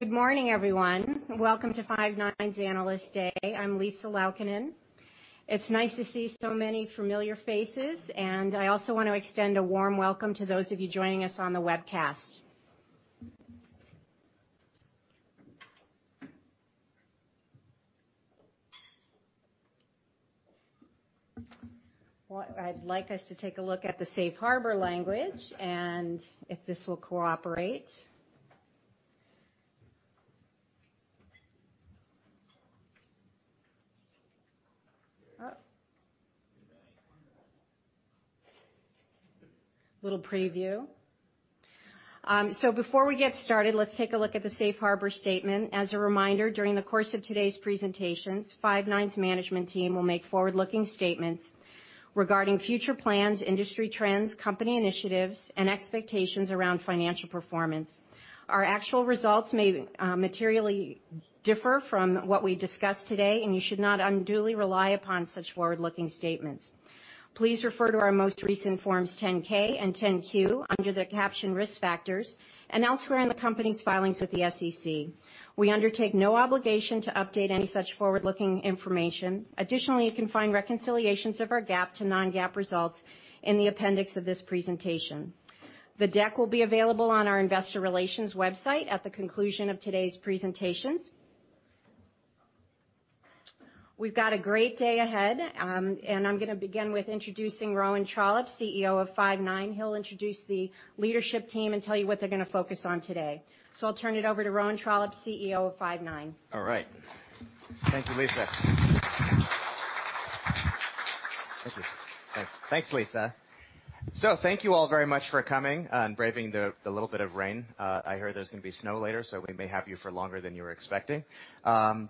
Good morning, everyone. Welcome to Five9's Analyst Day. I'm Lisa Laukkanen. It's nice to see so many familiar faces, and I also want to extend a warm welcome to those of you joining us on the webcast. I'd like us to take a look at the safe harbor language, and if this will cooperate. Oh. You're back. Little preview. Before we get started, let's take a look at the safe harbor statement. As a reminder, during the course of today's presentations, Five9's management team will make forward-looking statements regarding future plans, industry trends, company initiatives, and expectations around financial performance. Our actual results may materially differ from what we discuss today, and you should not unduly rely upon such forward-looking statements. Please refer to our most recent Forms 10-K and 10-Q under the caption Risk Factors and elsewhere in the company's filings with the SEC. We undertake no obligation to update any such forward-looking information. Additionally, you can find reconciliations of our GAAP to non-GAAP results in the appendix of this presentation. The deck will be available on our investor relations website at the conclusion of today's presentations. We've got a great day ahead, and I'm going to begin with introducing Rowan Trollope, CEO of Five9. He'll introduce the leadership team and tell you what they're going to focus on today. I'll turn it over to Rowan Trollope, CEO of Five9. All right. Thank you, Lisa. Thank you. Thanks, Lisa. Thank you all very much for coming and braving the little bit of rain. I heard there's going to be snow later, we may have you for longer than you were expecting.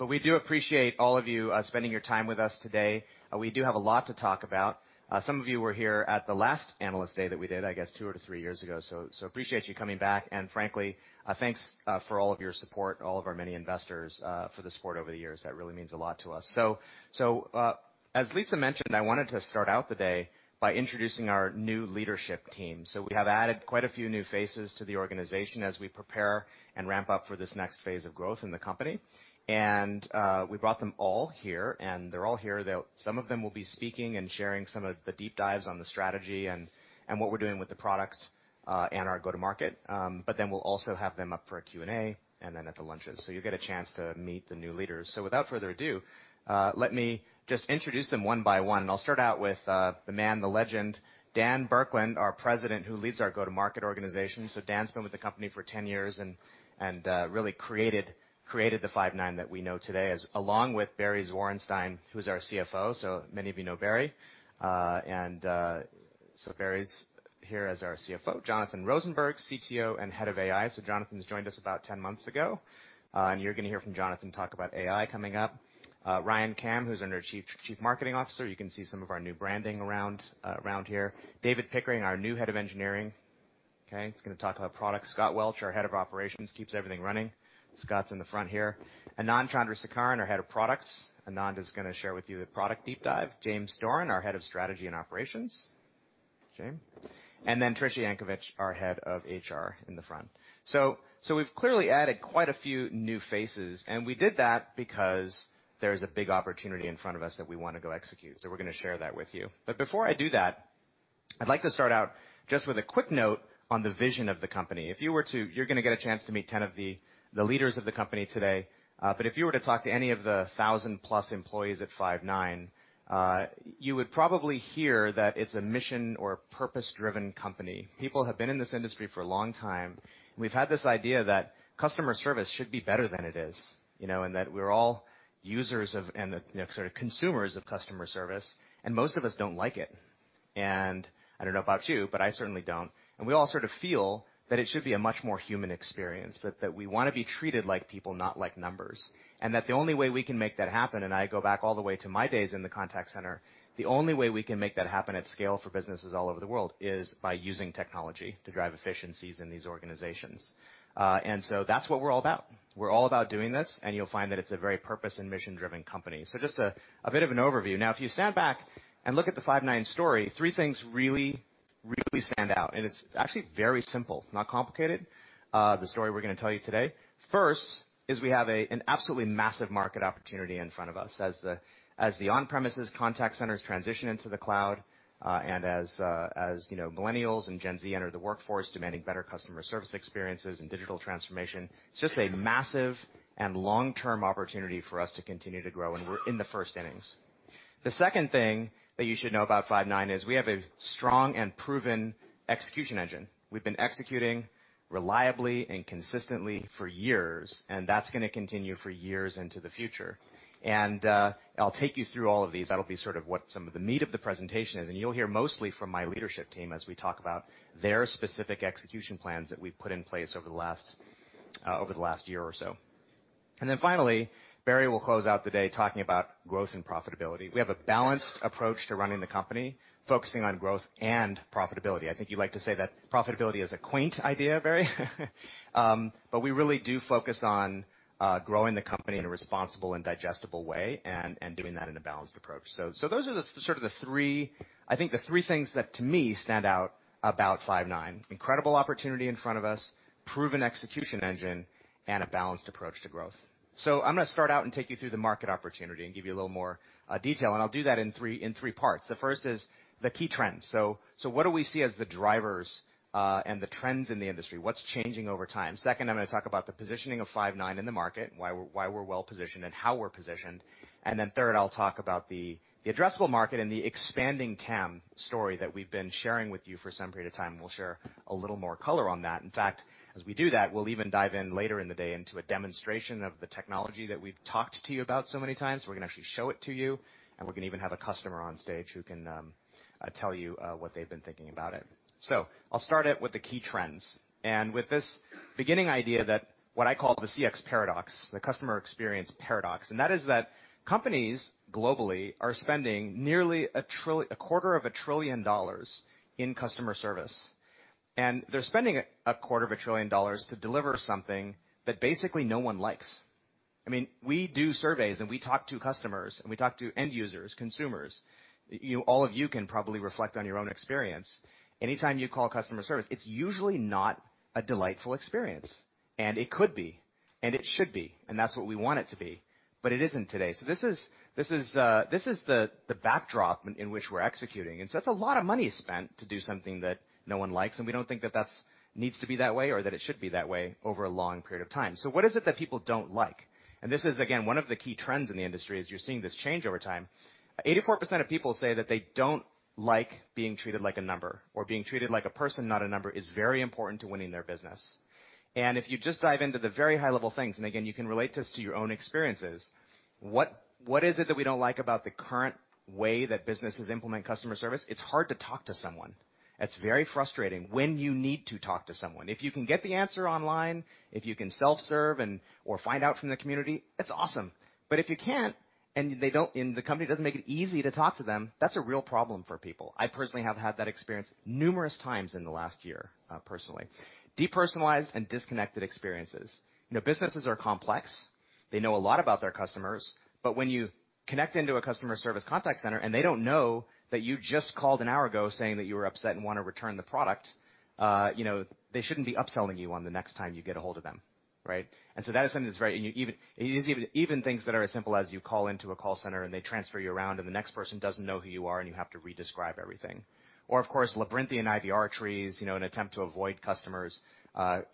We do appreciate all of you spending your time with us today. We do have a lot to talk about. Some of you were here at the last Analyst Day that we did, I guess, two to three years ago, appreciate you coming back. Frankly, thanks for all of your support, all of our many investors for the support over the years. That really means a lot to us. As Lisa mentioned, I wanted to start out the day by introducing our new leadership team. We have added quite a few new faces to the organization as we prepare and ramp up for this next phase of growth in the company. We brought them all here, and they're all here. Some of them will be speaking and sharing some of the deep dives on the strategy and what we're doing with the product, and our go-to-market. Then we'll also have them up for a Q&A, and then at the lunches. You'll get a chance to meet the new leaders. Without further ado, let me just introduce them one by one, and I'll start out with the man, the legend, Dan Burkland, our President, who leads our go-to-market organization. Dan's been with the company for 10 years and really created the Five9 that we know today, along with Barry Zwarenstein, who's our CFO. Many of you know Barry. Barry's here as our CFO. Jonathan Rosenberg, CTO and Head of AI. Jonathan's joined us about 10 months ago. You're going to hear from Jonathan talk about AI coming up. Ryan Kam, who's our Chief Marketing Officer. You can see some of our new branding around here. David Pickering, our new Head of Engineering, is going to talk about product. Scott Welch, our Head of Operations, keeps everything running. Scott's in the front here. Anand Chandrasekaran, our Head of Products. Anand is going to share with you the product deep dive. James Doran, our Head of Strategy and Operations. James. Tricia Yankovich, our Head of HR in the front. We've clearly added quite a few new faces, and we did that because there's a big opportunity in front of us that we want to go execute. We're going to share that with you. Before I do that, I'd like to start out just with a quick note on the vision of the company. You're going to get a chance to meet 10 of the leaders of the company today. If you were to talk to any of the 1,000 plus employees at Five9, you would probably hear that it's a mission or purpose-driven company. People have been in this industry for a long time. We've had this idea that customer service should be better than it is. That we're all users of, and sort of consumers of customer service, and most of us don't like it. I don't know about you, but I certainly don't. We all sort of feel that it should be a much more human experience, that we want to be treated like people, not like numbers. That the only way we can make that happen, and I go back all the way to my days in the contact center, the only way we can make that happen at scale for businesses all over the world is by using technology to drive efficiencies in these organizations. That's what we're all about. We're all about doing this, and you'll find that it's a very purpose and mission-driven company. Just a bit of an overview. If you stand back and look at the Five9 story, three things really stand out, and it's actually very simple, not complicated, the story we're going to tell you today. First, is we have an absolutely massive market opportunity in front of us as the on-premises contact centers transition into the cloud, and as millennials and Gen Z enter the workforce demanding better customer service experiences and digital transformation. It's just a massive and long-term opportunity for us to continue to grow, and we're in the first innings. The second thing that you should know about Five9 is we have a strong and proven execution engine. We've been executing reliably and consistently for years, and that's going to continue for years into the future. I'll take you through all of these. That'll be sort of what some of the meat of the presentation is, and you'll hear mostly from my leadership team as we talk about their specific execution plans that we've put in place over the last year or so. Finally, Barry will close out the day talking about growth and profitability. We have a balanced approach to running the company, focusing on growth and profitability. I think you like to say that profitability is a quaint idea, Barry. We really do focus on growing the company in a responsible and digestible way, and doing that in a balanced approach. Those are the three things that to me stand out about Five9. Incredible opportunity in front of us, proven execution engine, and a balanced approach to growth. I'm going to start out and take you through the market opportunity and give you a little more detail, and I'll do that in three parts. The first is the key trends. What do we see as the drivers and the trends in the industry? What's changing over time? Second, I'm going to talk about the positioning of Five9 in the market and why we're well-positioned and how we're positioned. Third, I'll talk about the addressable market and the expanding TAM story that we've been sharing with you for some period of time, and we'll share a little more color on that. In fact, as we do that, we'll even dive in later in the day into a demonstration of the technology that we've talked to you about so many times. We're going to actually show it to you, and we're going to even have a customer on stage who can tell you what they've been thinking about it. I'll start it with the key trends, and with this beginning idea that what I call the CX paradox, the customer experience paradox, and that is that companies globally are spending nearly a quarter of a trillion dollars in customer service. They're spending a quarter of a trillion dollars to deliver something that basically no one likes. We do surveys and we talk to customers, and we talk to end users, consumers. All of you can probably reflect on your own experience. Anytime you call customer service, it's usually not a delightful experience, and it could be, and it should be, and that's what we want it to be, but it isn't today. This is the backdrop in which we're executing. That's a lot of money spent to do something that no one likes, and we don't think that that needs to be that way or that it should be that way over a long period of time. What is it that people don't like? This is, again, one of the key trends in the industry is you're seeing this change over time. 84% of people say that they don't like being treated like a number or being treated like a person, not a number is very important to winning their business. If you just dive into the very high-level things, and again, you can relate this to your own experiences, what is it that we don't like about the current way that businesses implement customer service? It's hard to talk to someone. It's very frustrating when you need to talk to someone. If you can get the answer online, if you can self-serve or find out from the community, it's awesome. If you can't, and the company doesn't make it easy to talk to them, that's a real problem for people. I personally have had that experience numerous times in the last year, personally. Depersonalized and disconnected experiences. Businesses are complex. They know a lot about their customers, but when you connect into a customer service contact center, and they don't know that you just called an hour ago saying that you were upset and want to return the product, they shouldn't be upselling you on the next time you get a hold of them. Right? That is something. Even things that are as simple as you call into a call center, and they transfer you around, and the next person doesn't know who you are, and you have to re-describe everything. Of course, labyrinthian IVR trees, an attempt to avoid customers.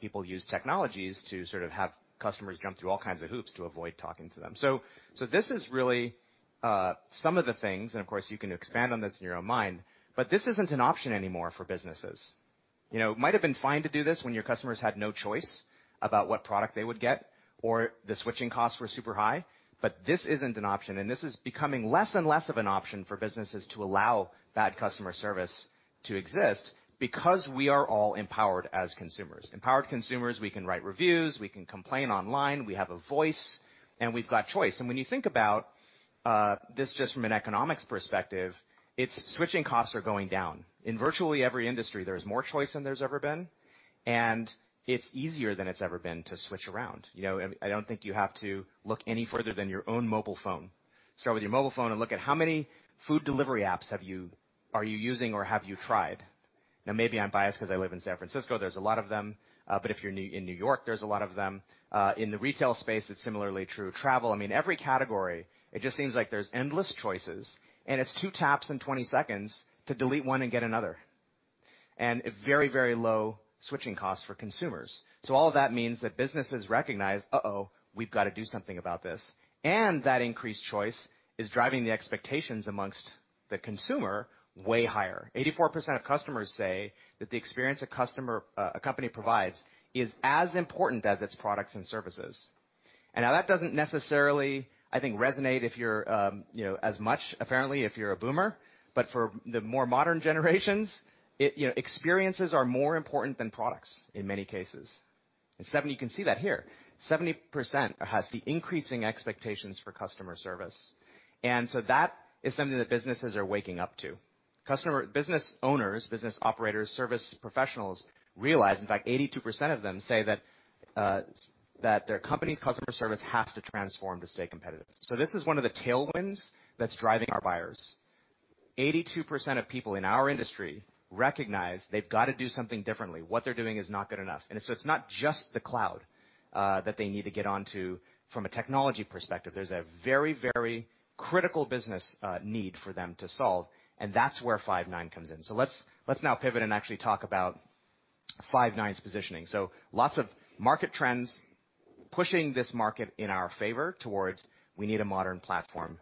People use technologies to sort of have customers jump through all kinds of hoops to avoid talking to them. This is really some of the things, and of course, you can expand on this in your own mind, but this isn't an option anymore for businesses. It might have been fine to do this when your customers had no choice about what product they would get, or the switching costs were super high, but this isn't an option, and this is becoming less and less of an option for businesses to allow bad customer service to exist because we are all empowered as consumers. Empowered consumers, we can write reviews, we can complain online, we have a voice, and we've got choice. When you think about this just from an economics perspective, it's switching costs are going down. In virtually every industry, there is more choice than there's ever been, and it's easier than it's ever been to switch around. I don't think you have to look any further than your own mobile phone. Start with your mobile phone and look at how many food delivery apps are you using or have you tried? Now, maybe I'm biased because I live in San Francisco. There's a lot of them. If you're in New York, there's a lot of them. In the retail space, it's similarly true. Travel. Every category, it just seems like there's endless choices, and it's two taps and 20 seconds to delete one and get another. Very, very low switching costs for consumers. All of that means that businesses recognize, uh-oh, we've got to do something about this. That increased choice is driving the expectations amongst the consumer way higher. 84% of customers say that the experience a company provides is as important as its products and services. Now that doesn't necessarily, I think, resonate as much, apparently, if you're a boomer, but for the more modern generations, experiences are more important than products in many cases. You can see that here. 70% has the increasing expectations for customer service. That is something that businesses are waking up to. Business owners, business operators, service professionals realize, in fact, 82% of them say that their company's customer service has to transform to stay competitive. This is one of the tailwinds that's driving our buyers. 82% of people in our industry recognize they've got to do something differently. What they're doing is not good enough. It's not just the cloud that they need to get onto from a technology perspective. There's a very, very critical business need for them to solve, and that's where Five9 comes in. Let's now pivot and actually talk about Five9's positioning. Lots of market trends pushing this market in our favor towards we need a modern platform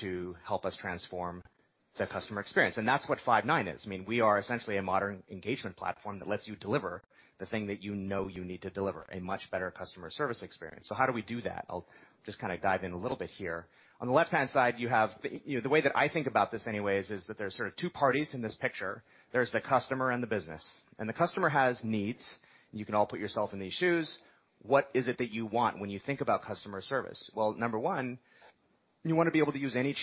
to help us transform the customer experience. That's what Five9 is. We are essentially a modern engagement platform that lets you deliver the thing that you know you need to deliver, a much better customer service experience. How do we do that? I'll just dive in a little bit here. On the left-hand side, the way that I think about this anyway is that there's sort of two parties in this picture. There's the customer and the business. The customer has needs. You can all put yourself in these shoes. What is it that you want when you think about customer service? Well, number one. You want to be able to use any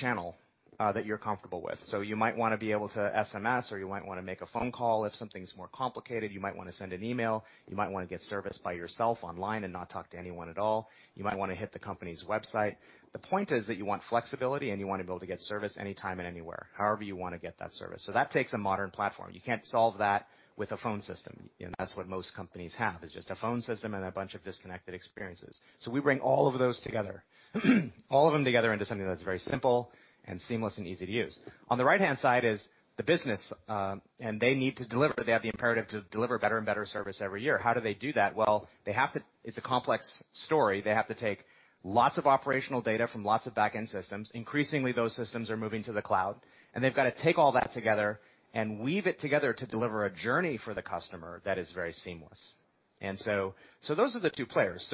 channel that you're comfortable with. You might want to be able to SMS, or you might want to make a phone call if something's more complicated. You might want to send an email. You might want to get service by yourself online and not talk to anyone at all. You might want to hit the company's website. The point is that you want flexibility and you want to be able to get service anytime and anywhere, however you want to get that service. That takes a modern platform. You can't solve that with a phone system. That's what most companies have, is just a phone system and a bunch of disconnected experiences. We bring all of those together. All of them together into something that's very simple and seamless and easy to use. On the right-hand side is the business, and they need to deliver. They have the imperative to deliver better and better service every year. How do they do that? Well, it's a complex story. They have to take lots of operational data from lots of back-end systems. Increasingly, those systems are moving to the cloud, they've got to take all that together and weave it together to deliver a journey for the customer that is very seamless. Those are the two players.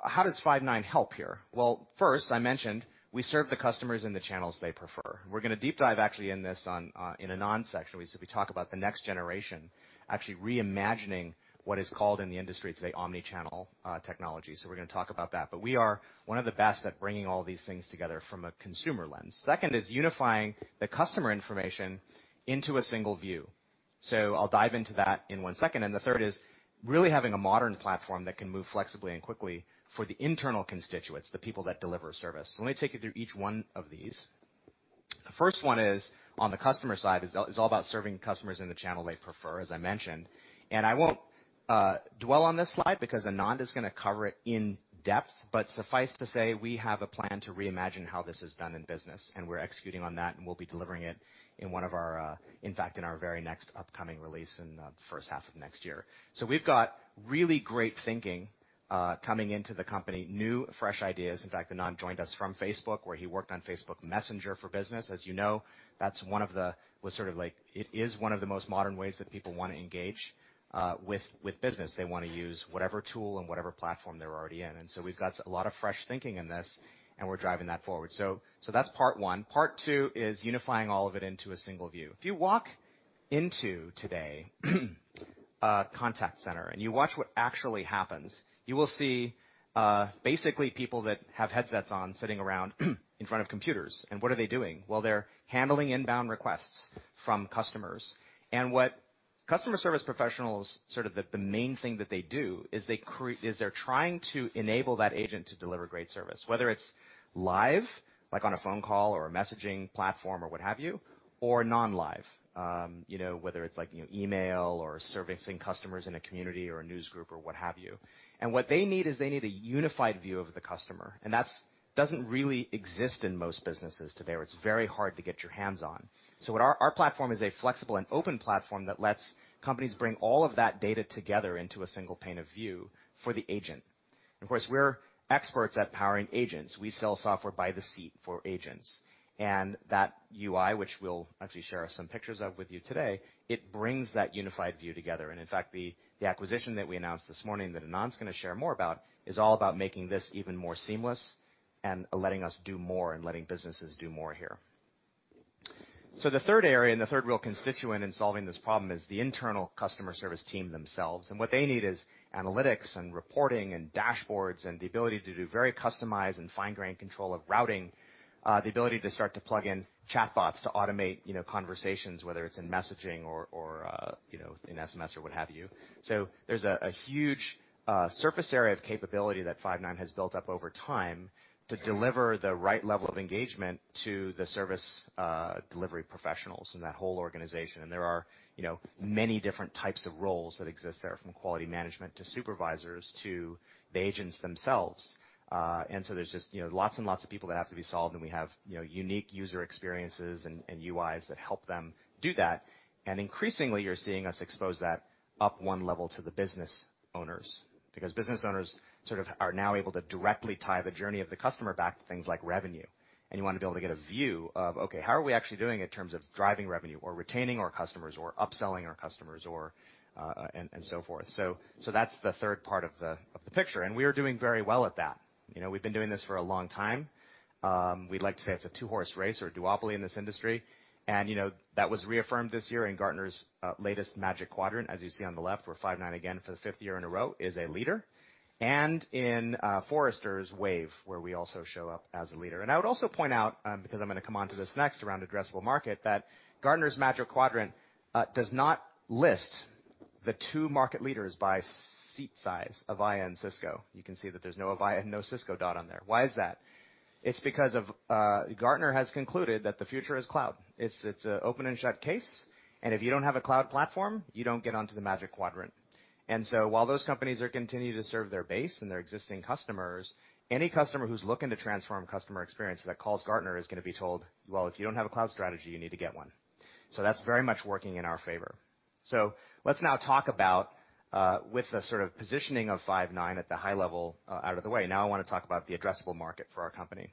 How does Five9 help here? Well, first, I mentioned we serve the customers in the channels they prefer. We're going to deep dive actually in this in Anand's section, we talk about the next generation, actually reimagining what is called in the industry today, omni-channel technology. We're going to talk about that. We are one of the best at bringing all these things together from a consumer lens. Second is unifying the customer information into a single view. I'll dive into that in one second. The third is really having a modern platform that can move flexibly and quickly for the internal constituents, the people that deliver service. Let me take you through each one of these. The first one is, on the customer side, is all about serving customers in the channel they prefer, as I mentioned. I won't dwell on this slide because Anand is going to cover it in depth. Suffice to say, we have a plan to reimagine how this is done in business, and we're executing on that, and we'll be delivering it in one of our-- in fact, in our very next upcoming release in the first half of next year. We've got really great thinking coming into the company, new, fresh ideas. In fact, Anand joined us from Facebook, where he worked on Facebook Messenger for business. As you know, it is one of the most modern ways that people want to engage with business. We've got a lot of fresh thinking in this, and we're driving that forward. That's part one. Part two is unifying all of it into a single view. If you walk into today a contact center and you watch what actually happens, you will see basically people that have headsets on sitting around in front of computers. What are they doing? Well, they're handling inbound requests from customers. What customer service professionals, sort of the main thing that they do, is they're trying to enable that agent to deliver great service, whether it's live, like on a phone call or a messaging platform or what have you, or non-live, whether it's email or servicing customers in a community or a news group or what have you. What they need is they need a unified view of the customer. That doesn't really exist in most businesses today, or it's very hard to get your hands on. Our platform is a flexible and open platform that lets companies bring all of that data together into a single pane of view for the agent. Of course, we're experts at powering agents. We sell software by the seat for agents. That UI, which we'll actually share some pictures of with you today, it brings that unified view together. In fact, the acquisition that we announced this morning that Anand's going to share more about is all about making this even more seamless and letting us do more and letting businesses do more here. The third area and the third real constituent in solving this problem is the internal customer service team themselves. What they need is analytics and reporting and dashboards and the ability to do very customized and fine-grained control of routing, the ability to start to plug in chatbots to automate conversations, whether it's in messaging or in SMS or what have you. There's a huge surface area of capability that Five9 has built up over time to deliver the right level of engagement to the service delivery professionals in that whole organization. There are many different types of roles that exist there, from quality management to supervisors to the agents themselves. There's just lots and lots of people that have to be solved, and we have unique user experiences and UIs that help them do that. Increasingly, you're seeing us expose that up 1 level to the business owners, because business owners sort of are now able to directly tie the journey of the customer back to things like revenue. You want to be able to get a view of, okay, how are we actually doing in terms of driving revenue or retaining our customers or upselling our customers or and so forth. That's the third part of the picture, and we are doing very well at that. We've been doing this for a long time. We'd like to say it's a two-horse race or a duopoly in this industry. That was reaffirmed this year in Gartner's latest Magic Quadrant. As you see on the left, where Five9 again for the fifth year in a row is a leader. In Forrester's Wave, where we also show up as a leader. I would also point out, because I'm going to come on to this next around addressable market, that Gartner's Magic Quadrant does not list the two market leaders by seat size, Avaya and Cisco. You can see that there's no Avaya and no Cisco dot on there. Why is that? It's because Gartner has concluded that the future is cloud. It's an open-and-shut case, and if you don't have a cloud platform, you don't get onto the Magic Quadrant. While those companies continue to serve their base and their existing customers, any customer who's looking to transform customer experience that calls Gartner is going to be told, "Well, if you don't have a cloud strategy, you need to get one." That's very much working in our favor. Let's now talk about with the sort of positioning of Five9 at the high level out of the way. I want to talk about the addressable market for our company,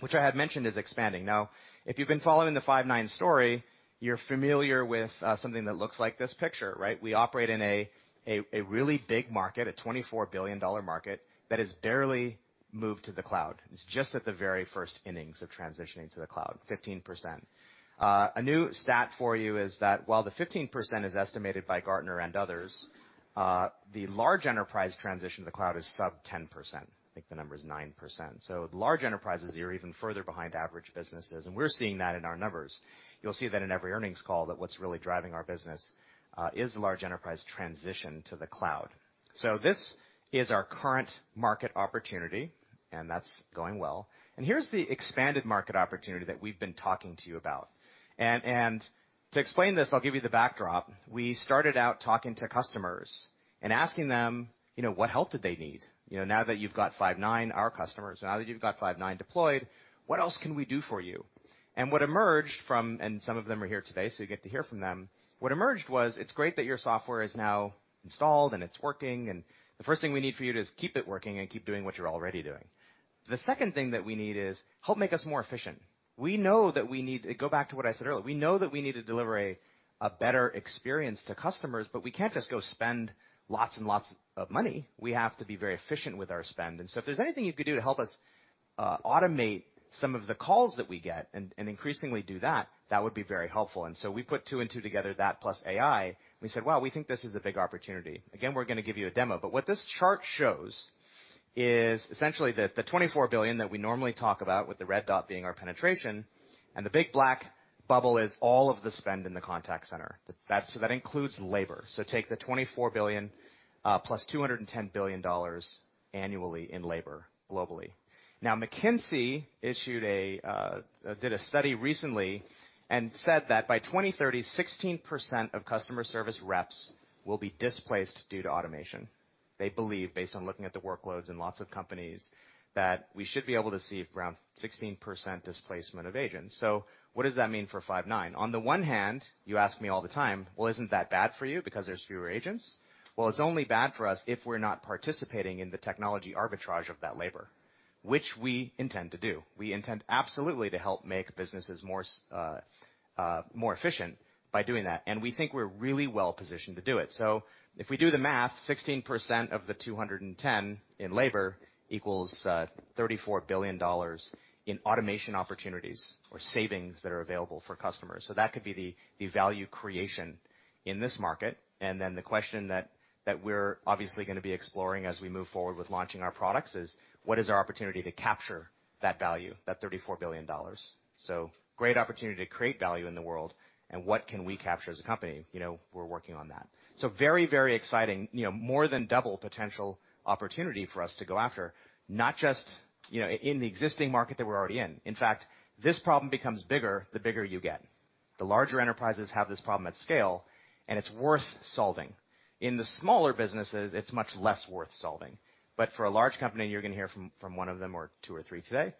which I have mentioned is expanding. If you've been following the Five9 story, you're familiar with something that looks like this picture, right? We operate in a really big market, a $24 billion market, that has barely moved to the cloud. It's just at the very first innings of transitioning to the cloud, 15%. A new stat for you is that while the 15% is estimated by Gartner and others, the large enterprise transition to the cloud is sub 10%. I think the number is 9%. Large enterprises are even further behind average businesses, and we're seeing that in our numbers. You'll see that in every earnings call, that what's really driving our business is the large enterprise transition to the cloud. This is our current market opportunity, and that's going well. Here's the expanded market opportunity that we've been talking to you about. To explain this, I'll give you the backdrop. We started out talking to customers and asking them what help did they need? Now that you've got Five9, our customers, now that you've got Five9 deployed, what else can we do for you? What emerged from And some of them are here today, so you get to hear from them. What emerged was, it's great that your software is now installed, and it's working, and the first thing we need for you is to keep it working and keep doing what you're already doing. The second thing that we need is, help make us more efficient. Go back to what I said earlier, we know that we need to deliver a better experience to customers, but we can't just go spend lots and lots of money. We have to be very efficient with our spend. If there's anything you could do to help us automate some of the calls that we get, and increasingly do that would be very helpful. We put two and two together, that plus AI, and we said, "Wow, we think this is a big opportunity." Again, we're going to give you a demo. What this chart shows is essentially the $24 billion that we normally talk about with the red dot being our penetration, and the big black bubble is all of the spend in the contact center. That includes labor. Take the $24 billion, +$210 billion annually in labor globally. Now, McKinsey did a study recently and said that by 2030, 16% of customer service reps will be displaced due to automation. They believe, based on looking at the workloads in lots of companies, that we should be able to see around 16% displacement of agents. What does that mean for Five9? On the one hand, you ask me all the time, "Well, isn't that bad for you because there's fewer agents?" It's only bad for us if we're not participating in the technology arbitrage of that labor, which we intend to do. We intend absolutely to help make businesses more efficient by doing that, and we think we're really well-positioned to do it. If we do the math, 16% of the 210 in labor equals $34 billion in automation opportunities or savings that are available for customers. That could be the value creation in this market. The question that we're obviously going to be exploring as we move forward with launching our products is, what is our opportunity to capture that value, that $34 billion? Great opportunity to create value in the world, and what can we capture as a company? We're working on that. Very exciting. More than double potential opportunity for us to go after, not just in the existing market that we're already in. In fact, this problem becomes bigger the bigger you get. The larger enterprises have this problem at scale, and it's worth solving. In the smaller businesses, it's much less worth solving. For a large company, and you're going to hear from one of them, or two or three today,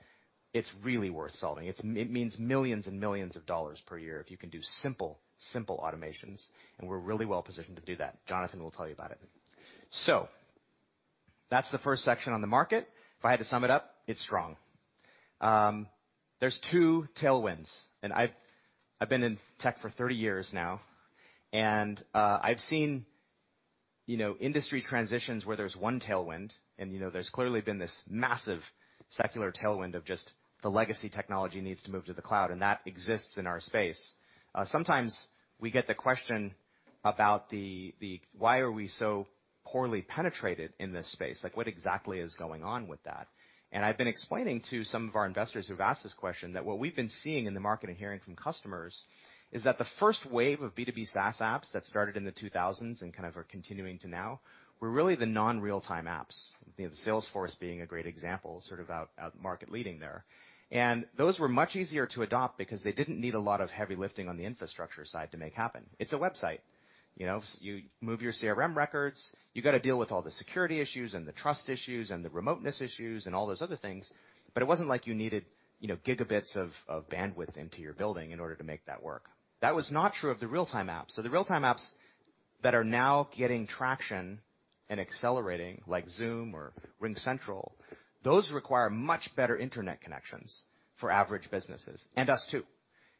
it's really worth solving. It means millions and millions of dollars per year if you can do simple automations, and we're really well-positioned to do that. Jonathan will tell you about it. That's the first section on the market. If I had to sum it up, it's strong. There's two tailwinds. I've been in tech for 30 years now, and I've seen industry transitions where there's one tailwind, and there's clearly been this massive secular tailwind of just the legacy technology needs to move to the cloud, and that exists in our space. Sometimes we get the question about the why are we so poorly penetrated in this space? Like, what exactly is going on with that? I've been explaining to some of our investors who've asked this question that what we've been seeing in the market and hearing from customers is that the first wave of B2B SaaS apps that started in the 2000s and kind of are continuing to now, were really the non-real-time apps. The Salesforce being a great example, sort of out market leading there. Those were much easier to adopt because they didn't need a lot of heavy lifting on the infrastructure side to make happen. It's a website. You move your CRM records, you got to deal with all the security issues and the trust issues and the remoteness issues and all those other things. It wasn't like you needed gigabits of bandwidth into your building in order to make that work. That was not true of the real-time apps. The real-time apps that are now getting traction and accelerating, like Zoom or RingCentral, those require much better internet connections for average businesses, and us too. If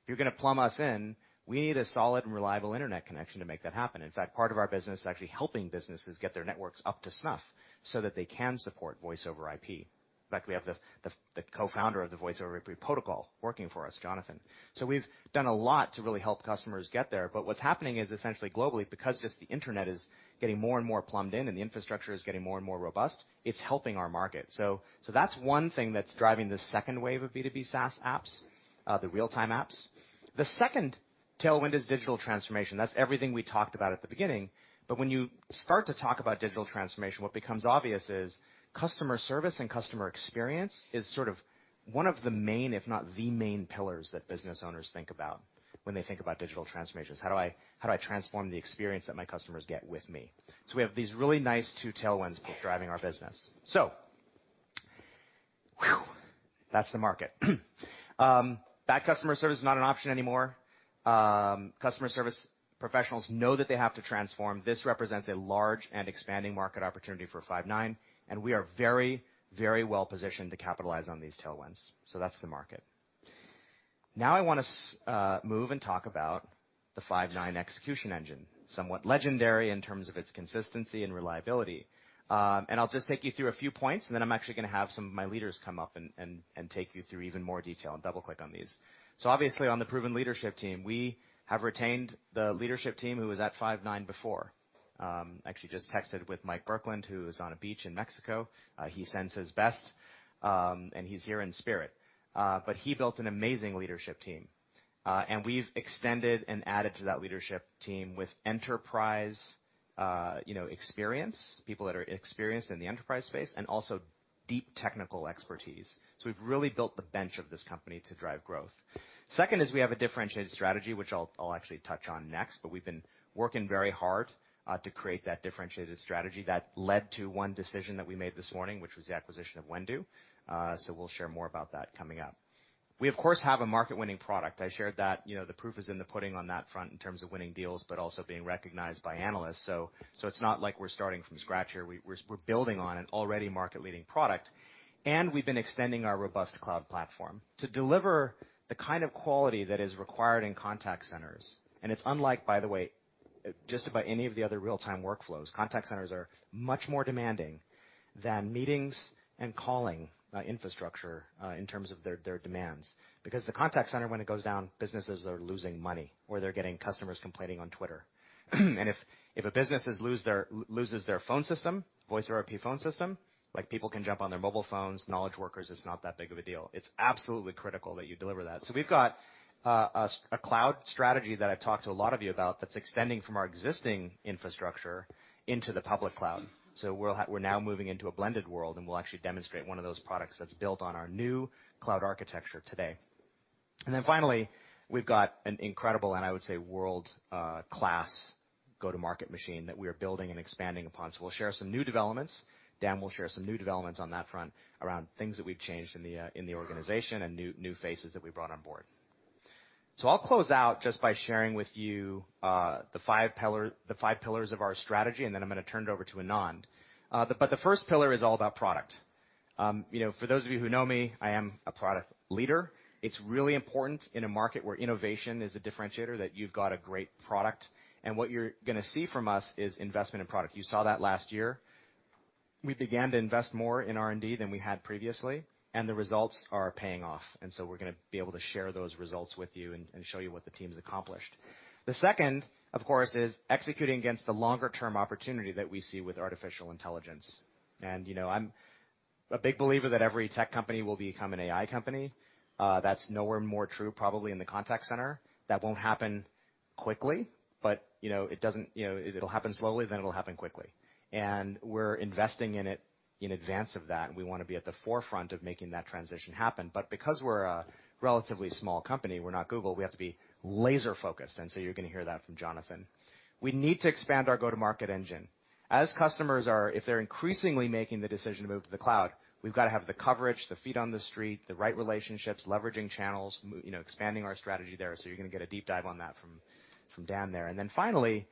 you're going to plumb us in, we need a solid and reliable internet connection to make that happen. In fact, part of our business is actually helping businesses get their networks up to snuff so that they can support Voice over IP. In fact, we have the co-founder of the Voice over IP protocol working for us, Jonathan. We've done a lot to really help customers get there. What's happening is essentially globally, because just the internet is getting more and more plumbed in, and the infrastructure is getting more and more robust, it's helping our market. That's one thing that's driving this second wave of B2B SaaS apps, the real-time apps. The second tailwind is digital transformation. That's everything we talked about at the beginning. When you start to talk about digital transformation, what becomes obvious is customer service and customer experience is sort of one of the main, if not the main pillars that business owners think about when they think about digital transformations. How do I transform the experience that my customers get with me? We have these really nice two tailwinds both driving our business. That's the market. Bad customer service is not an option anymore. Customer service professionals know that they have to transform. This represents a large and expanding market opportunity for Five9, and we are very well-positioned to capitalize on these tailwinds. That's the market. Now I want to move and talk about the Five9 execution engine, somewhat legendary in terms of its consistency and reliability. I'll just take you through a few points, and then I'm actually going to have some of my leaders come up and take you through even more detail and double-click on these. Obviously, on the proven leadership team, we have retained the leadership team who was at Five9 before. Actually, just texted with Mike Burkland, who is on a beach in Mexico. He sends his best. He's here in spirit. He built an amazing leadership team. We've extended and added to that leadership team with enterprise experience, people that are experienced in the enterprise space and also deep technical expertise. We've really built the bench of this company to drive growth. Second is we have a differentiated strategy, which I'll actually touch on next, but we've been working very hard to create that differentiated strategy that led to one decision that we made this morning, which was the acquisition of Whendu. We'll share more about that coming up. We, of course, have a market-winning product. I shared that the proof is in the pudding on that front in terms of winning deals, but also being recognized by analysts. It's not like we're starting from scratch here. We're building on an already market-leading product. We've been extending our robust cloud platform to deliver the kind of quality that is required in contact centers. It's unlike, by the way, just about any of the other real-time workflows. Contact centers are much more demanding than meetings and calling infrastructure in terms of their demands because the contact center, when it goes down, businesses are losing money, or they're getting customers complaining on Twitter. If a business loses their phone system, Voice over IP phone system, people can jump on their mobile phones. Knowledge workers, it's not that big of a deal. It's absolutely critical that you deliver that. We've got a cloud strategy that I've talked to a lot of you about that's extending from our existing infrastructure into the public cloud. We're now moving into a blended world, and we'll actually demonstrate one of those products that's built on our new cloud architecture today. Finally, we've got an incredible, and I would say, world-class go-to-market machine that we are building and expanding upon. We'll share some new developments. Dan will share some new developments on that front around things that we've changed in the organization and new faces that we brought on board. I'll close out just by sharing with you the five pillars of our strategy, and then I'm going to turn it over to Anand. The first pillar is all about product. For those of you who know me, I am a product leader. It's really important in a market where innovation is a differentiator that you've got a great product. What you're going to see from us is investment in product. You saw that last year. We began to invest more in R&D than we had previously, the results are paying off. We're going to be able to share those results with you and show you what the team's accomplished. The second, of course, is executing against the longer-term opportunity that we see with artificial intelligence. I'm a big believer that every tech company will become an AI company. That's nowhere more true probably than the contact center. That won't happen quickly, it'll happen slowly, it'll happen quickly. We're investing in it in advance of that, we want to be at the forefront of making that transition happen. Because we're a relatively small company, we're not Google, we have to be laser-focused, you're going to hear that from Jonathan. We need to expand our go-to-market engine. As customers are, if they're increasingly making the decision to move to the cloud, we've got to have the coverage, the feet on the street, the right relationships, leveraging channels, expanding our strategy there. You're going to get a deep dive on that from Dan there. Then finally,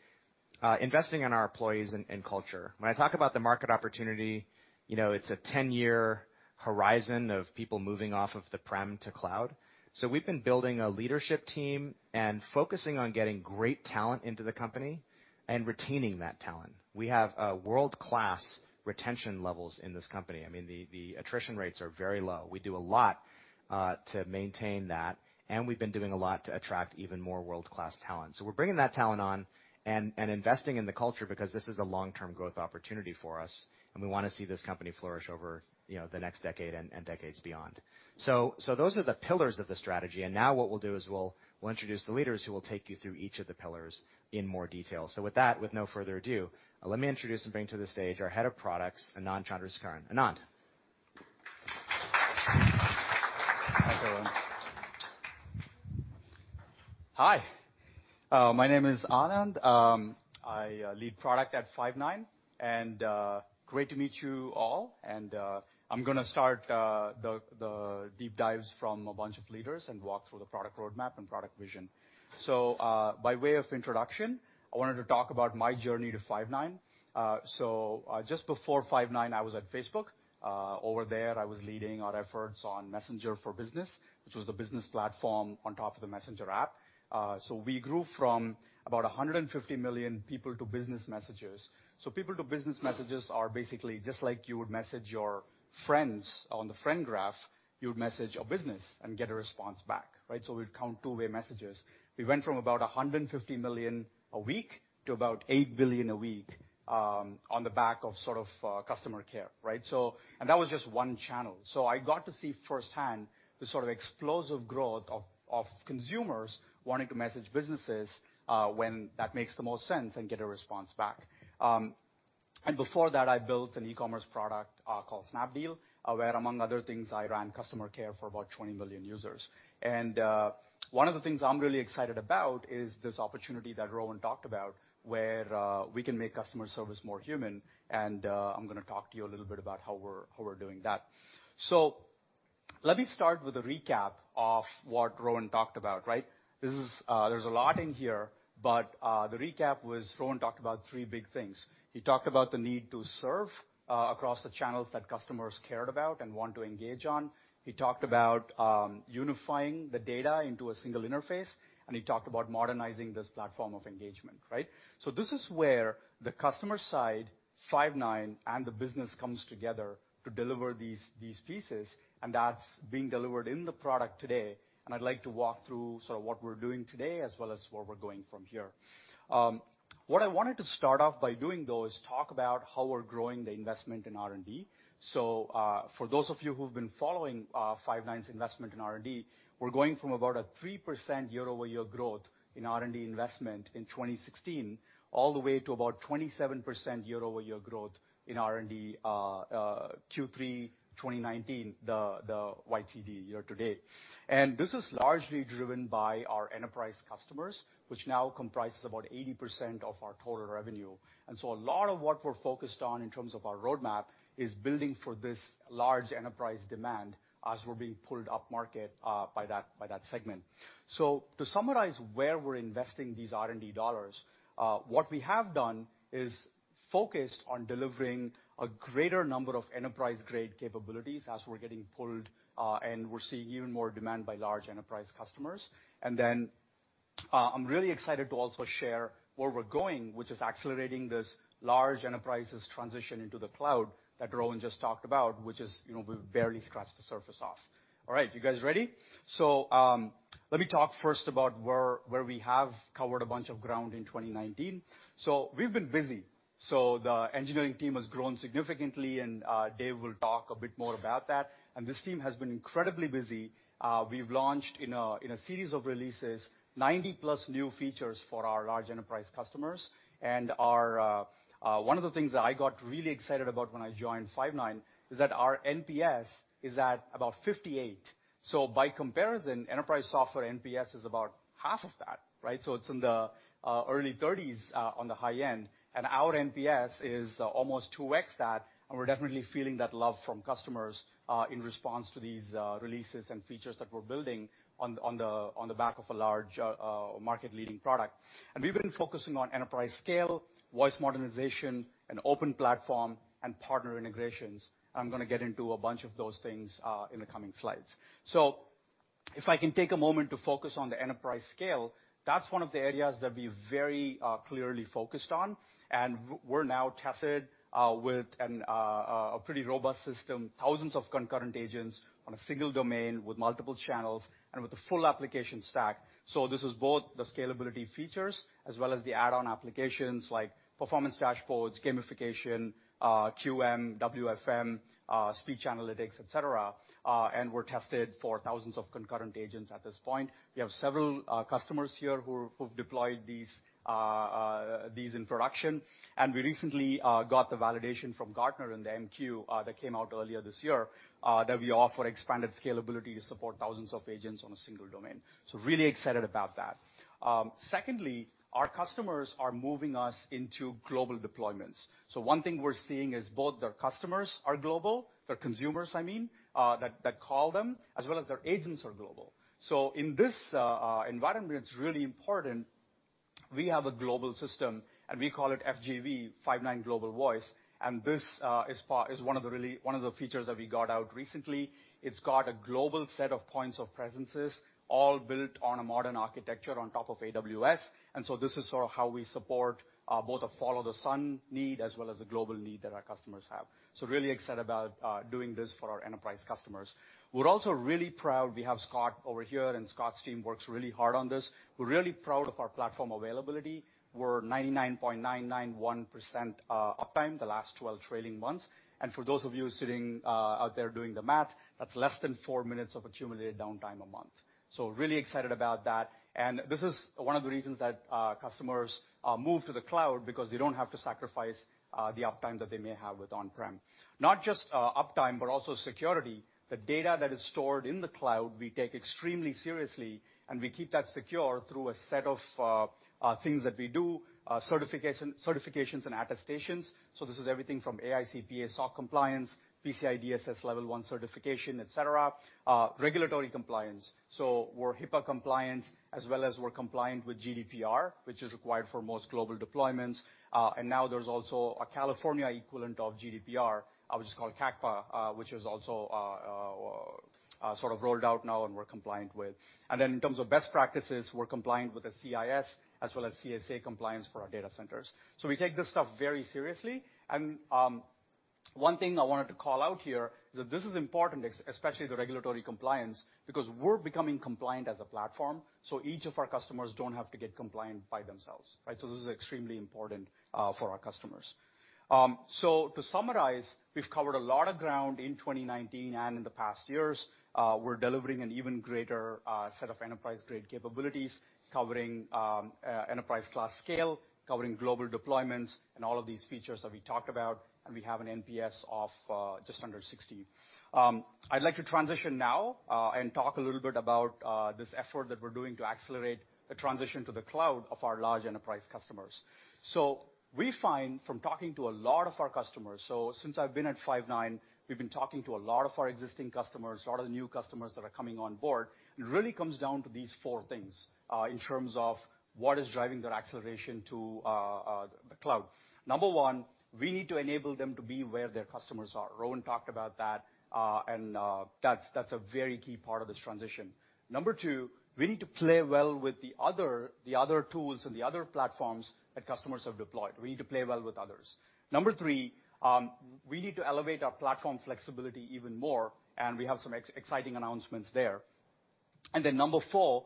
investing in our employees and culture. When I talk about the market opportunity, it's a 10-year horizon of people moving off of the prem to cloud. We've been building a leadership team and focusing on getting great talent into the company and retaining that talent. We have world-class retention levels in this company. The attrition rates are very low. We do a lot to maintain that, and we've been doing a lot to attract even more world-class talent. We're bringing that talent on and investing in the culture because this is a long-term growth opportunity for us, and we want to see this company flourish over the next decade and decades beyond. Those are the pillars of the strategy. Now what we'll do is we'll introduce the leaders who will take you through each of the pillars in more detail. With that, with no further ado, let me introduce and bring to the stage our head of products, Anand Chandrasekaran. Anand? Thank you, Rowan. Hi. My name is Anand. I lead product at Five9. Great to meet you all. I'm going to start the deep dives from a bunch of leaders and walk through the product roadmap and product vision. By way of introduction, I wanted to talk about my journey to Five9. Just before Five9, I was at Facebook. Over there, I was leading our efforts on Messenger for Business, which was the business platform on top of the Messenger app. We grew from about 150 million people to business messages. People to business messages are basically just like you would message your friends on the friend graph, you would message a business and get a response back, right? We'd count two-way messages. We went from about 150 million a week to about $8 billion a week on the back of sort of customer care, right. That was just one channel. I got to see firsthand the sort of explosive growth of consumers wanting to message businesses when that makes the most sense and get a response back. Before that, I built an e-commerce product called Snapdeal, where, among other things, I ran customer care for about 20 million users. One of the things I'm really excited about is this opportunity that Rowan talked about, where we can make customer service more human. I'm going to talk to you a little bit about how we're doing that. Let me start with a recap of what Rowan talked about. There's a lot in here, but the recap was Rowan talked about three big things. He talked about the need to serve across the channels that customers cared about and want to engage on. He talked about unifying the data into a single interface, and he talked about modernizing this platform of engagement. This is where the customer side, Five9, and the business comes together to deliver these pieces, and that's being delivered in the product today. I'd like to walk through sort of what we're doing today as well as where we're going from here. What I wanted to start off by doing, though, is talk about how we're growing the investment in R&D. For those of you who've been following Five9's investment in R&D, we're going from about a 3% year-over-year growth in R&D investment in 2016, all the way to about 27% year-over-year growth in R&D, Q3 2019, the YTD year-to-date. This is largely driven by our enterprise customers, which now comprise about 80% of our total revenue. A lot of what we're focused on in terms of our roadmap is building for this large enterprise demand as we're being pulled upmarket by that segment. To summarize where we're investing these R&D dollars, what we have done is focused on delivering a greater number of enterprise-grade capabilities as we're getting pulled, and we're seeing even more demand by large enterprise customers. Then I'm really excited to also share where we're going, which is accelerating this large enterprise's transition into the cloud that Rowan just talked about, which we've barely scratched the surface of. All right, you guys ready? Let me talk first about where we have covered a bunch of ground in 2019. We've been busy. The engineering team has grown significantly, and Dave will talk a bit more about that. This team has been incredibly busy. We've launched, in a series of releases, 90+ new features for our large enterprise customers. One of the things that I got really excited about when I joined Five9 is that our NPS is at about 58. By comparison, enterprise software NPS is about half of that. It's in the early 30s on the high end, and our NPS is almost 2x that, and we're definitely feeling that love from customers in response to these releases and features that we're building on the back of a large market-leading product. We've been focusing on enterprise scale, voice modernization, and open platform, and partner integrations. I'm going to get into a bunch of those things in the coming slides. If I can take a moment to focus on the enterprise scale, that's one of the areas that we very clearly focused on. We're now tested with a pretty robust system, thousands of concurrent agents on a single domain with multiple channels and with a full application stack. This is both the scalability features as well as the add-on applications like performance dashboards, gamification, QM, WFM, speech analytics, et cetera, and we're tested for thousands of concurrent agents at this point. We have several customers here who've deployed these in production. We recently got the validation from Gartner in the MQ that came out earlier this year, that we offer expanded scalability to support thousands of agents on a single domain. Really excited about that. Secondly, our customers are moving us into global deployments. One thing we're seeing is both their customers are global, their consumers, I mean, that call them, as well as their agents are global. In this environment, it's really important. We have a global system, and we call it FGV, Five9 Global Voice, and this is one of the features that we got out recently. It's got a global set of points of presences all built on a modern architecture on top of AWS. This is sort of how we support both a follow-the-sun need as well as a global need that our customers have. Really excited about doing this for our enterprise customers. We're also really proud. We have Scott over here, and Scott's team works really hard on this. We're really proud of our platform availability. We're 99.991% uptime the last 12 trailing months. For those of you sitting out there doing the math, that's less than four minutes of accumulated downtime a month. Really excited about that. This is one of the reasons that customers move to the cloud because they don't have to sacrifice the uptime that they may have with on-prem. Not just uptime, but also security. The data that is stored in the cloud, we take extremely seriously, and we keep that secure through a set of things that we do, certifications and attestations. This is everything from AICPA SOC compliance, PCI DSS Level 1 certification, et cetera. Regulatory compliance. We're HIPAA compliant as well as we're compliant with GDPR, which is required for most global deployments. Now there's also a California equivalent of GDPR, which is called CCPA, which is also sort of rolled out now and we're compliant with. Then in terms of best practices, we're compliant with the CIS as well as CSA compliance for our data centers. We take this stuff very seriously. One thing I wanted to call out here is that this is important, especially the regulatory compliance, because we're becoming compliant as a platform, so each of our customers don't have to get compliant by themselves. This is extremely important for our customers. To summarize, we've covered a lot of ground in 2019 and in the past years. We're delivering an even greater set of enterprise-grade capabilities covering enterprise class scale, covering global deployments, and all of these features that we talked about, and we have an NPS of just under 60. I'd like to transition now and talk a little bit about this effort that we're doing to accelerate the transition to the cloud of our large enterprise customers. We find from talking to a lot of our customers, so since I've been at Five9, we've been talking to a lot of our existing customers, a lot of the new customers that are coming on board. It really comes down to these four things in terms of what is driving their acceleration to the cloud. Number one, we need to enable them to be where their customers are. Rowan talked about that, and that's a very key part of this transition. Number two, we need to play well with the other tools and the other platforms that customers have deployed. We need to play well with others. Number three, we need to elevate our platform flexibility even more, and we have some exciting announcements there. Then number four,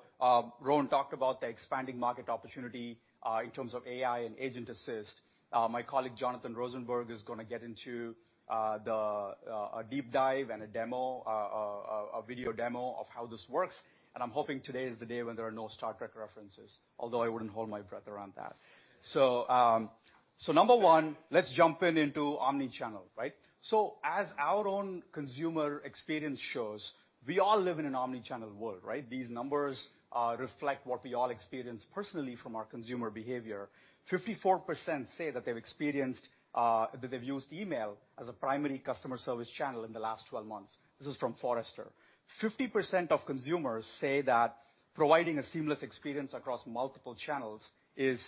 Rowan talked about the expanding market opportunity in terms of AI and agent assist. My colleague, Jonathan Rosenberg, is going to get into a deep dive and a video demo of how this works. I'm hoping today is the day when there are no "Star Trek" references. Although I wouldn't hold my breath around that. Number one, let's jump into omnichannel. As our own consumer experience shows, we all live in an omnichannel world, right? These numbers reflect what we all experience personally from our consumer behavior. 54% say that they've used email as a primary customer service channel in the last 12 months. This is from Forrester. 50% of consumers say that providing a seamless experience across multiple channels is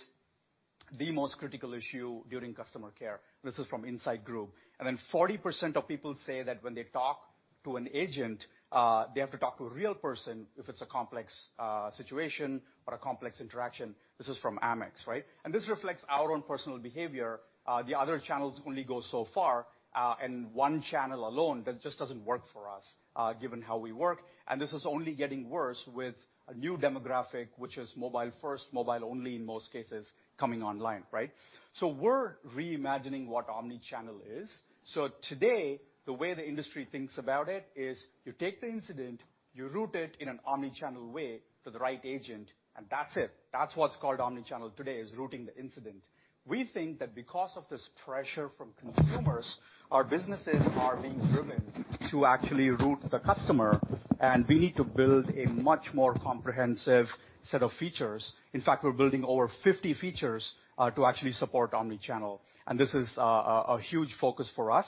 the most critical issue during customer care. This is from Incite Group. 40% of people say that when they talk to an agent, they have to talk to a real person if it's a complex situation or a complex interaction. This is from Amex. This reflects our own personal behavior. The other channels only go so far, and one channel alone, that just doesn't work for us, given how we work. This is only getting worse with a new demographic, which is mobile first, mobile only in most cases, coming online. We're reimagining what omnichannel is. Today, the way the industry thinks about it is you take the incident, you route it in an omnichannel way to the right agent, and that's it. That's what's called omnichannel today, is routing the incident. We think that because of this pressure from consumers, our businesses are being driven to actually route the customer, and we need to build a much more comprehensive set of features. In fact, we're building over 50 features to actually support omnichannel, and this is a huge focus for us.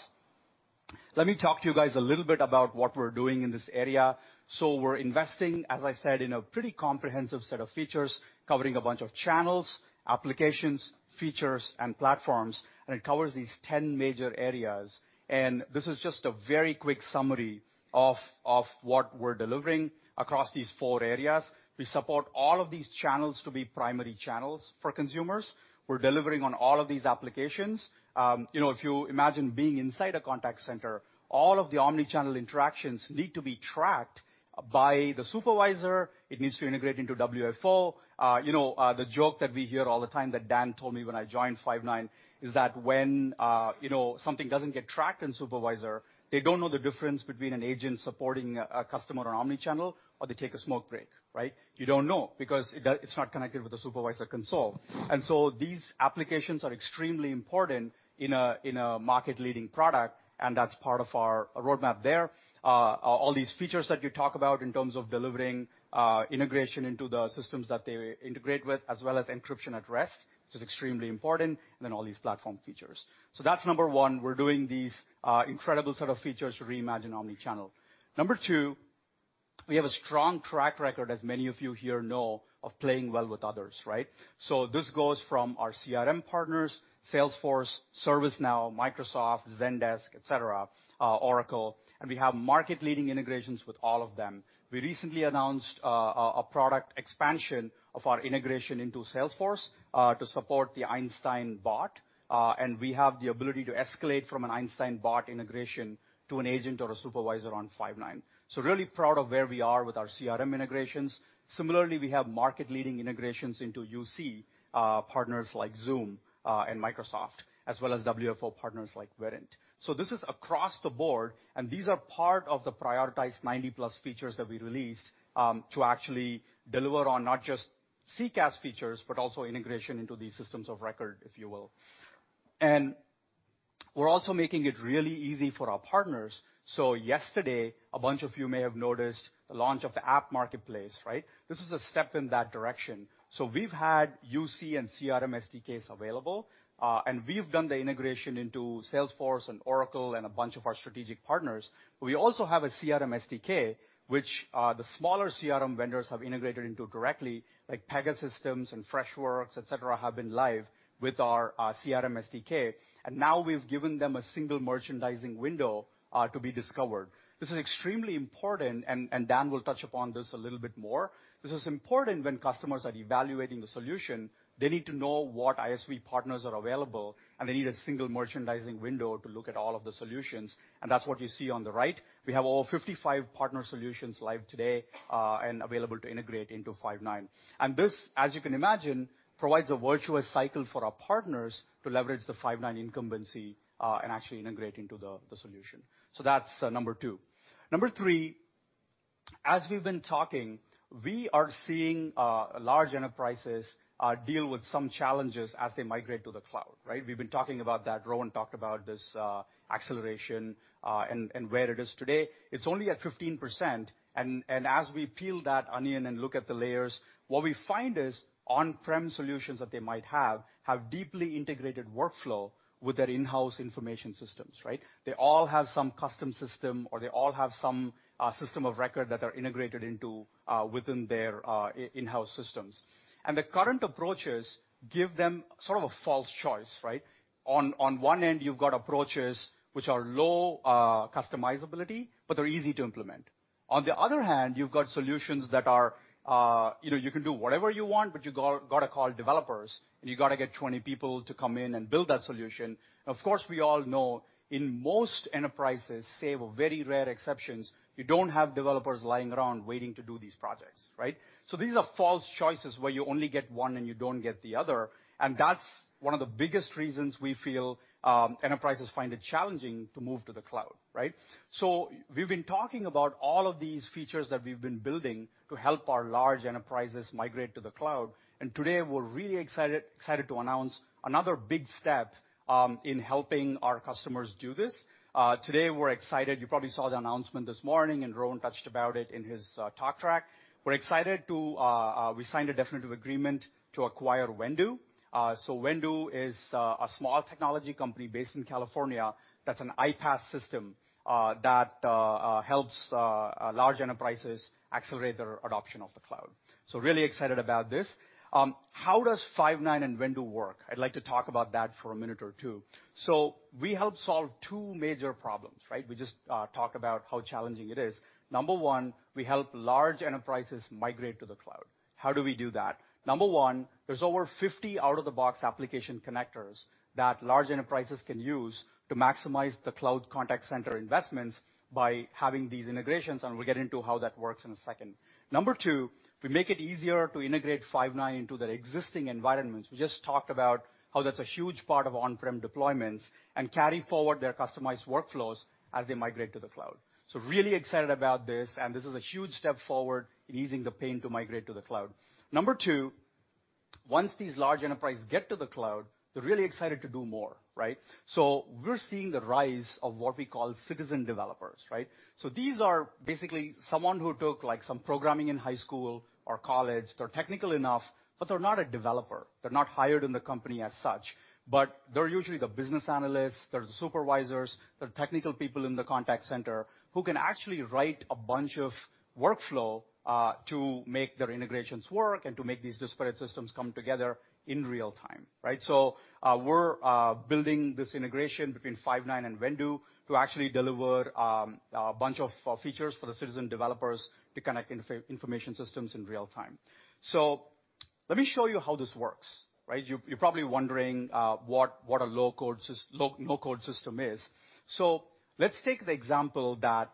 Let me talk to you guys a little bit about what we're doing in this area. We're investing, as I said, in a pretty comprehensive set of features covering a bunch of channels, applications, features, and platforms, and it covers these 10 major areas. This is just a very quick summary of what we're delivering across these four areas. We support all of these channels to be primary channels for consumers. We're delivering on all of these applications. If you imagine being inside a contact center, all of the omnichannel interactions need to be tracked by the supervisor. It needs to integrate into WFO. The joke that we hear all the time that Dan told me when I joined Five9 is that when something doesn't get tracked in Supervisor, they don't know the difference between an agent supporting a customer on omnichannel or they take a smoke break. You don't know because it's not connected with a Supervisor console. These applications are extremely important in a market-leading product, and that's part of our roadmap there. All these features that you talk about in terms of delivering integration into the systems that they integrate with, as well as encryption at rest, which is extremely important, all these platform features. That's number one. We're doing these incredible set of features to reimagine omnichannel. Number two, we have a strong track record, as many of you here know, of playing well with others. This goes from our CRM partners, Salesforce, ServiceNow, Microsoft, Zendesk, et cetera, Oracle, and we have market-leading integrations with all of them. We recently announced a product expansion of our integration into Salesforce to support the Einstein Bot. We have the ability to escalate from an Einstein Bot integration to an agent or a supervisor on Five9. Really proud of where we are with our CRM integrations. Similarly, we have market-leading integrations into UC partners like Zoom and Microsoft, as well as WFO partners like Verint. This is across the board, and these are part of the prioritized 90-plus features that we released to actually deliver on not just CCaaS features, but also integration into these systems of record, if you will. We're also making it really easy for our partners. Yesterday, a bunch of you may have noticed the launch of the App Marketplace. This is a step in that direction. We've had UC and CRM SDKs available, and we've done the integration into Salesforce and Oracle and a bunch of our strategic partners. We also have a CRM SDK, which the smaller CRM vendors have integrated into directly, like Pegasystems and Freshworks, et cetera, have been live with our CRM SDK. Now we've given them a single merchandising window to be discovered. This is extremely important. Dan will touch upon this a little bit more. This is important when customers are evaluating the solution. They need to know what ISV partners are available, they need a single merchandising window to look at all of the solutions, and that's what you see on the right. We have over 55 partner solutions live today, and available to integrate into Five9. This, as you can imagine, provides a virtuous cycle for our partners to leverage the Five9 incumbency and actually integrate into the solution. That's number two. Number three, as we've been talking, we are seeing large enterprises deal with some challenges as they migrate to the cloud. We've been talking about that. Rowan talked about this acceleration and where it is today. It's only at 15%, and as we peel that onion and look at the layers, what we find is on-prem solutions that they might have deeply integrated workflow with their in-house information systems. They all have some custom system, or they all have some system of record that are integrated into within their in-house systems. The current approaches give them sort of a false choice. On one end, you've got approaches which are low customizability, but they're easy to implement. On the other hand, you've got solutions that you can do whatever you want, but you got to call developers, and you got to get 20 people to come in and build that solution. Of course, we all know in most enterprises, save very rare exceptions, you don't have developers lying around waiting to do these projects. These are false choices where you only get one and you don't get the other, and that's one of the biggest reasons we feel enterprises find it challenging to move to the cloud. We've been talking about all of these features that we've been building to help our large enterprises migrate to the cloud. Today, we're really excited to announce another big step in helping our customers do this. Today, we're excited. You probably saw the announcement this morning, and Rowan touched about it in his talk track. We signed a definitive agreement to acquire Whendu. Whendu is a small technology company based in California that's an iPaaS system that helps large enterprises accelerate their adoption of the cloud. Really excited about this. How does Five9 and Whendu work? I'd like to talk about that for a minute or two. We help solve two major problems. We just talked about how challenging it is. Number one, we help large enterprises migrate to the cloud. How do we do that? Number one, there's over 50 out-of-the-box application connectors that large enterprises can use to maximize the cloud contact center investments by having these integrations. We'll get into how that works in a second. Number two, we make it easier to integrate Five9 into their existing environments. We just talked about how that's a huge part of on-prem deployments. Carry forward their customized workflows as they migrate to the cloud. Really excited about this. This is a huge step forward in easing the pain to migrate to the cloud. Number two, once these large enterprises get to the cloud, they're really excited to do more. We're seeing the rise of what we call citizen developers. These are basically someone who took some programming in high school or college. They're technical enough, they're not a developer. They're not hired in the company as such, but they're usually the business analysts, they're the supervisors, they're technical people in the contact center who can actually write a bunch of workflow to make their integrations work and to make these disparate systems come together in real-time. We're building this integration between Five9 and Whendu to actually deliver a bunch of features for the citizen developers to connect information systems in real-time. Let me show you how this works. You're probably wondering what a no-code system is. Let's take the example that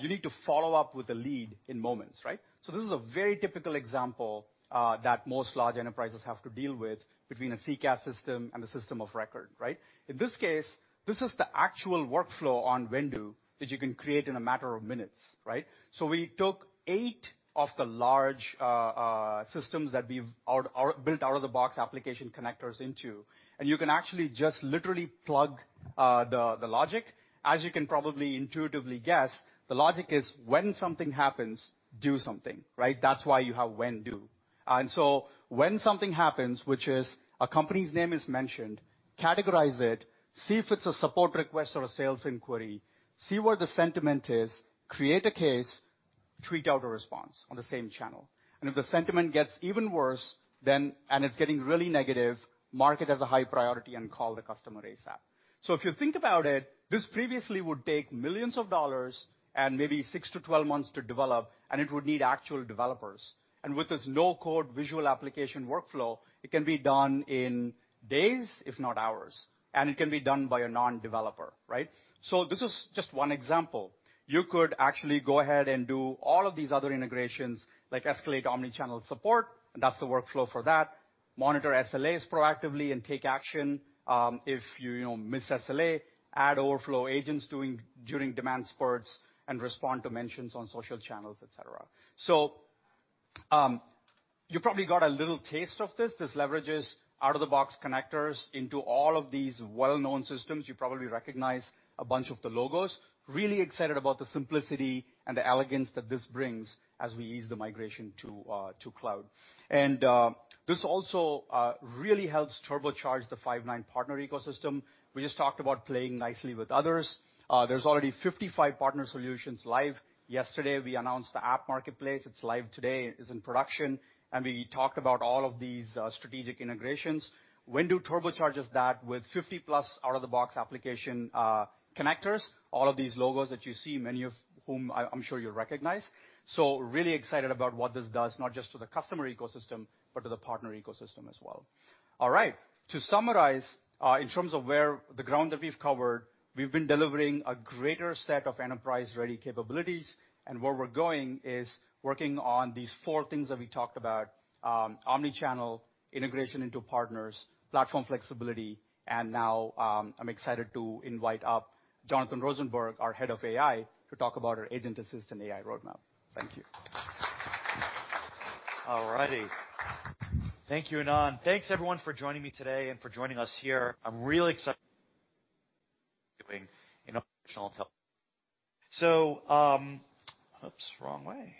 you need to follow up with a lead in moments. This is a very typical example that most large enterprises have to deal with between a CCaaS system and a system of record. In this case, this is the actual workflow on Whendu that you can create in a matter of minutes. We took eight of the large systems that we've built out-of-the-box application connectors into, and you can actually just literally plug the logic. As you can probably intuitively guess, the logic is when something happens, do something. That's why you have Whendu. When something happens, which is a company's name is mentioned, categorize it, see if it's a support request or a sales inquiry, see where the sentiment is, create a case, tweet out a response on the same channel. If the sentiment gets even worse, and it's getting really negative, mark it as a high priority and call the customer ASAP. If you think about it, this previously would take millions of dollars and maybe 6-12 months to develop, and it would need actual developers. With this no-code visual application workflow, it can be done in days, if not hours, and it can be done by a non-developer. This is just one example. You could actually go ahead and do all of these other integrations, like escalate omni-channel support, and that's the workflow for that. Monitor SLAs proactively and take action. If you miss SLA, add overflow agents during demand spurts and respond to mentions on social channels, et cetera. You probably got a little taste of this. This leverages out-of-the-box connectors into all of these well-known systems. You probably recognize a bunch of the logos. Really excited about the simplicity and the elegance that this brings as we ease the migration to cloud. This also really helps turbocharge the Five9 partner ecosystem. We just talked about playing nicely with others. There's already 55 partner solutions live. Yesterday, we announced the App Marketplace. It's live today, is in production, and we talked about all of these strategic integrations. Whendu turbocharges that with 50 plus out-of-the-box application connectors. All of these logos that you see, many of whom I'm sure you recognize. Really excited about what this does, not just to the customer ecosystem, but to the partner ecosystem as well. All right. To summarize, in terms of where the ground that we've covered, we've been delivering a greater set of enterprise-ready capabilities, and where we're going is working on these four things that we talked about, omnichannel, integration into partners, platform flexibility, and now I'm excited to invite up Jonathan Rosenberg, our Head of AI, to talk about our agent assistant AI roadmap. Thank you. All righty. Thank you, Anand. Thanks, everyone, for joining me today and for joining us here. I'm really excited doing Oops, wrong way.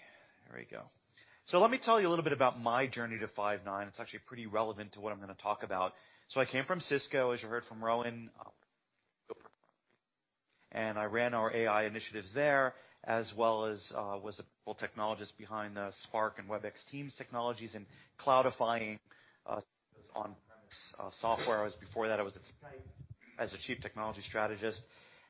There we go. Let me tell you a little bit about my journey to Five9. It's actually pretty relevant to what I'm going to talk about. I came from Cisco, as you heard from Rowan, and I ran our AI initiatives there, as well as was the full technologist behind the Spark and Webex Teams technologies and cloudifying on-premise software. Before that, I was at Skype as the Chief Technology Strategist.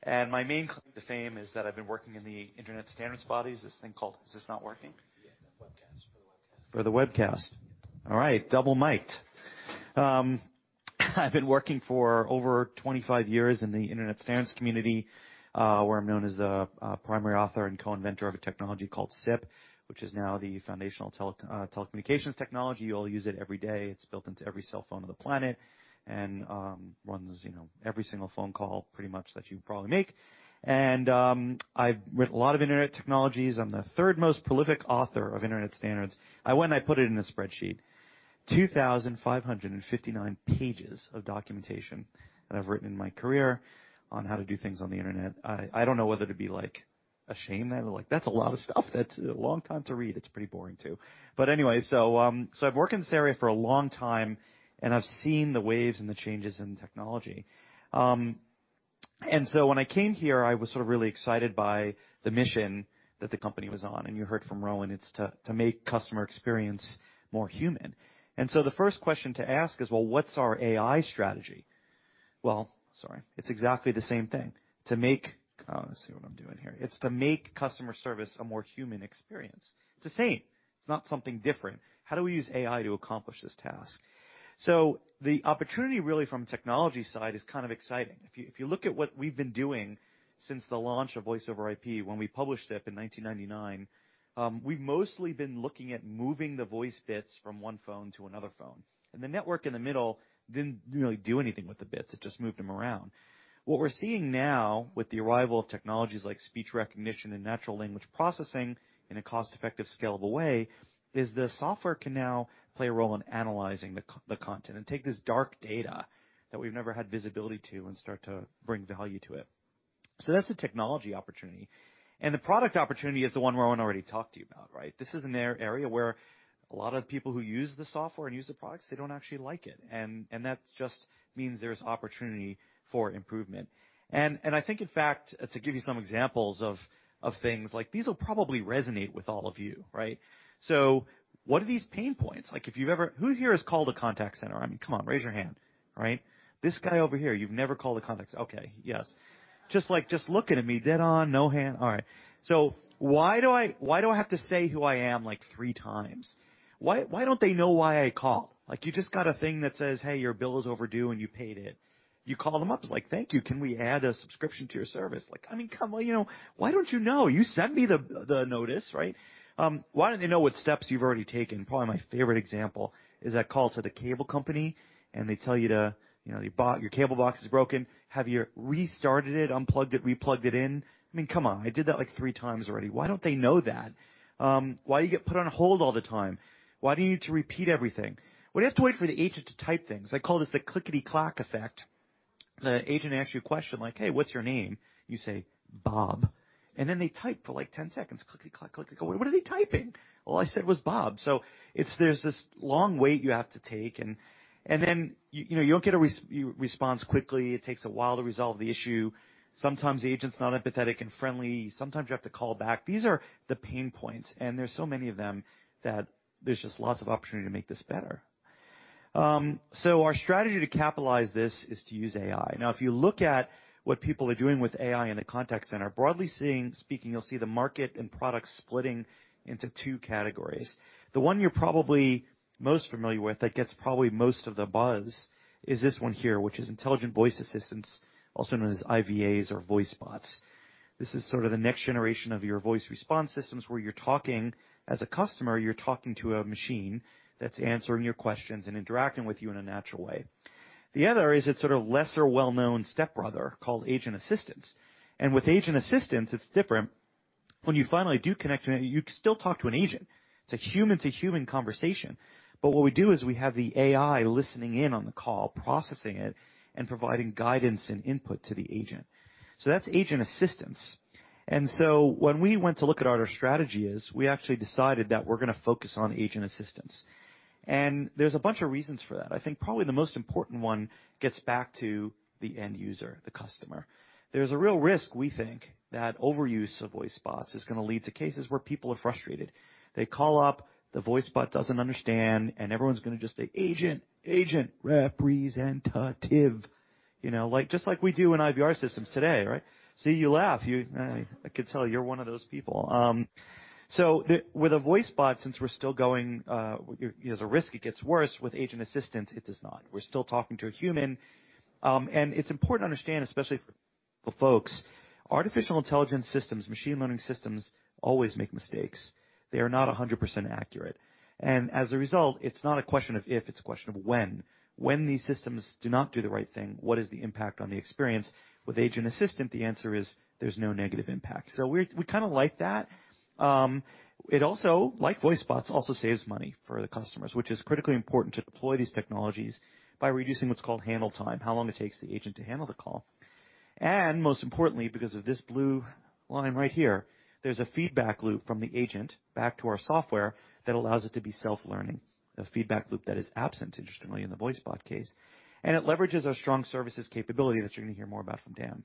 My main claim to fame is that I've been working in the internet standards bodies, this thing called Is this not working? Yeah, the webcast. For the webcast. For the webcast. All right, double miked. I've been working for over 25 years in the internet standards community, where I'm known as the primary author and co-inventor of a technology called SIP, which is now the foundational telecommunications technology. You all use it every day. It's built into every cell phone on the planet and runs every single phone call pretty much that you probably make. I've written a lot of internet technologies. I'm the third most prolific author of internet standards. I went and I put it in a spreadsheet, 2,559 pages of documentation that I've written in my career on how to do things on the internet. I don't know whether to be ashamed. That's a lot of stuff. That's a long time to read. It's pretty boring, too. I've worked in this area for a long time, and I've seen the waves and the changes in technology. When I came here, I was sort of really excited by the mission that the company was on, and you heard from Rowan, it's to make customer experience more human. The first question to ask is, well, what's our AI strategy? Well, sorry. It's exactly the same thing. Let's see what I'm doing here. It's to make customer service a more human experience. It's the same. It's not something different. How do we use AI to accomplish this task? The opportunity really from technology side is kind of exciting. If you look at what we've been doing since the launch of Voice over IP, when we published SIP in 1999, we've mostly been looking at moving the voice bits from one phone to another phone. The network in the middle didn't really do anything with the bits. It just moved them around. What we're seeing now with the arrival of technologies like speech recognition and natural language processing in a cost-effective, scalable way is the software can now play a role in analyzing the content and take this dark data that we've never had visibility to and start to bring value to it. That's the technology opportunity. The product opportunity is the one Rowan already talked to you about, right? This is an area where a lot of people who use the software and use the products, they don't actually like it. That just means there's opportunity for improvement. I think, in fact, to give you some examples of things, these will probably resonate with all of you, right? What are these pain points? Who here has called a contact center? I mean, come on, raise your hand, right? This guy over here, you've never called a contact center. Okay. Yes. Just looking at me dead on, no hand. All right. Why do I have to say who I am, like, three times? Why don't they know why I called? You just got a thing that says, "Hey, your bill is overdue," and you paid it. You call them up, it's like, "Thank you. Can we add a subscription to your service?" I mean, come on. Why don't you know? You sent me the notice, right? Why don't they know what steps you've already taken? Probably my favorite example is that call to the cable company, and they tell you your cable box is broken. "Have you restarted it, unplugged it, re-plugged it in?" I mean, come on, I did that like three times already. Why don't they know that? Why do you get put on hold all the time? Why do you need to repeat everything? Why do you have to wait for the agent to type things? I call this the clickety-clack effect. The agent asks you a question like, "Hey, what's your name?" You say, "Bob." They type for 10 seconds, clickety-clack, clickety-clack. What are they typing? All I said was Bob. There's this long wait you have to take, and then you don't get a response quickly. It takes a while to resolve the issue. Sometimes the agent's not empathetic and friendly. Sometimes you have to call back. These are the pain points, and there's so many of them that there's just lots of opportunity to make this better. Our strategy to capitalize this is to use AI. If you look at what people are doing with AI in the contact center, broadly speaking, you'll see the market and product splitting into two categories. The one you're probably most familiar with that gets probably most of the buzz is this one here, which is intelligent voice assistants, also known as IVAs or voice bots. This is sort of the next generation of your voice response systems, where as a customer, you're talking to a machine that's answering your questions and interacting with you in a natural way. The other is its sort of lesser well-known stepbrother called agent assistance. With agent assistance, it's different. When you finally do connect to an agent, you still talk to an agent. It's a human-to-human conversation. What we do is we have the AI listening in on the call, processing it, and providing guidance and input to the agent. That's agent assistance. When we went to look at what our strategy is, we actually decided that we're going to focus on agent assistance. There's a bunch of reasons for that. I think probably the most important one gets back to the end user, the customer. There's a real risk, we think, that overuse of voice bots is going to lead to cases where people are frustrated. They call up, the voice bot doesn't understand, and everyone's going to just say, "Agent, agent, representative." Just like we do in IVR systems today, right? See, you laugh. I could tell you're one of those people. With a voice bot, since there's a risk it gets worse, with agent assistance, it does not. We're still talking to a human. It's important to understand, especially for folks, artificial intelligence systems, machine learning systems always make mistakes. They are not 100% accurate. As a result, it's not a question of if, it's a question of when. When these systems do not do the right thing, what is the impact on the experience? With agent assistant, the answer is there's no negative impact. We kind of like that. It also, like voice bots, also saves money for the customers, which is critically important to deploy these technologies by reducing what's called handle time, how long it takes the agent to handle the call. Most importantly, because of this blue line right here, there's a feedback loop from the agent back to our software that allows it to be self-learning. A feedback loop that is absent, interestingly, in the voice bot case. It leverages our strong services capability that you're going to hear more about from Dan.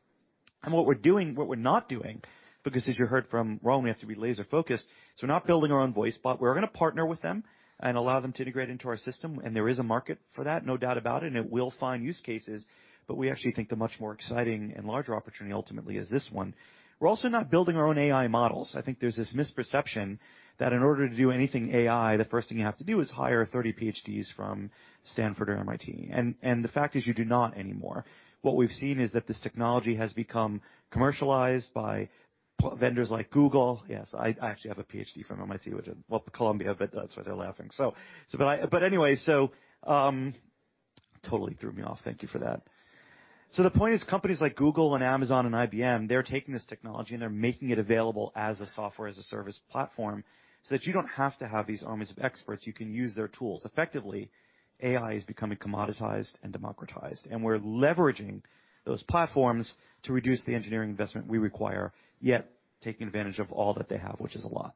What we're not doing, because as you heard from Rowan Trollope, we have to be laser-focused, we're not building our own voice bot. We're going to partner with them and allow them to integrate into our system, and there is a market for that, no doubt about it, and it will find use cases. We actually think the much more exciting and larger opportunity ultimately is this one. We're also not building our own AI models. I think there's this misperception that in order to do anything AI, the first thing you have to do is hire 30 PhDs from Stanford or MIT. The fact is, you do not anymore. What we've seen is that this technology has become commercialized by vendors like Google. Yes, I actually have a PhD from MIT, well, Columbia, but that's why they're laughing. Anyway, totally threw me off. Thank you for that. The point is, companies like Google and Amazon and IBM, they're taking this technology and they're making it available as a Software as a Service platform, so that you don't have to have these armies of experts. You can use their tools. Effectively, AI is becoming commoditized and democratized, and we're leveraging those platforms to reduce the engineering investment we require, yet taking advantage of all that they have, which is a lot.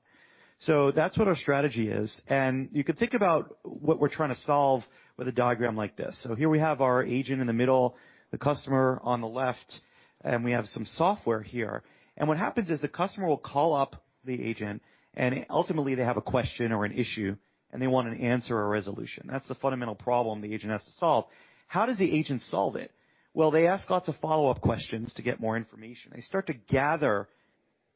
That's what our strategy is. You can think about what we're trying to solve with a diagram like this. Here we have our agent in the middle, the customer on the left, and we have some software here. What happens is the customer will call up the agent and ultimately they have a question or an issue and they want an answer or resolution. That's the fundamental problem the agent has to solve. How does the agent solve it? Well, they ask lots of follow-up questions to get more information. They start to gather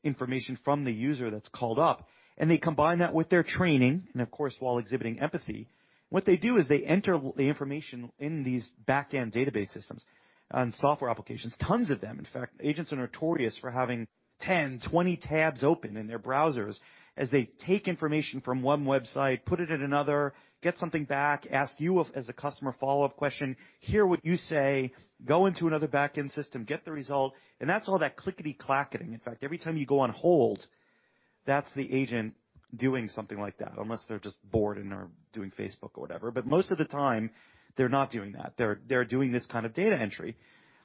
information from the user that's called up, and they combine that with their training. Of course, while exhibiting empathy, what they do is they enter the information in these back-end database systems and software applications, tons of them. In fact, agents are notorious for having 10, 20 tabs open in their browsers as they take information from one website, put it in another, get something back, ask you as a customer a follow-up question, hear what you say, go into another back-end system, get the result, and that's all that clickety-clacketing. In fact, every time you go on hold, that's the agent doing something like that, unless they're just bored and are doing Facebook or whatever. Most of the time they're not doing that. They're doing this kind of data entry.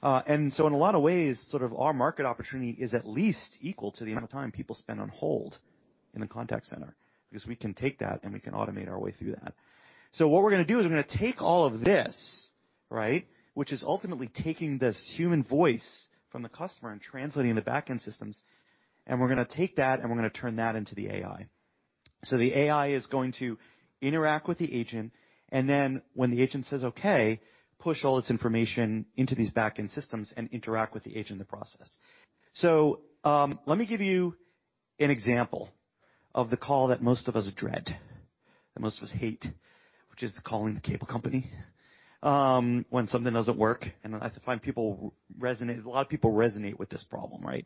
In a lot of ways, sort of our market opportunity is at least equal to the amount of time people spend on hold in the contact center, because we can take that and we can automate our way through that. What we're going to do is we're going to take all of this, which is ultimately taking this human voice from the customer and translating the back-end systems, and we're going to take that and we're going to turn that into the AI. The AI is going to interact with the agent, and then when the agent says okay, push all this information into these back-end systems and interact with the agent in the process. Let me give you an example of the call that most of us dread, that most of us hate, which is calling the cable company when something doesn't work. I find a lot of people resonate with this problem, right?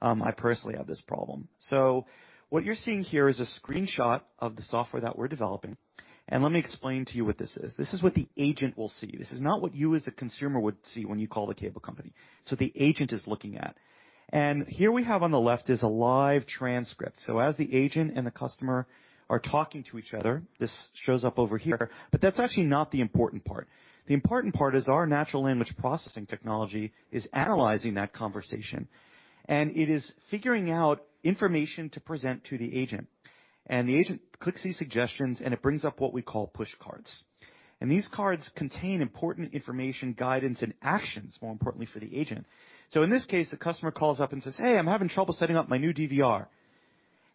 I personally have this problem. What you're seeing here is a screenshot of the software that we're developing. Let me explain to you what this is. This is what the agent will see. This is not what you as the consumer would see when you call the cable company. The agent is looking at. Here we have on the left is a live transcript. As the agent and the customer are talking to each other, this shows up over here. That's actually not the important part. The important part is our natural language processing technology is analyzing that conversation, and it is figuring out information to present to the agent. The agent clicks these suggestions and it brings up what we call push cards. These cards contain important information, guidance, and actions, more importantly, for the agent. In this case, the customer calls up and says, "Hey, I'm having trouble setting up my new DVR."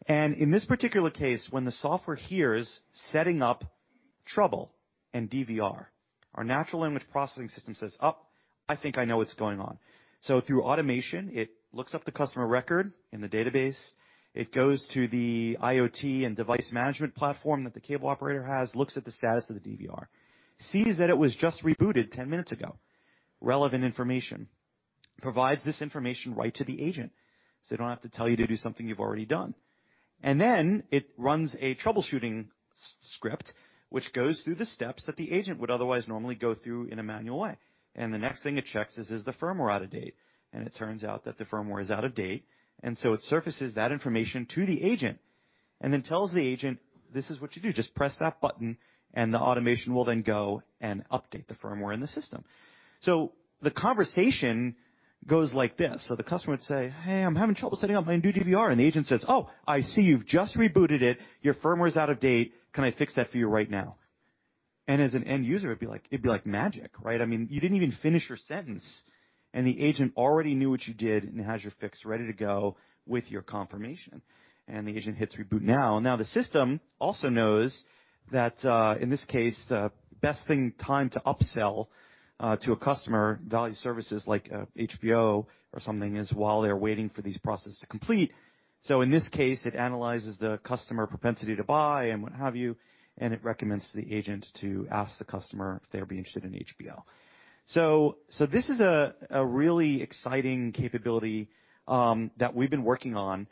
In this particular case, when the software hears setting up trouble and DVR, our natural language processing system says, "Oh, I think I know what's going on." Through automation, it looks up the customer record in the database. It goes to the IoT and device management platform that the cable operator has, looks at the status of the DVR, sees that it was just rebooted 10 minutes ago. Relevant information. Provides this information right to the agent, so they don't have to tell you to do something you've already done. Then it runs a troubleshooting script which goes through the steps that the agent would otherwise normally go through in a manual way. The next thing it checks is the firmware out of date? It turns out that the firmware is out of date. It surfaces that information to the agent and then tells the agent, "This is what you do. Just press that button," the automation will then go and update the firmware in the system. The conversation goes like this. The customer would say, "Hey, I'm having trouble setting up my new DVR." The agent says, "Oh, I see you've just rebooted it. Your firmware is out of date. Can I fix that for you right now?" As an end user, it'd be like magic, right? I mean, you didn't even finish your sentence, the agent already knew what you did and has your fix ready to go with your confirmation. The agent hits reboot now. The system also knows that, in this case, the best time to upsell to a customer value services like HBO or something is while they're waiting for these processes to complete. In this case, it analyzes the customer propensity to buy and what have you, and it recommends to the agent to ask the customer if they would be interested in HBO. This is a really exciting capability that we've been working on.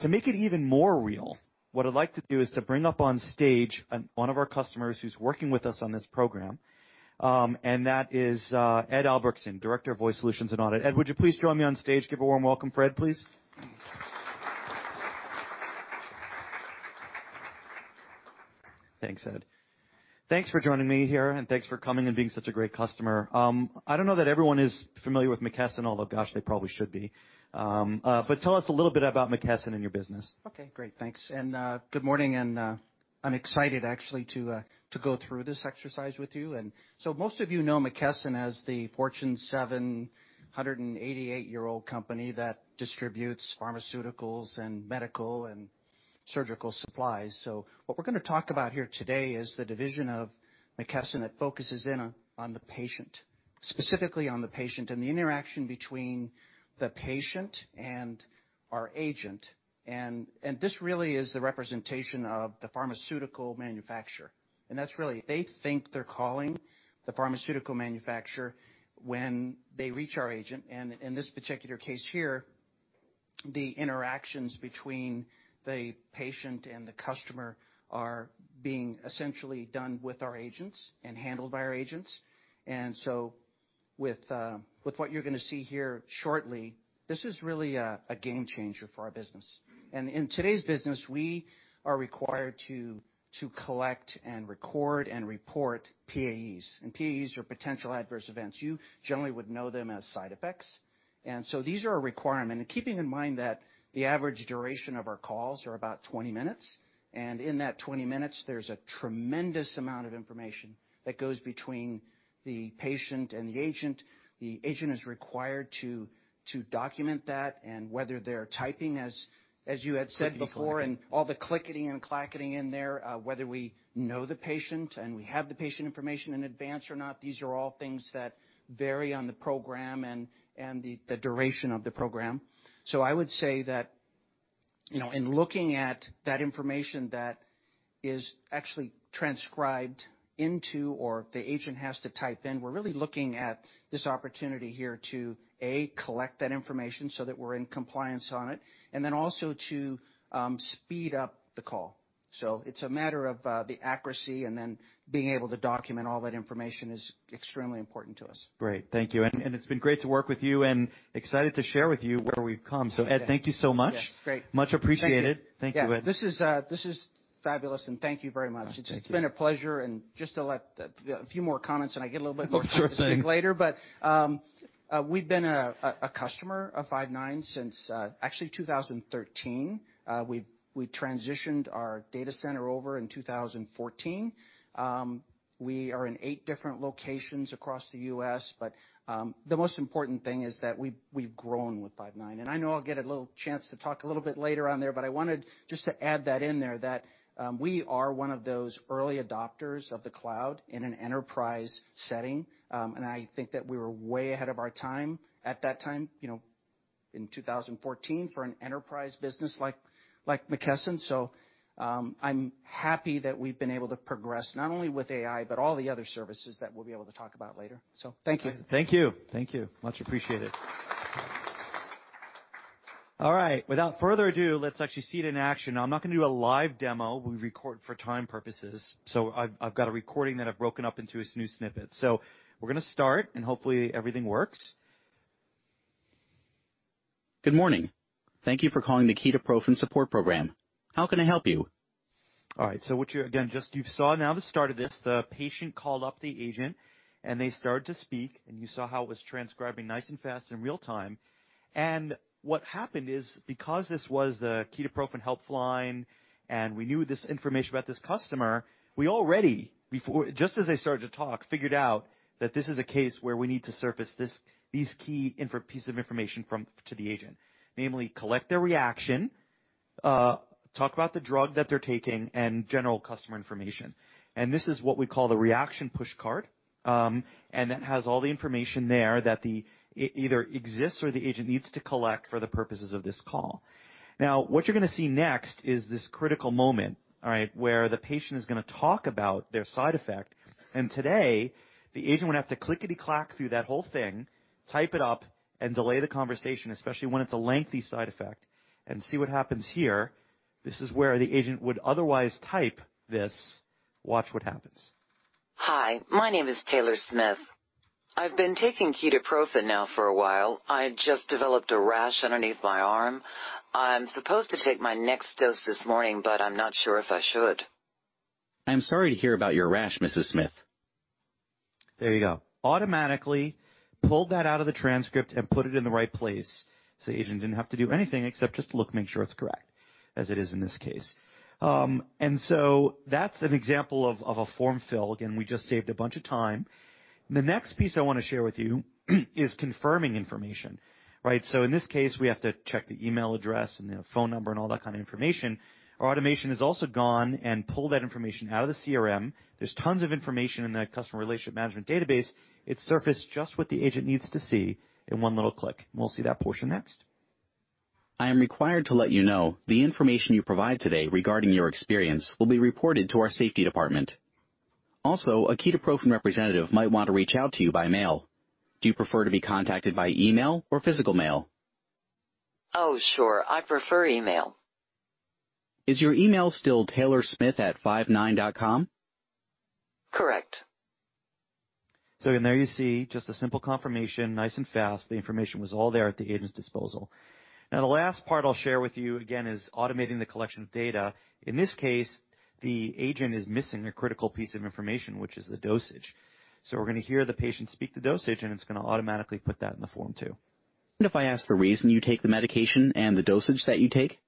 To make it even more real, what I'd like to do is to bring up on stage one of our customers who's working with us on this program, and that is Ed Albrektsen, Director of Voice Solutions and Audit. Ed, would you please join me on stage? Give a warm welcome for Ed, please. Thanks, Ed. Thanks for joining me here, and thanks for coming and being such a great customer. I don't know that everyone is familiar with McKesson, although, gosh, they probably should be. Tell us a little bit about McKesson and your business? Okay, great. Thanks. Good morning. I'm excited actually to go through this exercise with you. Most of you know McKesson as the Fortune 788-year-old company that distributes pharmaceuticals and medical and surgical supplies. What we're going to talk about here today is the division of McKesson that focuses in on the patient, specifically on the patient and the interaction between the patient and our agent. This really is the representation of the pharmaceutical manufacturer. That's really, they think they're calling the pharmaceutical manufacturer when they reach our agent. In this particular case here, the interactions between the patient and the customer are being essentially done with our agents and handled by our agents. With what you're going to see here shortly, this is really a game changer for our business. In today's business, we are required to collect and record and report PAEs, and PAEs are potential adverse events. You generally would know them as side effects. So these are a requirement. Keeping in mind that the average duration of our calls are about 20 minutes, and in that 20 minutes, there's a tremendous amount of information that goes between the patient and the agent. The agent is required to document that and whether they're typing, as you had said before, and all the clickety and clacketing in there, whether we know the patient and we have the patient information in advance or not, these are all things that vary on the program and the duration of the program. I would say that, in looking at that information that is actually transcribed into or the agent has to type in, we're really looking at this opportunity here to, A, collect that information so that we're in compliance on it, and then also to speed up the call. It's a matter of the accuracy and then being able to document all that information is extremely important to us. Great. Thank you. It's been great to work with you and excited to share with you where we've come. Ed, thank you so much. Yes. Great. Much appreciated. Thank you. Thank you, Ed. Yeah. This is fabulous, and thank you very much. Oh, thank you. It's just been a pleasure. Just a few more comments. Oh, sure thing. We've been a customer of Five9 since actually 2013. We transitioned our data center over in 2014. We are in eight different locations across the U.S., but the most important thing is that we've grown with Five9. I know I'll get a little chance to talk a little bit later on there, but I wanted just to add that in there, that we are one of those early adopters of the cloud in an enterprise setting. I think that we were way ahead of our time at that time, in 2014, for an enterprise business like McKesson. I'm happy that we've been able to progress not only with AI, but all the other services that we'll be able to talk about later. Thank you. Thank you. Much appreciated. All right. Without further ado, let's actually see it in action. Now, I'm not going to do a live demo. We record for time purposes. I've got a recording that I've broken up into a few snippets. We're going to start, and hopefully everything works. Good morning. Thank you for calling the Ketoprofen Support Program. How can I help you? All right. What you, again, just you saw now the start of this, the patient called up the agent, and they started to speak, and you saw how it was transcribing nice and fast in real time. What happened is, because this was the Ketoprofen Helpline, and we knew this information about this customer, we already, just as they started to talk, figured out that this is a case where we need to surface these key pieces of information to the agent. Namely, collect their reaction, talk about the drug that they're taking, and general customer information. This is what we call the Reaction Push Card, and that has all the information there that either exists or the agent needs to collect for the purposes of this call. Now, what you're going to see next is this critical moment, all right, where the patient is going to talk about their side effect. Today, the agent would have to clickety-clack through that whole thing, type it up, and delay the conversation, especially when it's a lengthy side effect. See what happens here. This is where the agent would otherwise type this. Watch what happens. Hi, my name is Taylor Smith. I've been taking Ketoprofen now for a while. I just developed a rash underneath my arm. I'm supposed to take my next dose this morning, but I'm not sure if I should. I'm sorry to hear about your rash, Mrs. Smith. There you go. Automatically pulled that out of the transcript and put it in the right place. The agent didn't have to do anything except just look and make sure it's correct, as it is in this case. That's an example of a form fill. Again, we just saved a bunch of time. The next piece I want to share with you is confirming information, right? In this case, we have to check the email address and the phone number and all that kind of information. Our automation has also gone and pulled that information out of the CRM. There's tons of information in that customer relationship management database. It's surfaced just what the agent needs to see in one little click. We'll see that portion next. I am required to let you know the information you provide today regarding your experience will be reported to our safety department. A Ketoprofen representative might want to reach out to you by mail. Do you prefer to be contacted by email or physical mail? Oh, sure. I prefer email. Is your email still taylorsmith@five9.com? Correct. Again, there you see just a simple confirmation, nice and fast. The information was all there at the agent's disposal. The last part I'll share with you, again, is automating the collection of data. In this case, the agent is missing a critical piece of information, which is the dosage. We're going to hear the patient speak the dosage, and it's going to automatically put that in the form, too. Mind if I ask the reason you take the medication and the dosage that you take?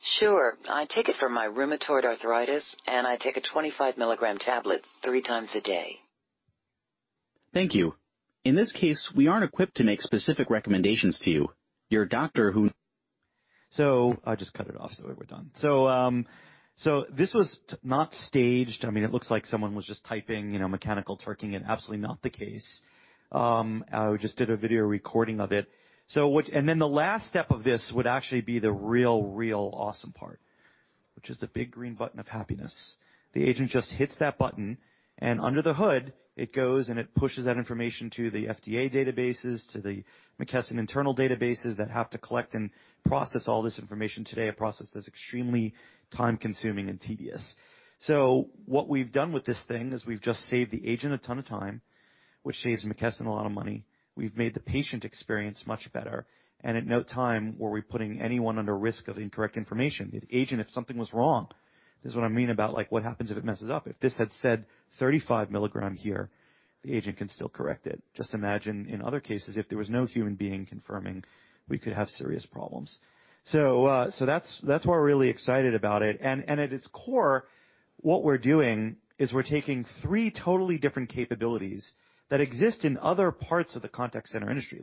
Sure. I take it for my rheumatoid arthritis, and I take a 25 mg tablet three times a day. Thank you. In this case, we aren't equipped to make specific recommendations to you. Your doctor who. I just cut it off, so we're done. This was not staged. It looks like someone was just typing, Mechanical Turking it, absolutely not the case. I just did a video recording of it. The last step of this would actually be the real awesome part, which is the big green button of happiness. The agent just hits that button, and under the hood, it goes, and it pushes that information to the FDA databases, to the McKesson internal databases that have to collect and process all this information today, a process that's extremely time-consuming and tedious. What we've done with this thing is we've just saved the agent a ton of time, which saves McKesson a lot of money. We've made the patient experience much better, and at no time were we putting anyone under risk of incorrect information. The agent, if something was wrong, this is what I mean about what happens if it messes up. If this had said 35 mg here, the agent can still correct it. Just imagine in other cases, if there was no human being confirming, we could have serious problems. That's why we're really excited about it, and at its core, what we're doing is we're taking three totally different capabilities that exist in other parts of the contact center industry.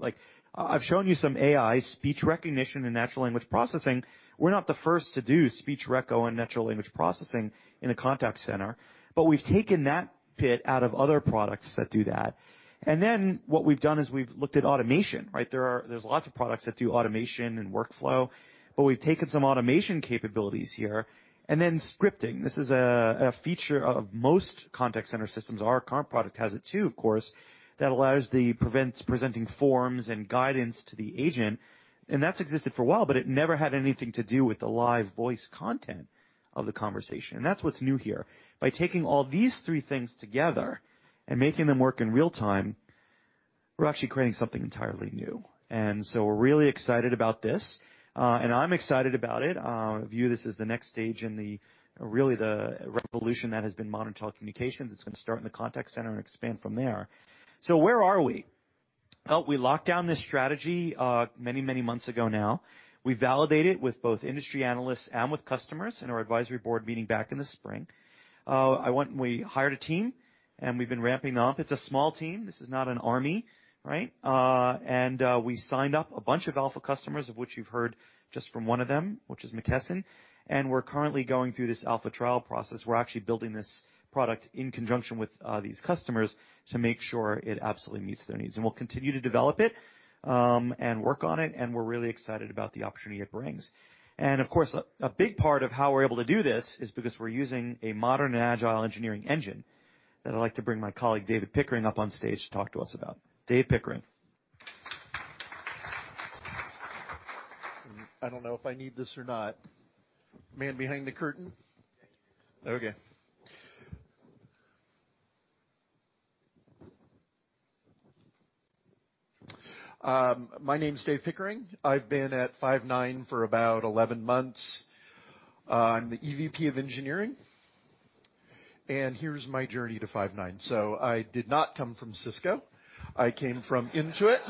I've shown you some AI, speech recognition, and natural language processing. We're not the first to do speech reco and natural language processing in a contact center, but we've taken that bit out of other products that do that. Then what we've done is we've looked at automation. There's lots of products that do automation and workflow, but we've taken some automation capabilities here, and then scripting. This is a feature of most contact center systems. Our current product has it too, of course, that allows the presenting forms and guidance to the agent, and that's existed for a while, but it never had anything to do with the live voice content of the conversation. That's what's new here. By taking all these three things together and making them work in real-time, we're actually creating something entirely new. We're really excited about this. I'm excited about it. I view this as the next stage in really the revolution that has been modern telecommunications. It's going to start in the contact center and expand from there. Where are we? We locked down this strategy many months ago now. We validate it with both industry analysts and with customers in our advisory board meeting back in the spring. We hired a team, and we've been ramping up. It's a small team. This is not an army. We signed up a bunch of alpha customers, of which you've heard just from one of them, which is McKesson. We're currently going through this alpha trial process. We're actually building this product in conjunction with these customers to make sure it absolutely meets their needs. We'll continue to develop it and work on it, and we're really excited about the opportunity it brings. Of course, a big part of how we're able to do this is because we're using a modern and agile engineering engine that I'd like to bring my colleague, David Pickering, up on stage to talk to us about. Dave Pickering. I don't know if I need this or not. Man behind the curtain? Yeah. Okay. My name's David Pickering. I've been at Five9 for about 11 months. I'm the EVP of Engineering. Here's my journey to Five9. I did not come from Cisco. I came from Intuit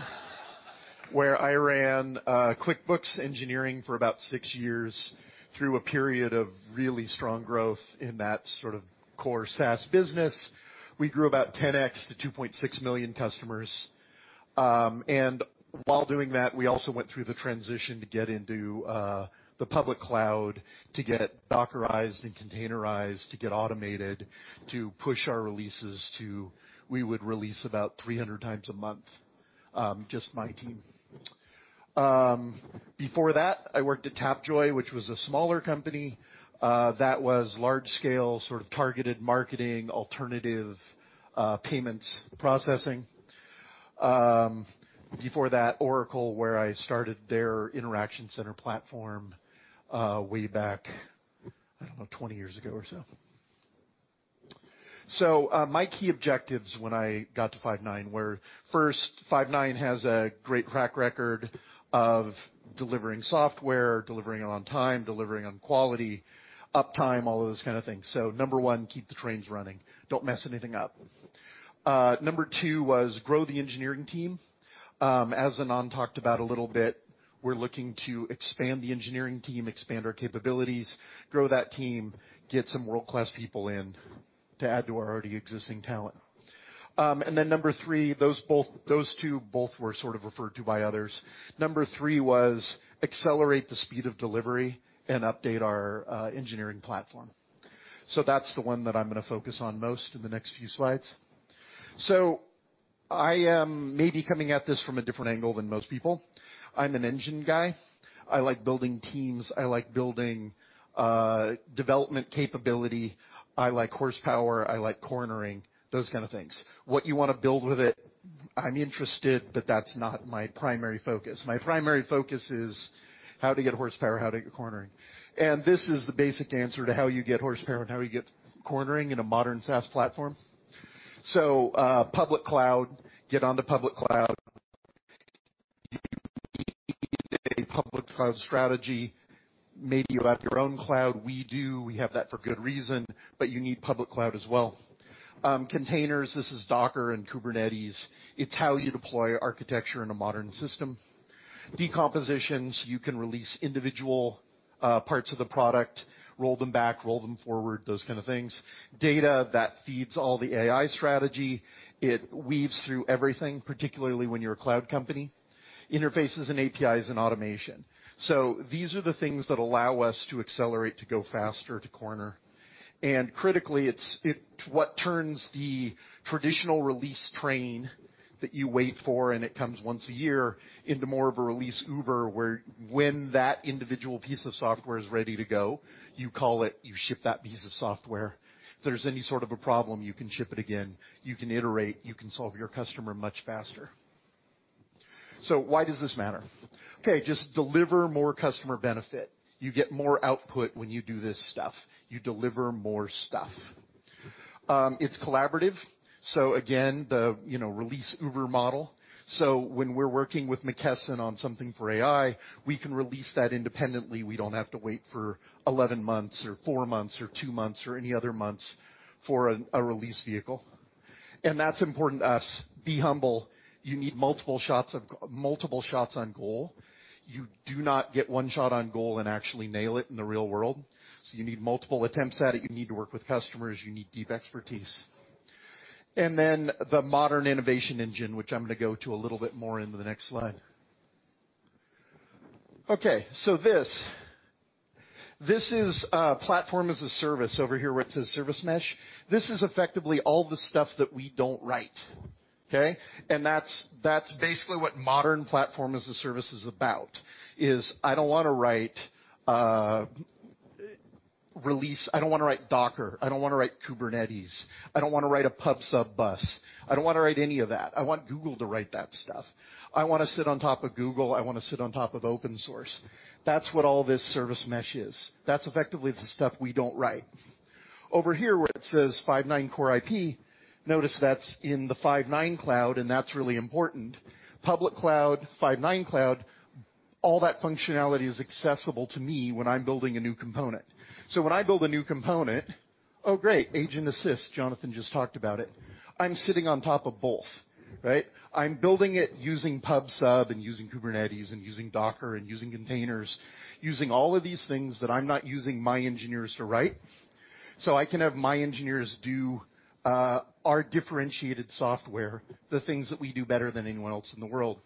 where I ran QuickBooks Engineering for about six years through a period of really strong growth in that sort of core SaaS business. We grew about 10x to 2.6 million customers. While doing that, we also went through the transition to get into the public cloud, to get Dockerized and containerized, to get automated, to push our releases. We would release about 300 times a month, just my team. Before that, I worked at Tapjoy, which was a smaller company that was large scale, sort of targeted marketing, alternative payments processing. Before that, Oracle, where I started their interaction center platform way back, I don't know, 20 years ago or so. My key objectives when I got to Five9 were, first, Five9 has a great track record of delivering software, delivering it on time, delivering on quality, uptime, all of those kind of things. Number 1, keep the trains running. Don't mess anything up. Number 2 was grow the engineering team. As Anand talked about a little bit, we're looking to expand the engineering team, expand our capabilities, grow that team, get some world-class people in to add to our already existing talent. Number 3, those two both were sort of referred to by others. Number 3 was accelerate the speed of delivery and update our engineering platform. That's the one that I'm going to focus on most in the next few slides. I am maybe coming at this from a different angle than most people. I'm an engine guy. I like building teams. I like building development capability. I like horsepower. I like cornering. Those kind of things. What you want to build with it, I'm interested, but that's not my primary focus. My primary focus is how to get horsepower, how to get cornering. This is the basic answer to how you get horsepower and how you get cornering in a modern SaaS platform. Public cloud, get onto public cloud. You need a public cloud strategy. Maybe you have your own cloud. We do. We have that for good reason, but you need public cloud as well. Containers, this is Docker and Kubernetes. It's how you deploy architecture in a modern system. Decompositions, you can release individual parts of the product, roll them back, roll them forward, those kind of things. Data, that feeds all the AI strategy. It weaves through everything, particularly when you're a cloud company. Interfaces and APIs and automation. These are the things that allow us to accelerate, to go faster, to corner. Critically, it's what turns the traditional release train that you wait for, and it comes once a year, into more of a release Uber, where when that individual piece of software is ready to go, you call it, you ship that piece of software. If there's any sort of a problem, you can ship it again, you can iterate, you can solve your customer much faster. Why does this matter? Okay, just deliver more customer benefit. You get more output when you do this stuff. You deliver more stuff. It's collaborative. Again, the release Uber model. When we're working with McKesson on something for AI, we can release that independently. We don't have to wait for 11 months or four months or two months or any other months for a release vehicle. That's important to us. Be humble. You need multiple shots on goal. You do not get one shot on goal and actually nail it in the real world. You need multiple attempts at it. You need to work with customers. You need deep expertise. The modern innovation engine, which I'm going to go to a little bit more into the next slide. This is a platform as a service over here where it says service mesh. This is effectively all the stuff that we don't write. That's basically what modern platform as a service is about, is I don't want to write release, I don't want to write Docker, I don't want to write Kubernetes. I don't want to write a pub/sub bus. I don't want to write any of that. I want Google to write that stuff. I want to sit on top of Google. I want to sit on top of open source. That's what all this service mesh is. That's effectively the stuff we don't write. Over here where it says Five9 core IP, notice that's in the Five9 cloud and that's really important. Public cloud, Five9 cloud, all that functionality is accessible to me when I'm building a new component. When I build a new component, oh, great, agent assist, Jonathan just talked about it. I'm sitting on top of both, right? I'm building it using pub/sub and using Kubernetes and using Docker and using containers, using all of these things that I'm not using my engineers to write. I can have my engineers do our differentiated software, the things that we do better than anyone else in the world.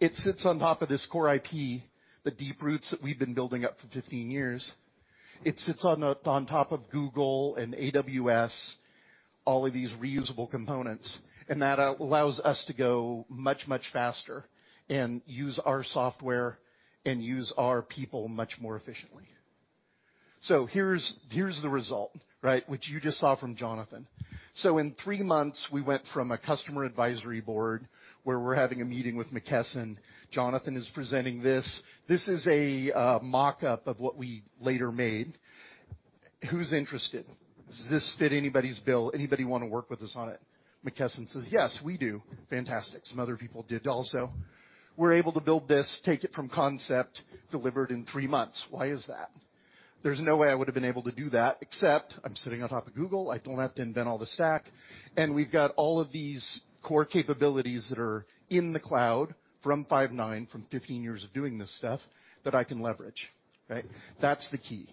It sits on top of this core IP, the deep roots that we've been building up for 15 years. It sits on top of Google and AWS, all of these reusable components. That allows us to go much, much faster and use our software and use our people much more efficiently. Here's the result, right? Which you just saw from Jonathan. In three months, we went from a customer advisory board where we're having a meeting with McKesson. Jonathan is presenting this. This is a mock-up of what we later made. Who's interested? Does this fit anybody's bill? Anybody want to work with us on it? McKesson says, "Yes, we do." Fantastic. Some other people did also. We're able to build this, take it from concept, delivered in three months. Why is that? There's no way I would've been able to do that except I'm sitting on top of Google. I don't have to invent all the stack. We've got all of these core capabilities that are in the cloud from Five9, from 15 years of doing this stuff, that I can leverage, right? That's the key.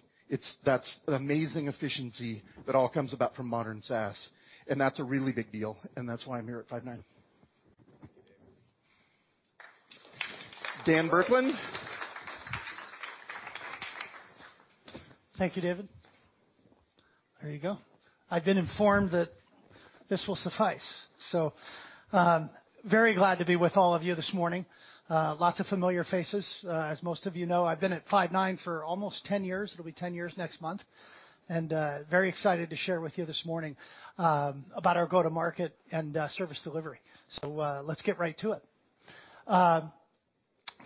That's an amazing efficiency that all comes about from modern SaaS, and that's a really big deal, and that's why I'm here at Five9. Dan Burkland. Thank you, David. There you go. I've been informed that this will suffice. Very glad to be with all of you this morning. Lots of familiar faces. As most of you know, I've been at Five9 for almost 10 years. It'll be 10 years next month. Very excited to share with you this morning about our go-to-market and service delivery. Let's get right to it.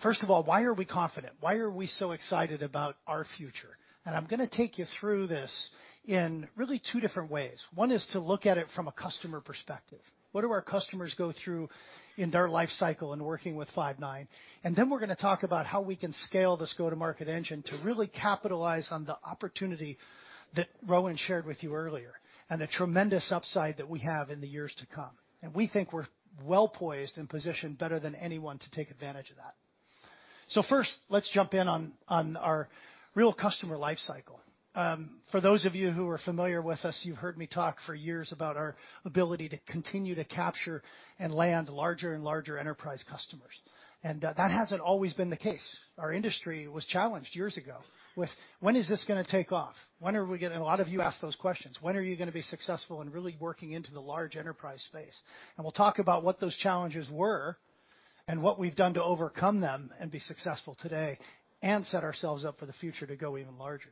First of all, why are we confident? Why are we so excited about our future? I'm going to take you through this in really two different ways. One is to look at it from a customer perspective. What do our customers go through in their life cycle in working with Five9? Then we're going to talk about how we can scale this go-to-market engine to really capitalize on the opportunity that Rowan shared with you earlier, and the tremendous upside that we have in the years to come. We think we're well-poised and positioned better than anyone to take advantage of that. First, let's jump in on our real customer life cycle. For those of you who are familiar with us, you've heard me talk for years about our ability to continue to capture and land larger and larger enterprise customers. That hasn't always been the case. Our industry was challenged years ago with, when is this going to take off? When are we getting A lot of you asked those questions. When are you going to be successful in really working into the large enterprise space? We'll talk about what those challenges were and what we've done to overcome them and be successful today and set ourselves up for the future to go even larger.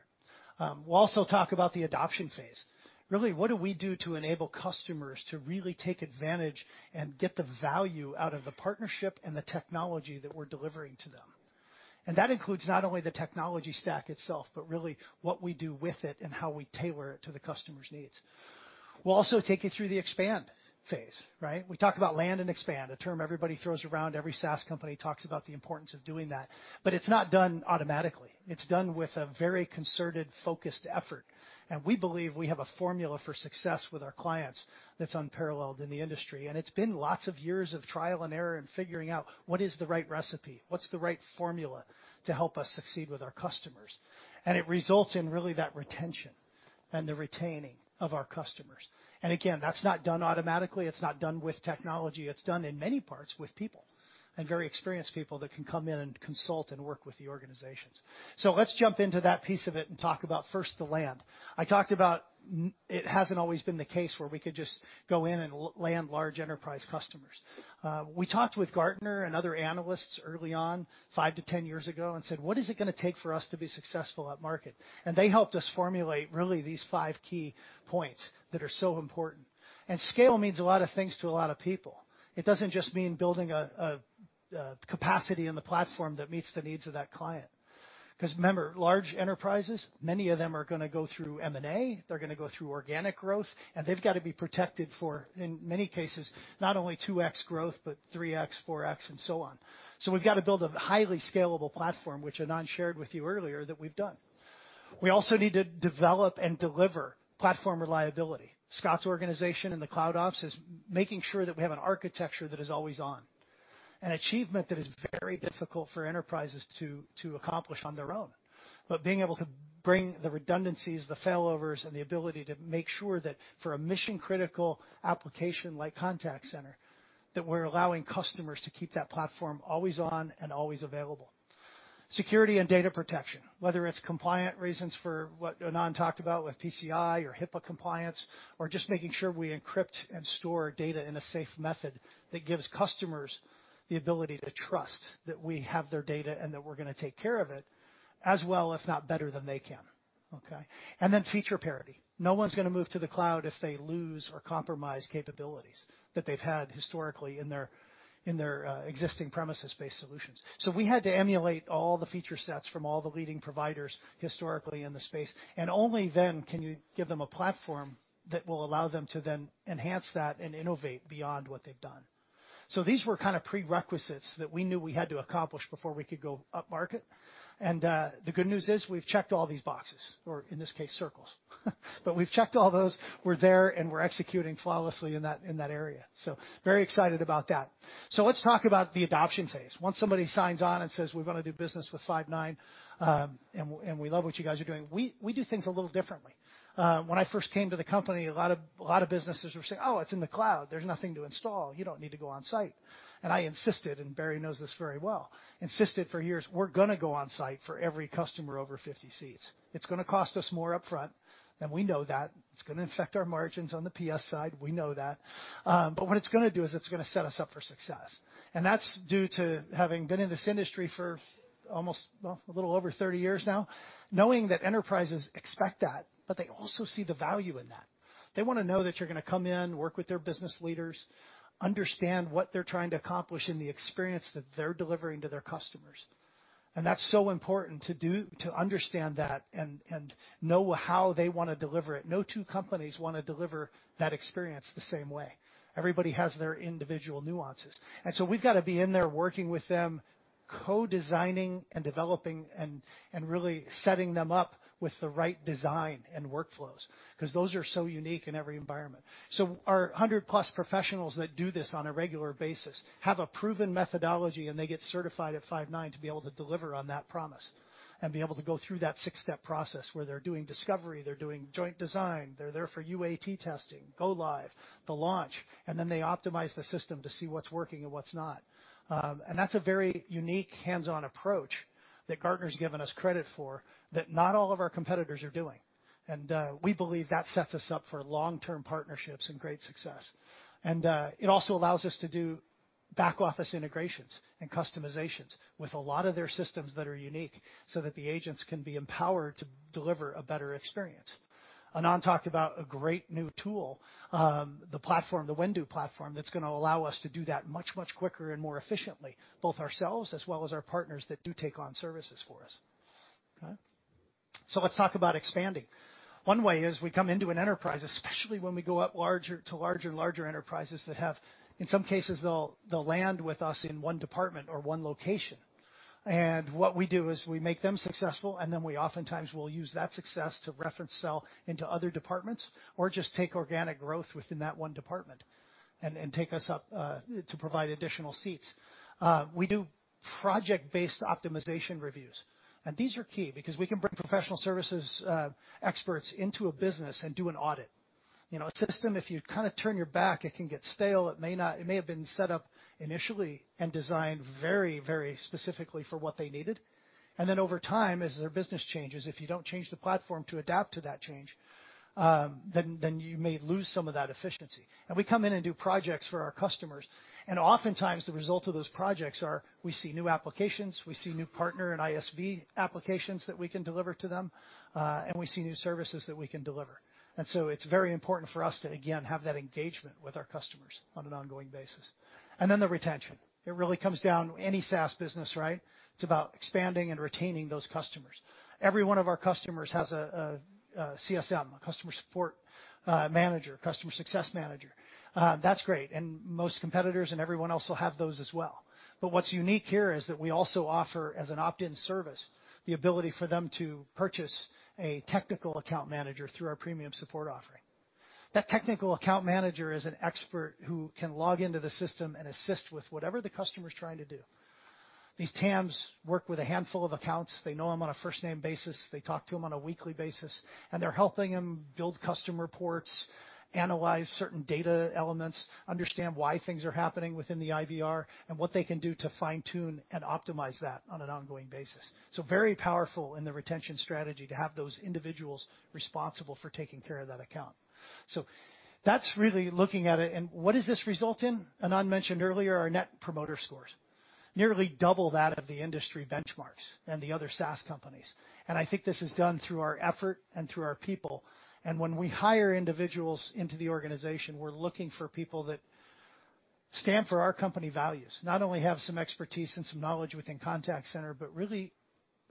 We'll also talk about the adoption phase. Really, what do we do to enable customers to really take advantage and get the value out of the partnership and the technology that we're delivering to them? That includes not only the technology stack itself, but really what we do with it and how we tailor it to the customer's needs. We'll also take you through the expand phase. We talk about land and expand, a term everybody throws around. Every SaaS company talks about the importance of doing that. It's not done automatically. It's done with a very concerted, focused effort, and we believe we have a formula for success with our clients that's unparalleled in the industry. It's been lots of years of trial and error and figuring out what is the right recipe, what's the right formula to help us succeed with our customers. It results in really that retention and the retaining of our customers. Again, that's not done automatically. It's not done with technology. It's done in many parts with people, and very experienced people that can come in and consult and work with the organizations. Let's jump into that piece of it and talk about first the land. I talked about it hasn't always been the case where we could just go in and land large enterprise customers. We talked with Gartner and other analysts early on, five to 10 years ago, and said, "What is it going to take for us to be successful at market?" They helped us formulate really these five key points that are so important. Scale means a lot of things to a lot of people. It doesn't just mean building a capacity in the platform that meets the needs of that client. Because remember, large enterprises, many of them are going to go through M&A, they're going to go through organic growth, and they've got to be protected for, in many cases, not only 2x growth, but 3x, 4x, and so on. We've got to build a highly scalable platform, which Anand shared with you earlier, that we've done. We also need to develop and deliver platform reliability. Scott Welch's organization and the Cloud Operations is making sure that we have an architecture that is always on, an achievement that is very difficult for enterprises to accomplish on their own. Being able to bring the redundancies, the failovers, and the ability to make sure that for a mission-critical application like contact center, that we're allowing customers to keep that platform always on and always available. Security and data protection, whether it's compliant reasons for what Anand talked about with PCI or HIPAA compliance, or just making sure we encrypt and store data in a safe method that gives customers the ability to trust that we have their data and that we're going to take care of it as well, if not better than they can. Okay. Then feature parity. No one's going to move to the cloud if they lose or compromise capabilities that they've had historically in their existing premises-based solutions. We had to emulate all the feature sets from all the leading providers historically in the space. Only then can you give them a platform that will allow them to then enhance that and innovate beyond what they've done. These were kind of prerequisites that we knew we had to accomplish before we could go up market. The good news is we've checked all these boxes, or in this case, circles. We've checked all those, we're there, and we're executing flawlessly in that area. Very excited about that. Let's talk about the adoption phase. Once somebody signs on and says, "We want to do business with Five9, and we love what you guys are doing," we do things a little differently. When I first came to the company, a lot of businesses were saying, "Oh, it's in the cloud. There's nothing to install. You don't need to go on site." I insisted, and Barry knows this very well, insisted for years, we're going to go on site for every customer over 50 seats. It's going to cost us more upfront, and we know that. It's going to affect our margins on the PS side, we know that. What it's going to do is it's going to set us up for success. That's due to having been in this industry for almost, well, a little over 30 years now, knowing that enterprises expect that, but they also see the value in that. They want to know that you're going to come in, work with their business leaders, understand what they're trying to accomplish and the experience that they're delivering to their customers. That's so important to understand that and know how they want to deliver it. No two companies want to deliver that experience the same way. Everybody has their individual nuances. So we've got to be in there working with them, co-designing and developing and really setting them up with the right design and workflows, because those are so unique in every environment. Our 100-plus professionals that do this on a regular basis have a proven methodology, and they get certified at Five9 to be able to deliver on that promise and be able to go through that six-step process where they're doing discovery, they're doing joint design, they're there for UAT testing, go live, the launch, and then they optimize the system to see what's working and what's not. That's a very unique hands-on approach that Gartner's given us credit for that not all of our competitors are doing. It also allows us to do back-office integrations and customizations with a lot of their systems that are unique so that the agents can be empowered to deliver a better experience. Anand talked about a great new tool, the platform, the Whendu platform, that's going to allow us to do that much quicker and more efficiently, both ourselves, as well as our partners that do take on services for us. Okay. Let's talk about expanding. One way is we come into an enterprise, especially when we go up to larger enterprises that have, in some cases, they'll land with us in one department or one location. What we do is we make them successful, then we oftentimes will use that success to reference sell into other departments or just take organic growth within that one department and take us up to provide additional seats. We do project-based optimization reviews, these are key because we can bring professional services experts into a business and do an audit. A system, if you kind of turn your back, it can get stale. It may have been set up initially and designed very specifically for what they needed. Over time, as their business changes, if you don't change the platform to adapt to that change, then you may lose some of that efficiency. We come in and do projects for our customers, and oftentimes the result of those projects are we see new applications, we see new partner and ISV applications that we can deliver to them, and we see new services that we can deliver. It's very important for us to, again, have that engagement with our customers on an ongoing basis. The retention. It really comes down to any SaaS business, right? It's about expanding and retaining those customers. Every one of our customers has a CSM, a customer support manager, customer success manager. That's great. Most competitors and everyone else will have those as well. What's unique here is that we also offer, as an opt-in service, the ability for them to purchase a technical account manager through our premium support offering. That technical account manager is an expert who can log into the system and assist with whatever the customer's trying to do. These TAMs work with a handful of accounts. They know them on a first-name basis, they talk to them on a weekly basis, and they're helping them build custom reports, analyze certain data elements, understand why things are happening within the IVR, and what they can do to fine-tune and optimize that on an ongoing basis. Very powerful in the retention strategy to have those individuals responsible for taking care of that account. That's really looking at it, and what does this result in? Anand mentioned earlier our net promoter scores. Nearly double that of the industry benchmarks and the other SaaS companies. I think this is done through our effort and through our people, and when we hire individuals into the organization, we're looking for people that stand for our company values. Not only have some expertise and some knowledge within contact center, but really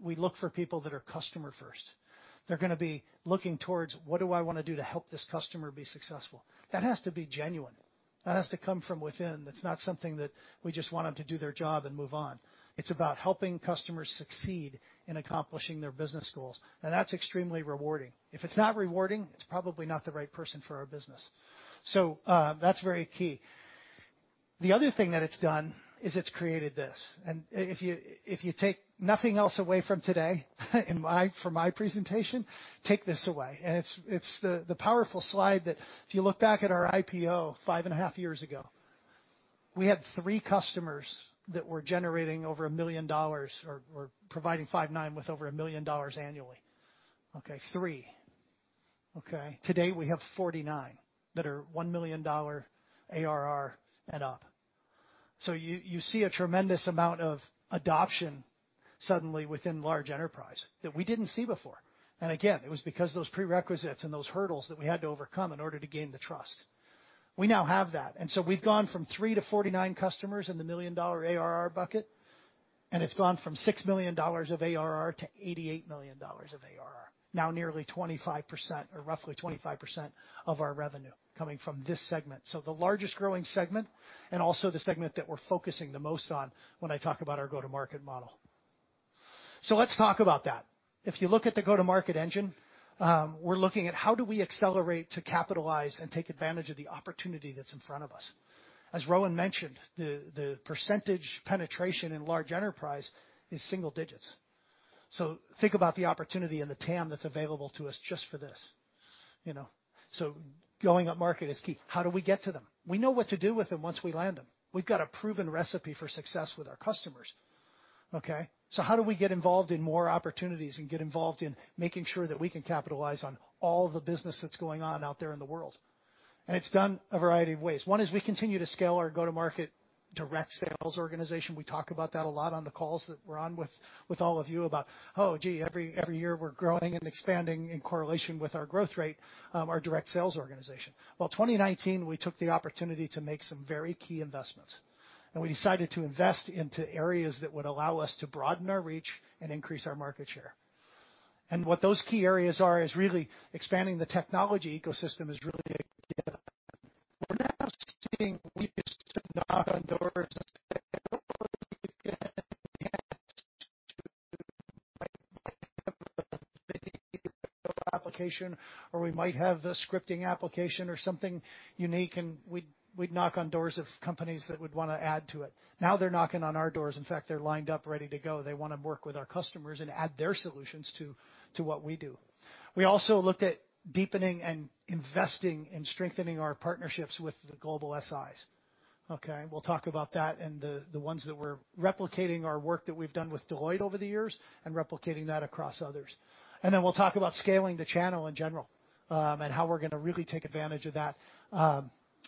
we look for people that are customer first. They're going to be looking towards, what do I want to do to help this customer be successful? That has to be genuine. That has to come from within. That's not something that we just want them to do their job and move on. It's about helping customers succeed in accomplishing their business goals, and that's extremely rewarding. If it's not rewarding, it's probably not the right person for our business. That's very key. The other thing that it's done is it's created this, if you take nothing else away from today from my presentation, take this away. It's the powerful slide that if you look back at our IPO five and a half years ago, we had three customers that were generating over $1 million or providing Five9 with over $1 million annually. Okay, three. Okay. Today, we have 49 that are $1 million ARR and up. You see a tremendous amount of adoption suddenly within large enterprise that we didn't see before. Again, it was because those prerequisites and those hurdles that we had to overcome in order to gain the trust. We now have that. We've gone from three to 49 customers in the million-dollar ARR bucket, and it's gone from $6 million of ARR to $88 million of ARR. Now nearly 25% or roughly 25% of our revenue coming from this segment. The largest growing segment and also the segment that we're focusing the most on when I talk about our go-to-market model. Let's talk about that. If you look at the go-to-market engine, we're looking at how do we accelerate to capitalize and take advantage of the opportunity that's in front of us. As Rowan mentioned, the percentage penetration in large enterprise is single digits. Think about the opportunity and the TAM that's available to us just for this. Going upmarket is key. How do we get to them? We know what to do with them once we land them. We've got a proven recipe for success with our customers. Okay? How do we get involved in more opportunities and get involved in making sure that we can capitalize on all the business that's going on out there in the world? It's done a variety of ways. One is we continue to scale our go-to-market direct sales organization. We talk about that a lot on the calls that we're on with all of you about, oh, gee, every year we're growing and expanding in correlation with our growth rate, our direct sales organization. Well, 2019, we took the opportunity to make some very key investments, we decided to invest into areas that would allow us to broaden our reach and increase our market share. What those key areas are is really expanding the technology ecosystem is really big. We're now seeing. We used to knock on doors and say, "Hello, we can enhance to." We might have a video application, or we might have a scripting application or something unique, and we'd knock on doors of companies that would want to add to it. Now they're knocking on our doors. In fact, they're lined up ready to go. They want to work with our customers and add their solutions to what we do. We also looked at deepening and investing in strengthening our partnerships with the global SIs. Okay? We'll talk about that and the ones that we're replicating our work that we've done with Deloitte over the years and replicating that across others. We'll talk about scaling the channel in general, and how we're going to really take advantage of that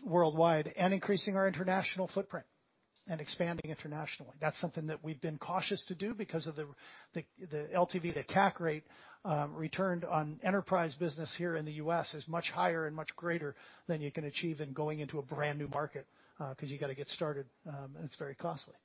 worldwide, and increasing our international footprint and expanding internationally. That's something that we've been cautious to do because of the LTV, the CAC rate, returned on enterprise business here in the U.S. is much higher and much greater than you can achieve in going into a brand-new market, because you got to get started, and it's very costly.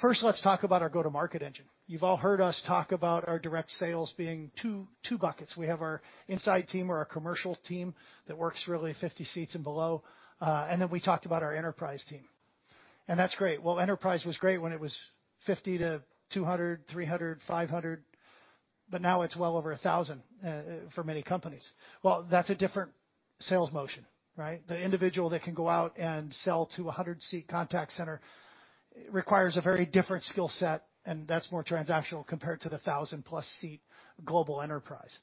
First, let's talk about our go-to-market engine. You've all heard us talk about our direct sales being two buckets. We have our inside team or our commercial team that works really at 50 seats and below, and then we talked about our enterprise team. That's great. Well, enterprise was great when it was 50 to 200, 300, 500, but now it's well over 1,000 for many companies. Well, that's a different sales motion, right? The individual that can go out and sell to a 100-seat contact center requires a very different skill set, and that's more transactional compared to the 1,000-plus seat global enterprise.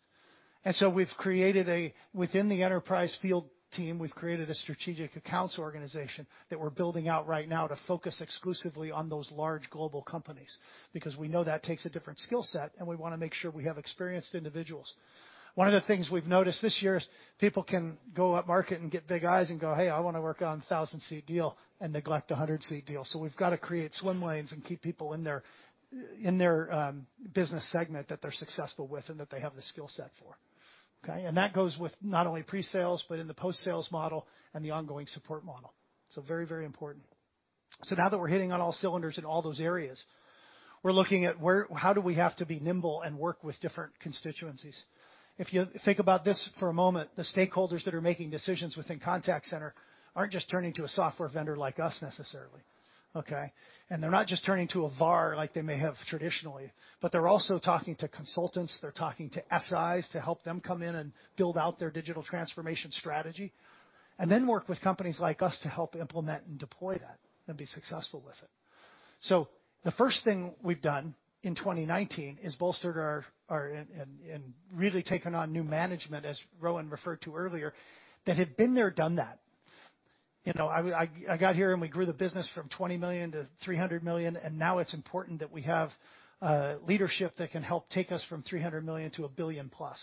Within the enterprise field team, we've created a strategic accounts organization that we're building out right now to focus exclusively on those large global companies, because we know that takes a different skill set, and we want to make sure we have experienced individuals. One of the things we've noticed this year is people can go upmarket and get big eyes and go, "Hey, I want to work on 1,000-seat deal," and neglect 100-seat deal. We've got to create swim lanes and keep people in their business segment that they're successful with and that they have the skill set for. Okay? That goes with not only pre-sales, but in the post-sales model and the ongoing support model. Very important. Now that we're hitting on all cylinders in all those areas, we're looking at how do we have to be nimble and work with different constituencies. If you think about this for a moment, the stakeholders that are making decisions within contact center aren't just turning to a software vendor like us necessarily, okay. They're not just turning to a VAR like they may have traditionally, but they're also talking to consultants. They're talking to SIs to help them come in and build out their digital transformation strategy, and then work with companies like us to help implement and deploy that and be successful with it. The first thing we've done in 2019 is really taken on new management, as Rowan referred to earlier, that had been there, done that. I got here. We grew the business from $20 million-$300 million. Now it's important that we have leadership that can help take us from $300 million to a $1 billion plus.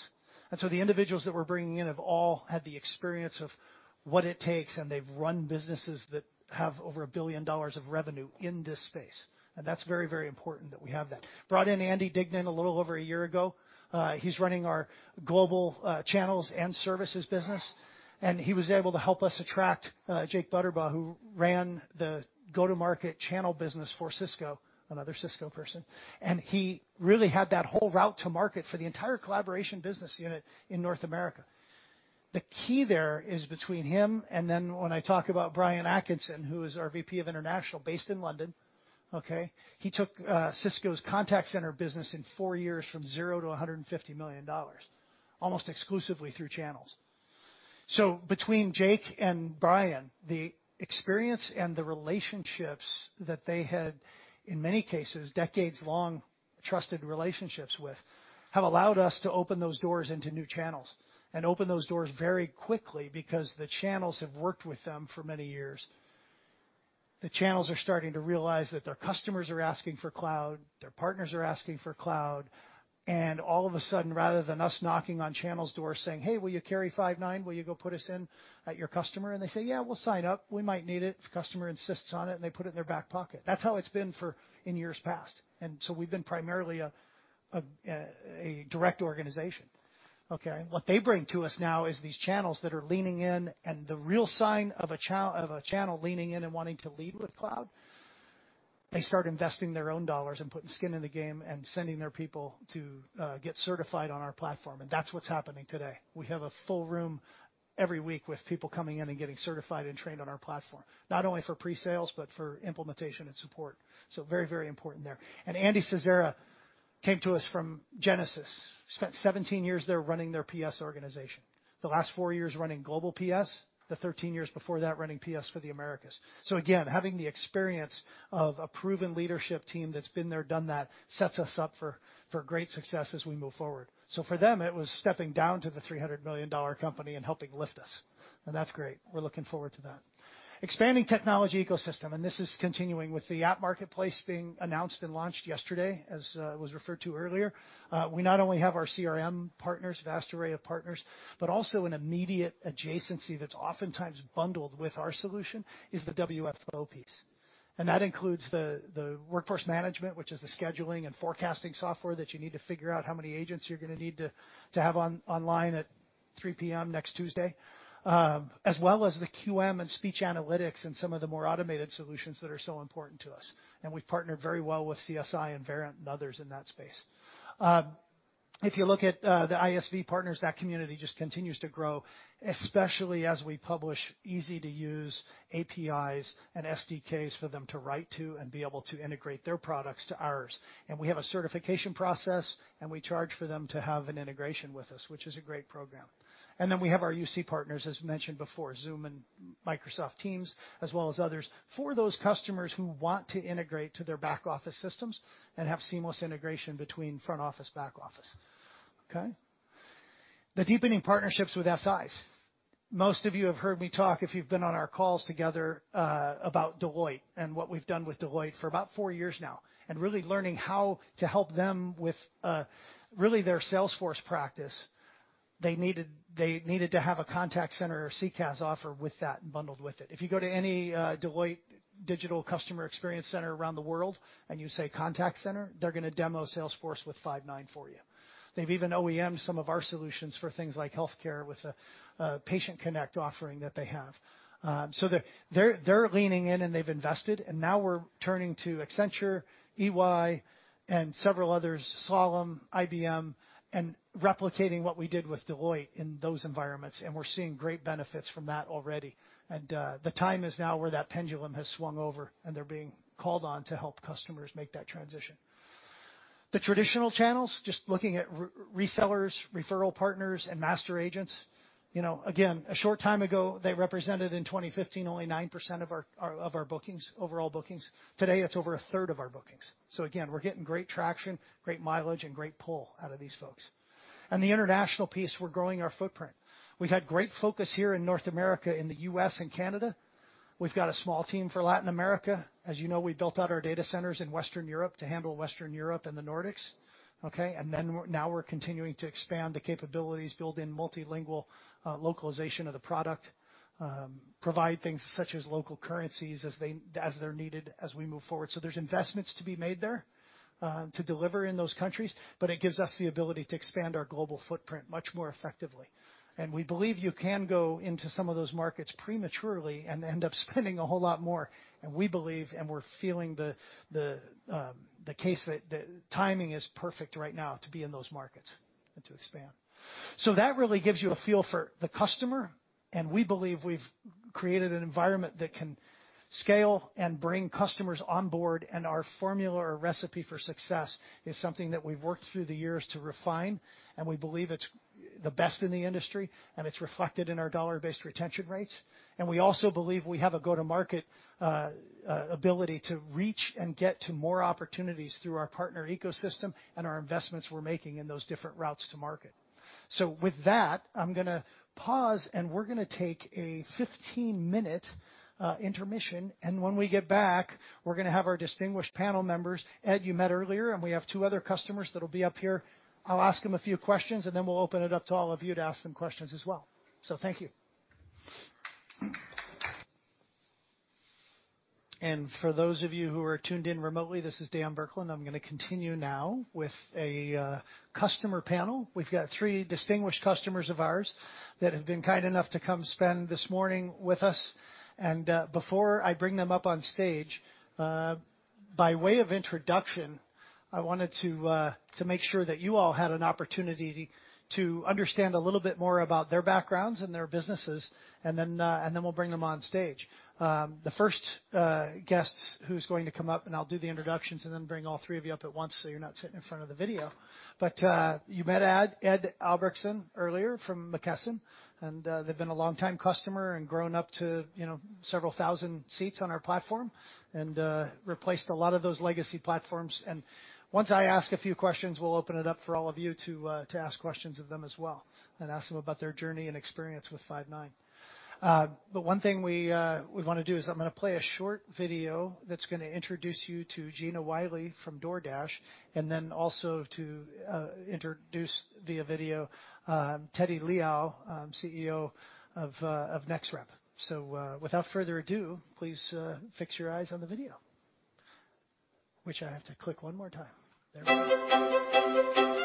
The individuals that we're bringing in have all had the experience of what it takes, and they've run businesses that have over $1 billion of revenue in this space. That's very important that we have that. Brought in Andy Dignan a little over a year ago. He's running our global channels and services business. He was able to help us attract Jake Butterbaugh, who ran the go-to-market channel business for Cisco, another Cisco person. He really had that whole route to market for the entire collaboration business unit in North America. The key there is between him and when I talk about Brian Atkinson, who is our VP of international, based in London, okay? He took Cisco's contact center business in four years from zero to $150 million, almost exclusively through channels. Between Jake and Brian, the experience and the relationships that they had, in many cases, decades-long trusted relationships with, have allowed us to open those doors into new channels and open those doors very quickly because the channels have worked with them for many years. The channels are starting to realize that their customers are asking for cloud, their partners are asking for cloud, and all of a sudden, rather than us knocking on channels' doors saying, "Hey, will you carry Five9? Will you go put us in at your customer?" They say, "Yeah, we'll sign up. We might need it if the customer insists on it," they put it in their back pocket. That's how it's been in years past. We've been primarily a direct organization. Okay? What they bring to us now is these channels that are leaning in. The real sign of a channel leaning in and wanting to lead with cloud, they start investing their own dollars and putting skin in the game and sending their people to get certified on our platform. That's what's happening today. We have a full room every week with people coming in and getting certified and trained on our platform, not only for pre-sales but for implementation and support. Very, very important there. Andy Zazzera came to us from Genesys, spent 17 years there running their PS organization. The last four years running global PS, the 13 years before that running PS for the Americas. Again, having the experience of a proven leadership team that's been there, done that, sets us up for great success as we move forward. For them, it was stepping down to the $300 million company and helping lift us. That's great. We're looking forward to that. Expanding technology ecosystem, this is continuing with the App Marketplace being announced and launched yesterday, as was referred to earlier. We not only have our CRM partners, vast array of partners, but also an immediate adjacency that's oftentimes bundled with our solution is the WFO piece. That includes the workforce management, which is the scheduling and forecasting software that you need to figure out how many agents you're going to need to have online at 3:00 P.M. next Tuesday, as well as the QM and speech analytics and some of the more automated solutions that are so important to us. We've partnered very well with CSI and Verint and others in that space. If you look at the ISV partners, that community just continues to grow, especially as we publish easy-to-use APIs and SDKs for them to write to and be able to integrate their products to ours. We have a certification process, and we charge for them to have an integration with us, which is a great program. We have our UC partners, as mentioned before, Zoom and Microsoft Teams, as well as others, for those customers who want to integrate to their back-office systems and have seamless integration between front office, back office. Okay? The deepening partnerships with SIs. Most of you have heard me talk, if you've been on our calls together, about Deloitte and what we've done with Deloitte for about four years now and really learning how to help them with really their Salesforce practice. They needed to have a contact center or CCaaS offer with that and bundled with it. If you go to any Deloitte Digital customer experience center around the world and you say contact center, they're going to demo Salesforce with Five9 for you. They've even OEM'd some of our solutions for things like healthcare with a patient connect offering that they have. They're leaning in, and they've invested, and now we're turning to Accenture, EY, and several others, Slalom, IBM, and replicating what we did with Deloitte in those environments, and we're seeing great benefits from that already. The time is now where that pendulum has swung over, and they're being called on to help customers make that transition. The traditional channels, just looking at resellers, referral partners, and master agents. Again, a short time ago, they represented in 2015 only 9% of our bookings, overall bookings. Today, it's over a third of our bookings. Again, we're getting great traction, great mileage, and great pull out of these folks. On the international piece, we're growing our footprint. We've had great focus here in North America, in the U.S. and Canada. We've got a small team for Latin America. As you know, we built out our data centers in Western Europe to handle Western Europe and the Nordics, okay? We're continuing to expand the capabilities, build in multilingual localization of the product, provide things such as local currencies as they're needed as we move forward. There's investments to be made there to deliver in those countries, but it gives us the ability to expand our global footprint much more effectively. We believe you can go into some of those markets prematurely and end up spending a whole lot more. We believe, and we're feeling the case that the timing is perfect right now to be in those markets and to expand. That really gives you a feel for the customer. We believe we've created an environment that can scale and bring customers on board. Our formula or recipe for success is something that we've worked through the years to refine. We believe it's the best in the industry. It's reflected in our dollar-based retention rates. We also believe we have a go-to-market ability to reach and get to more opportunities through our partner ecosystem and our investments we're making in those different routes to market. With that, I'm going to pause. We're going to take a 15-minute intermission. When we get back, we're going to have our distinguished panel members. Ed, you met earlier, and we have two other customers that'll be up here. I'll ask them a few questions, then we'll open it up to all of you to ask them questions as well. Thank you. For those of you who are tuned in remotely, this is Dan Burkland. I'm going to continue now with a customer panel. We've got three distinguished customers of ours that have been kind enough to come spend this morning with us. Before I bring them up on stage, by way of introduction, I wanted to make sure that you all had an opportunity to understand a little bit more about their backgrounds and their businesses, and then we'll bring them on stage. The first guest who's going to come up, and I'll do the introductions and then bring all three of you up at once so you're not sitting in front of the video. You met Ed Albrektsen earlier from McKesson, and they've been a long-time customer and grown up to several thousand seats on our platform and replaced a lot of those legacy platforms. Once I ask a few questions, we'll open it up for all of you to ask questions of them as well and ask them about their journey and experience with Five9. One thing we want to do is I'm going to play a short video that's going to introduce you to Gina Wiley from DoorDash, and then also to introduce via video, Teddy Liaw, CEO of NexRep. Without further ado, please fix your eyes on the video. Which I have to click one more time. There we go.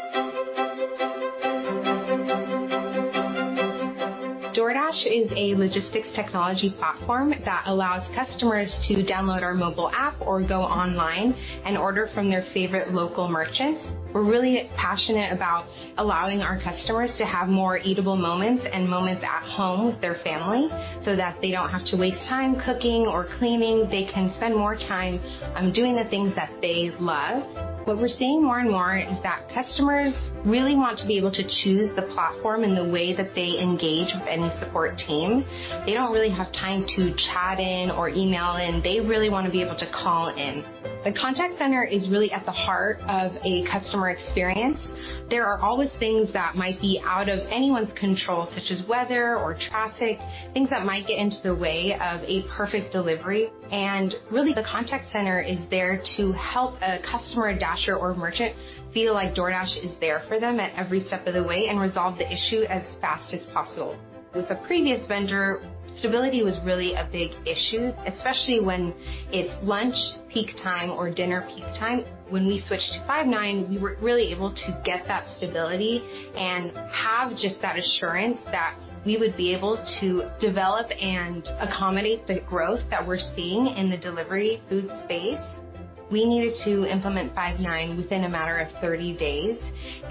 DoorDash is a logistics technology platform that allows customers to download our mobile app or go online and order from their favorite local merchants. We're really passionate about allowing our customers to have more eatable moments and moments at home with their family so that they don't have to waste time cooking or cleaning. They can spend more time on doing the things that they love. What we're seeing more and more is that customers really want to be able to choose the platform and the way that they engage with any support team. They don't really have time to chat in or email in. They really want to be able to call in. The contact center is really at the heart of a customer experience. There are always things that might be out of anyone's control, such as weather or traffic, things that might get into the way of a perfect delivery. Really, the contact center is there to help a customer, a Dasher, or a merchant feel like DoorDash is there for them at every step of the way and resolve the issue as fast as possible. With the previous vendor, stability was really a big issue, especially when it's lunch peak time or dinner peak time. We switched to Five9, we were really able to get that stability and have just that assurance that we would be able to develop and accommodate the growth that we're seeing in the delivery food space. We needed to implement Five9 within a matter of 30 days.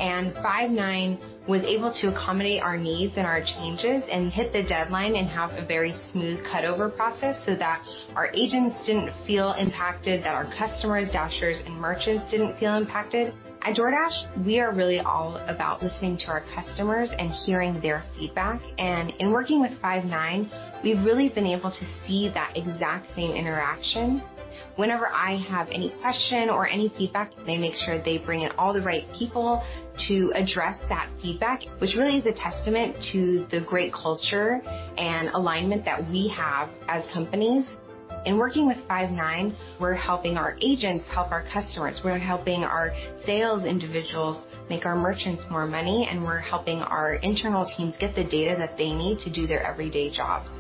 Five9 was able to accommodate our needs and our changes and hit the deadline and have a very smooth cut-over process so that our agents didn't feel impacted, that our customers, Dashers, and merchants didn't feel impacted. At DoorDash, we are really all about listening to our customers and hearing their feedback. In working with Five9, we've really been able to see that exact same interaction. Whenever I have any question or any feedback, they make sure they bring in all the right people to address that feedback, which really is a testament to the great culture and alignment that we have as companies. In working with Five9, we're helping our agents help our customers. We're helping our sales individuals make our merchants more money, and we're helping our internal teams get the data that they need to do their everyday jobs.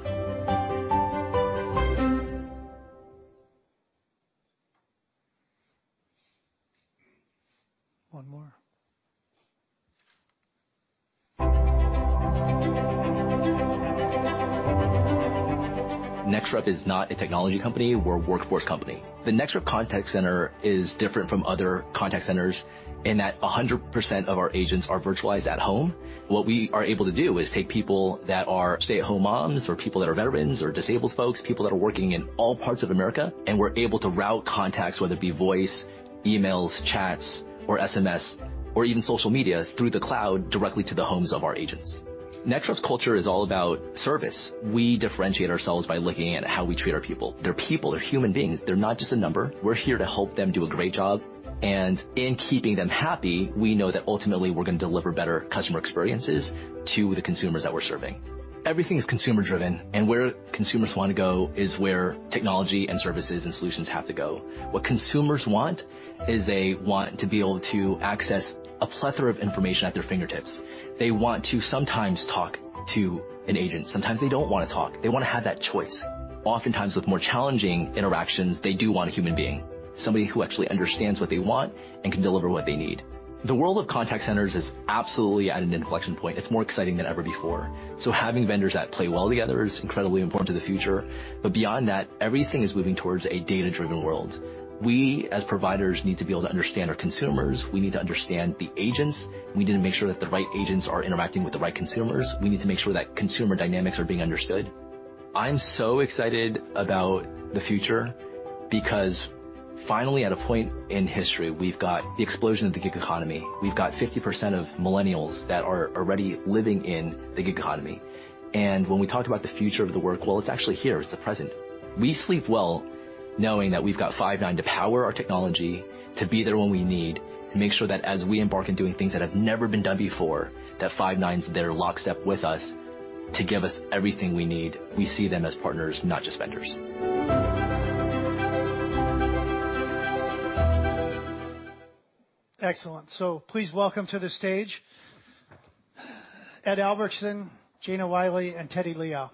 One more. NexRep is not a technology company, we're a workforce company. The NexRep contact center is different from other contact centers in that 100% of our agents are virtualized at home. What we are able to do is take people that are stay-at-home moms or people that are veterans or disabled folks, people that are working in all parts of America, and we're able to route contacts, whether it be voice, emails, chats, or SMS, or even social media, through the cloud directly to the homes of our agents. NexRep's culture is all about service. We differentiate ourselves by looking at how we treat our people. They're people. They're human beings. They're not just a number. We're here to help them do a great job. In keeping them happy, we know that ultimately we're going to deliver better customer experiences to the consumers that we're serving. Everything is consumer-driven, and where consumers want to go is where technology and services and solutions have to go. What consumers want is they want to be able to access a plethora of information at their fingertips. They want to sometimes talk to an agent. Sometimes they don't want to talk. They want to have that choice. Oftentimes, with more challenging interactions, they do want a human being, somebody who actually understands what they want and can deliver what they need. The world of contact centers is absolutely at an inflection point. It's more exciting than ever before. Having vendors that play well together is incredibly important to the future. Beyond that, everything is moving towards a data-driven world. We, as providers, need to be able to understand our consumers. We need to understand the agents. We need to make sure that the right agents are interacting with the right consumers. We need to make sure that consumer dynamics are being understood. I'm so excited about the future because finally, at a point in history, we've got the explosion of the gig economy. We've got 50% of millennials that are already living in the gig economy. When we talk about the future of the work, well, it's actually here, it's the present. We sleep well knowing that we've got Five9 to power our technology to be there when we need, to make sure that as we embark on doing things that have never been done before, that Five9's there lockstep with us to give us everything we need. We see them as partners, not just vendors. Excellent. Please welcome to the stage, Ed Albrektsen, Gina Wiley, and Teddy Liaw.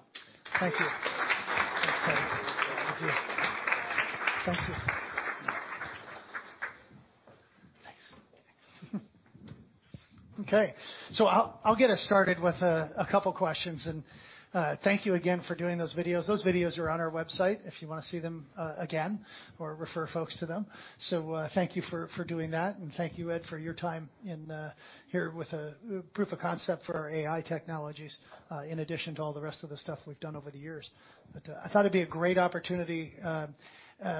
Thank you. Thanks, Teddy. Thank you. Thanks. I'll get us started with a couple of questions. Thank you again for doing those videos. Those videos are on our website if you want to see them again or refer folks to them. Thank you for doing that. Thank you, Ed, for your time in here with a proof of concept for our AI technologies in addition to all the rest of the stuff we've done over the years. I thought it'd be a great opportunity,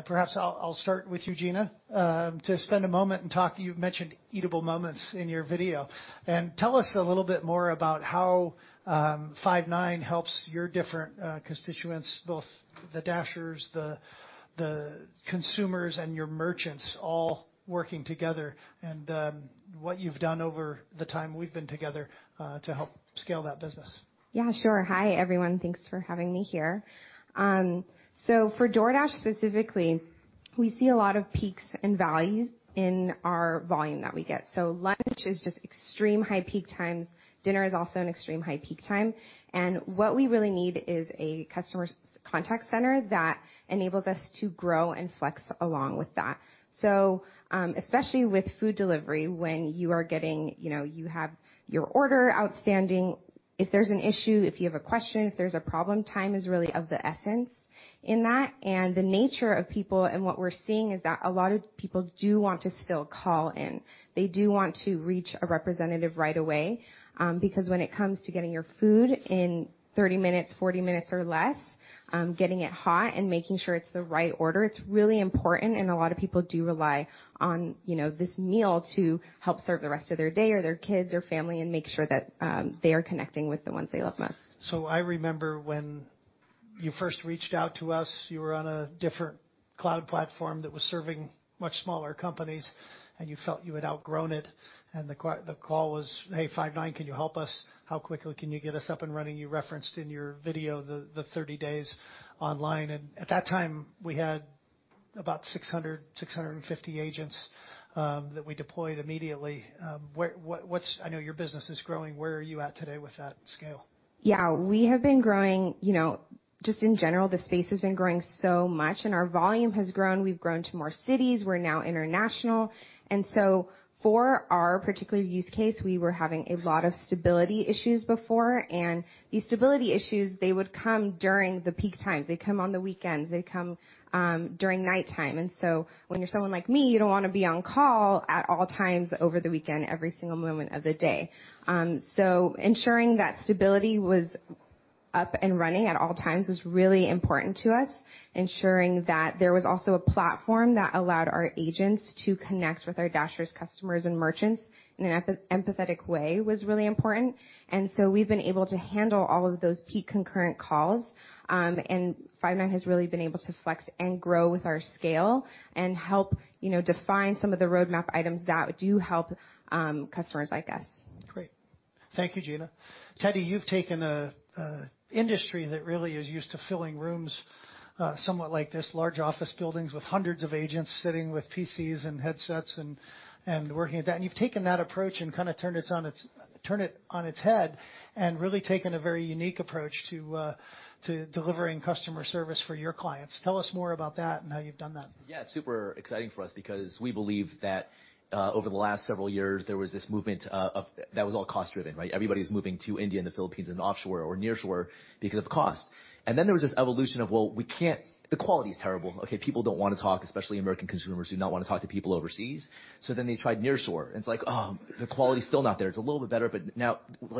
perhaps I'll start with you, Gina, to spend a moment and talk You mentioned eatable moments in your video. Tell us a little bit more about how Five9 helps your different constituents, both the Dashers, the consumers, and your merchants all working together and what you've done over the time we've been together to help scale that business. Yeah, sure. Hi, everyone. Thanks for having me here. For DoorDash specifically, we see a lot of peaks and valleys in our volume that we get. Lunch is just extreme high peak times. Dinner is also an extreme high peak time. What we really need is a customer contact center that enables us to grow and flex along with that. Especially with food delivery, when you have your order outstanding, if there's an issue, if you have a question, if there's a problem, time is really of the essence in that. The nature of people and what we're seeing is that a lot of people do want to still call in. They do want to reach a representative right away because when it comes to getting your food in 30 minutes, 40 minutes or less, getting it hot and making sure it's the right order, it's really important, and a lot of people do rely on this meal to help serve the rest of their day or their kids or family and make sure that they are connecting with the ones they love most. I remember when you first reached out to us, you were on a different cloud platform that was serving much smaller companies, and you felt you had outgrown it. The call was, "Hey, Five9, can you help us? How quickly can you get us up and running?" You referenced in your video the 30 days online. At that time, we had about 600, 650 agents that we deployed immediately. I know your business is growing. Where are you at today with that scale? Yeah, we have been growing. Just in general, the space has been growing so much, and our volume has grown. We've grown to more cities. We're now international. For our particular use case, we were having a lot of stability issues before. These stability issues, they would come during the peak times. They come on the weekends. They come during nighttime. When you're someone like me, you don't want to be on call at all times over the weekend, every single moment of the day. Ensuring that stability was up and running at all times was really important to us. Ensuring that there was also a platform that allowed our agents to connect with our Dashers, customers, and merchants in an empathetic way was really important. We've been able to handle all of those peak concurrent calls. Five9 has really been able to flex and grow with our scale and help define some of the roadmap items that do help customers like us. Great. Thank you, Gina. Teddy, you've taken an industry that really is used to filling rooms somewhat like this, large office buildings with hundreds of agents sitting with PCs and headsets and working at that. You've taken that approach and kind of turned it on its head and really taken a very unique approach to delivering customer service for your clients. Tell us more about that and how you've done that. Yeah, super exciting for us because we believe that over the last several years, there was this movement that was all cost-driven, right? Everybody's moving to India and the Philippines and offshore or nearshore because of cost. There was this evolution of, well, the quality is terrible. Okay, people don't want to talk, especially American consumers do not want to talk to people overseas. They tried nearshore and it's like, the quality is still not there. It's a little bit better.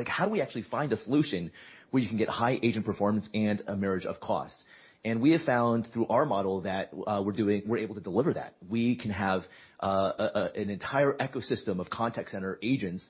How do we actually find a solution where you can get high agent performance and a marriage of cost? We have found through our model that we're able to deliver that. We can have an entire ecosystem of contact center agents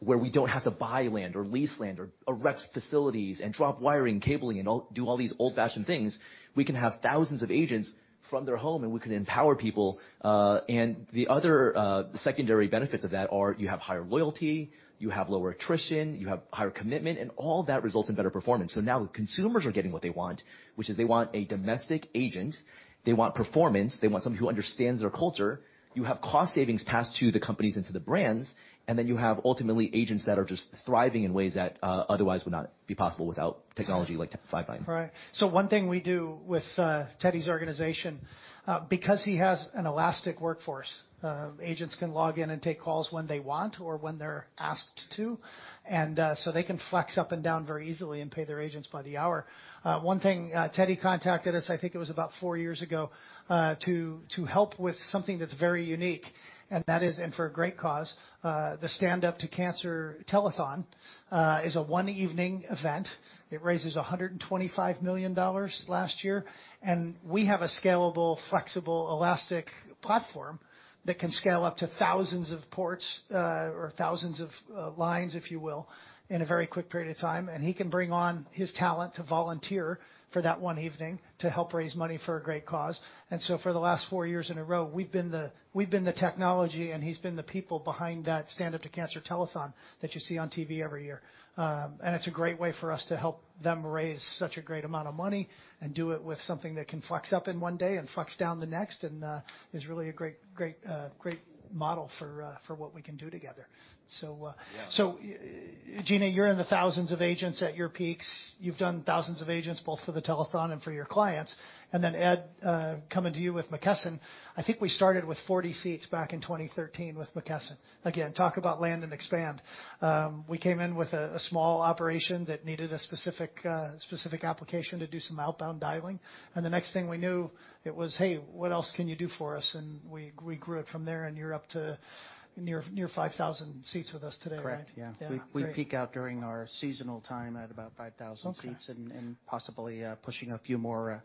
where we don't have to buy land or lease land or erect facilities and drop wiring, cabling and do all these old-fashioned things. We can have thousands of agents from their home, and we can empower people. The other secondary benefits of that are you have higher loyalty, you have lower attrition, you have higher commitment, and all that results in better performance. Now consumers are getting what they want, which is they want a domestic agent, they want performance, they want someone who understands their culture. You have cost savings passed to the companies and to the brands, and then you have ultimately agents that are just thriving in ways that otherwise would not be possible without technology like Five9. Right. One thing we do with Teddy's organization because he has an elastic workforce, agents can log in and take calls when they want or when they're asked to. They can flex up and down very easily and pay their agents by the hour. One thing Teddy contacted us, I think it was about four years ago to help with something that's very unique, and that is and for a great cause. The Stand Up To Cancer Telethon is a one evening event. It raises $125 million last year. We have a scalable, flexible, elastic platform that can scale up to thousands of ports or thousands of lines, if you will, in a very quick period of time. He can bring on his talent to volunteer for that one evening to help raise money for a great cause. For the last four years in a row, we've been the technology, and he's been the people behind that Stand Up To Cancer Telethon that you see on TV every year. It's a great way for us to help them raise such a great amount of money and do it with something that can flex up in one day and flex down the next, and is really a great model for what we can do together. Yeah. Gina, you're in the thousands of agents at your peaks. You've done thousands of agents both for the telethon and for your clients. Ed, coming to you with McKesson, I think we started with 40 seats back in 2013 with McKesson. Again, talk about land and expand. We came in with a small operation that needed a specific application to do some outbound dialing, and the next thing we knew it was, "Hey, what else can you do for us?" We grew it from there, and you're up to near 5,000 seats with us today, right? Correct, yeah. Yeah, great. We peak out during our seasonal time at about 5,000 seats. Okay Possibly pushing a few more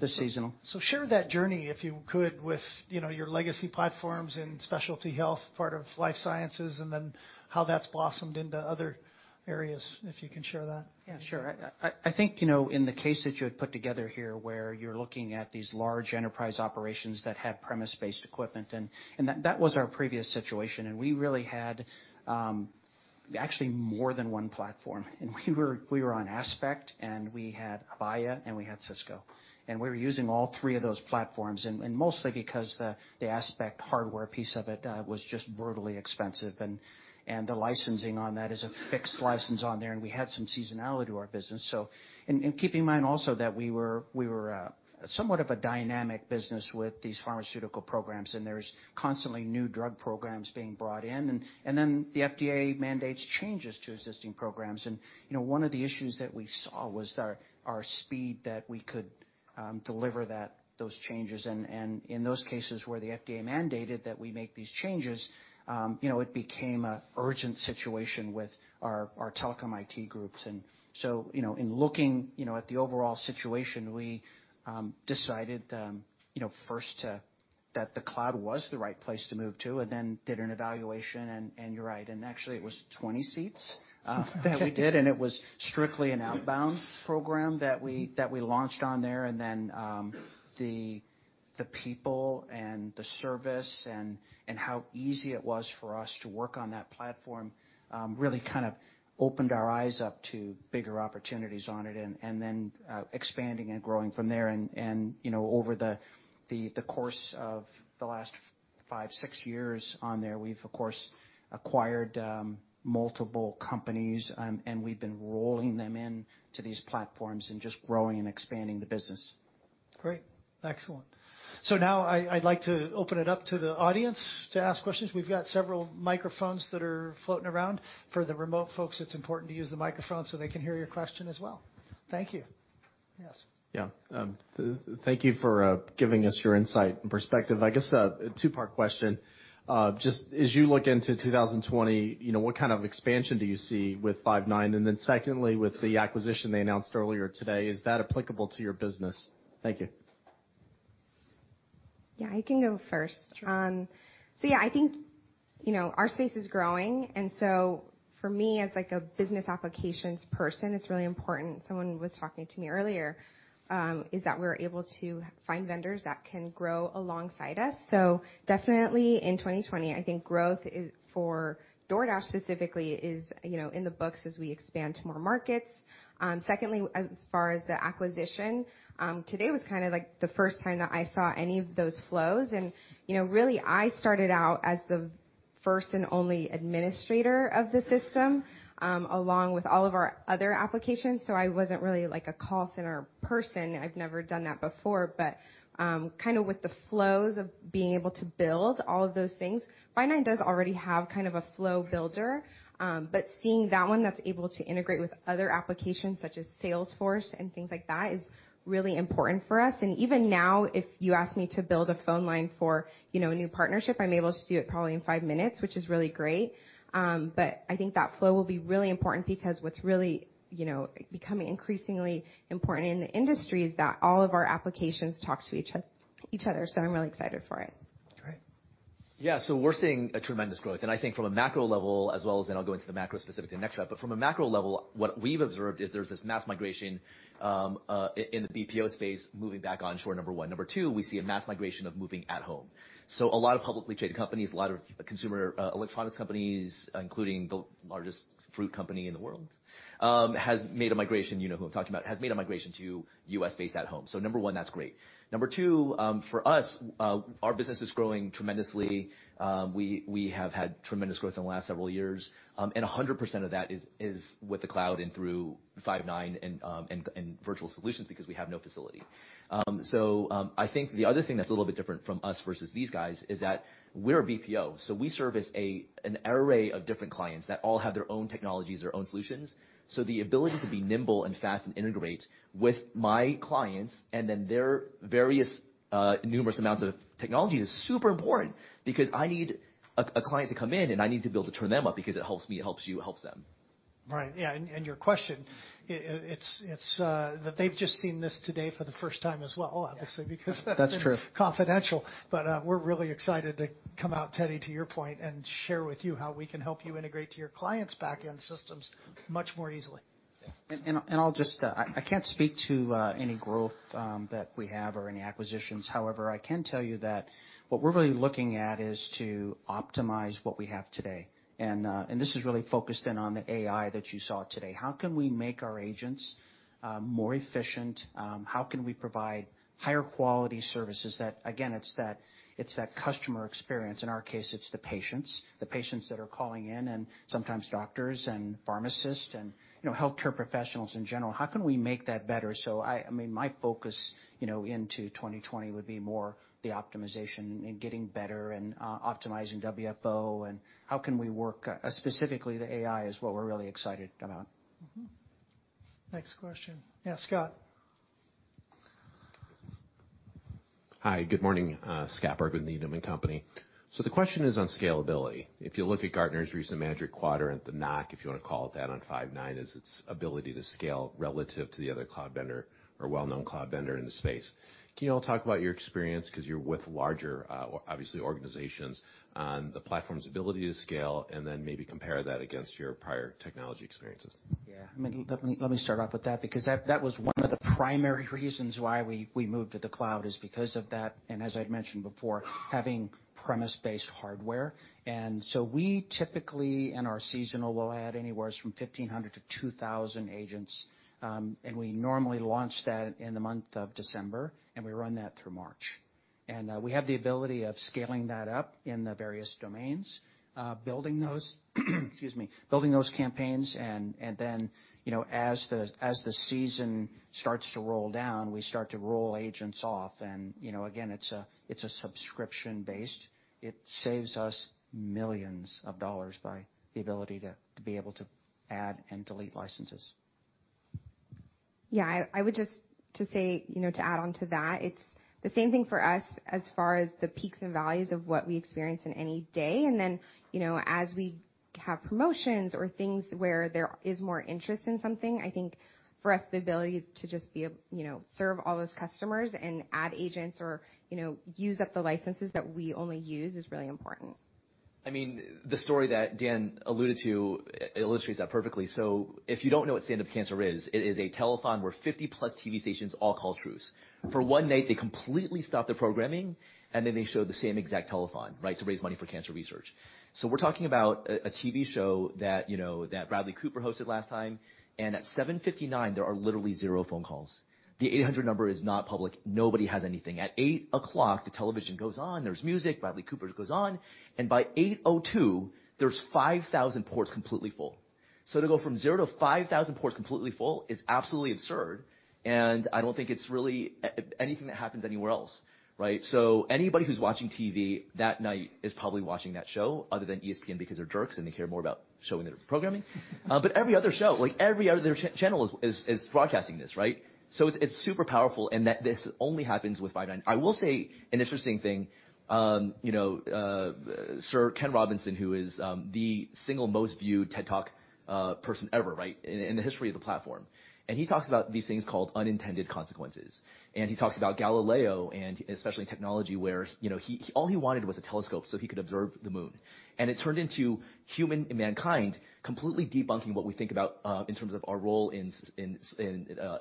this seasonal. Share that journey, if you could, with your legacy platforms and specialty health, part of life sciences, and then how that's blossomed into other areas. If you can share that. Yeah, sure. I think, in the case that you had put together here, where you're looking at these large enterprise operations that have premise-based equipment. That was our previous situation, and we really had actually more than one platform. We were on Aspect and we had Avaya, and we had Cisco. We were using all three of those platforms, and mostly because the Aspect hardware piece of it was just brutally expensive, and the licensing on that is a fixed license on there, and we had some seasonality to our business. Keep in mind also that we were somewhat of a dynamic business with these pharmaceutical programs, and there's constantly new drug programs being brought in. The FDA mandates changes to existing programs. One of the issues that we saw was our speed that we could deliver those changes. In those cases where the FDA mandated that we make these changes, it became an urgent situation with our telecom IT groups. So, in looking at the overall situation, we decided first that the cloud was the right place to move to and then did an evaluation. You're right. Actually it was 20 seats that we did, and it was strictly an outbound program that we launched on there. Then the people and the service and how easy it was for us to work on that platform, really opened our eyes up to bigger opportunities on it, and then expanding and growing from there. Over the course of the last five, six years on there, we've, of course, acquired multiple companies, and we've been rolling them in to these platforms and just growing and expanding the business. Great. Excellent. Now I'd like to open it up to the audience to ask questions. We've got several microphones that are floating around. For the remote folks, it's important to use the microphone so they can hear your question as well. Thank you. Yes. Yeah. Thank you for giving us your insight and perspective. I guess a two-part question. Just as you look into 2020, what kind of expansion do you see with Five9? Secondly, with the acquisition they announced earlier today, is that applicable to your business? Thank you. Yeah, I can go first. Sure. Yeah, I think our space is growing. For me, as a business applications person, it's really important, someone was talking to me earlier, is that we're able to find vendors that can grow alongside us. Definitely in 2020, I think growth for DoorDash specifically is in the books as we expand to more markets. Secondly, as far as the acquisition, today was the first time that I saw any of those flows. Really, I started out as the first and only administrator of the system, along with all of our other applications, so I wasn't really a call center person. I've never done that before, with the flows of being able to build all of those things, Five9 does already have a flow builder. Seeing that one that's able to integrate with other applications such as Salesforce and things like that is really important for us. Even now, if you ask me to build a phone line for a new partnership, I'm able to do it probably in five minutes, which is really great. I think that flow will be really important because what's really becoming increasingly important in the industry is that all of our applications talk to each other. I'm really excited for it. Great. Yeah. We're seeing a tremendous growth. I think from a macro level as well as I'll go into the macro specifically next up. From a macro level, what we've observed is there's this mass migration in the BPO space moving back onshore, number 1. Number 2, we see a mass migration of moving at home. A lot of publicly traded companies, a lot of consumer electronics companies, including the largest fruit company in the world, has made a migration, you know who I'm talking about, has made a migration to U.S.-based at home. Number 1, that's great. Number 2, for us, our business is growing tremendously. We have had tremendous growth in the last several years. 100% of that is with the cloud and through Five9 and virtual solutions because we have no facility. I think the other thing that's a little bit different from us versus these guys is that we're a BPO. We service an array of different clients that all have their own technologies, their own solutions. The ability to be nimble and fast and integrate with my clients and then their various numerous amounts of technologies is super important because I need a client to come in, and I need to be able to turn them up because it helps me, it helps you, it helps them. Right. Yeah, your question, they've just seen this today for the first time as well, obviously. That's true. it's confidential. We're really excited to come out, Teddy, to your point, and share with you how we can help you integrate to your clients' back-end systems much more easily. I can't speak to any growth that we have or any acquisitions. However, I can tell you that what we're really looking at is to optimize what we have today, and this is really focused in on the AI that you saw today. How can we make our agents more efficient? How can we provide higher quality services that, again, it's that customer experience. In our case, it's the patients, the patients that are calling in and sometimes doctors and pharmacists and healthcare professionals in general. How can we make that better? My focus into 2020 would be more the optimization and getting better and optimizing WFO and how can we work, specifically the AI is what we're really excited about. Next question. Yeah, Scott. Hi, good morning. Scott Berg with Needham & Company. The question is on scalability. If you look at Gartner's recent Magic Quadrant, the knock, if you want to call it that, on Five9, is its ability to scale relative to the other cloud vendor or well-known cloud vendor in the space. Can you all talk about your experience, because you're with larger, obviously, organizations, on the platform's ability to scale and then maybe compare that against your prior technology experiences? Yeah. Let me start off with that because that was one of the primary reasons why we moved to the cloud is because of that and as I'd mentioned before, having premise-based hardware. We typically, in our seasonal, will add anywhere from 1,500 to 2,000 agents, and we normally launch that in the month of December, and we run that through March. We have the ability of scaling that up in the various domains, building those campaigns. Then, as the season starts to roll down, we start to roll agents off and again, it's subscription-based. It saves us millions of dollars by the ability to be able to add and delete licenses. Yeah, I would just to say, to add on to that, it's the same thing for us as far as the peaks and valleys of what we experience in any day. As we have promotions or things where there is more interest in something, I think for us, the ability to just serve all those customers and add agents or use up the licenses that we only use is really important. The story that Dan alluded to illustrates that perfectly. If you don't know what Stand Up To Cancer is, it is a telethon where 50-plus TV stations all call truce. For one night, they completely stop their programming, and then they show the same exact telethon to raise money for cancer research. We're talking about a TV show that Bradley Cooper hosted last time, and at 7:59, there are literally zero phone calls. The 800 number is not public. Nobody has anything. At 8:00 o'clock, the television goes on. There's music. Bradley Cooper goes on, and by 8:02, there's 5,000 ports completely full. To go from zero to 5,000 ports completely full is absolutely absurd, and I don't think it's really anything that happens anywhere else. Anybody who's watching TV that night is probably watching that show other than ESPN because they're jerks, and they care more about showing their programming. Every other show, every other channel is broadcasting this. It's super powerful and that this only happens with Five9. I will say an interesting thing. Sir Ken Robinson, who is the single most viewed TED Talk person ever in the history of the platform, and he talks about these things called unintended consequences. He talks about Galileo and especially in technology where all he wanted was a telescope so he could observe the moon. It turned into humankind completely debunking what we think about in terms of our role in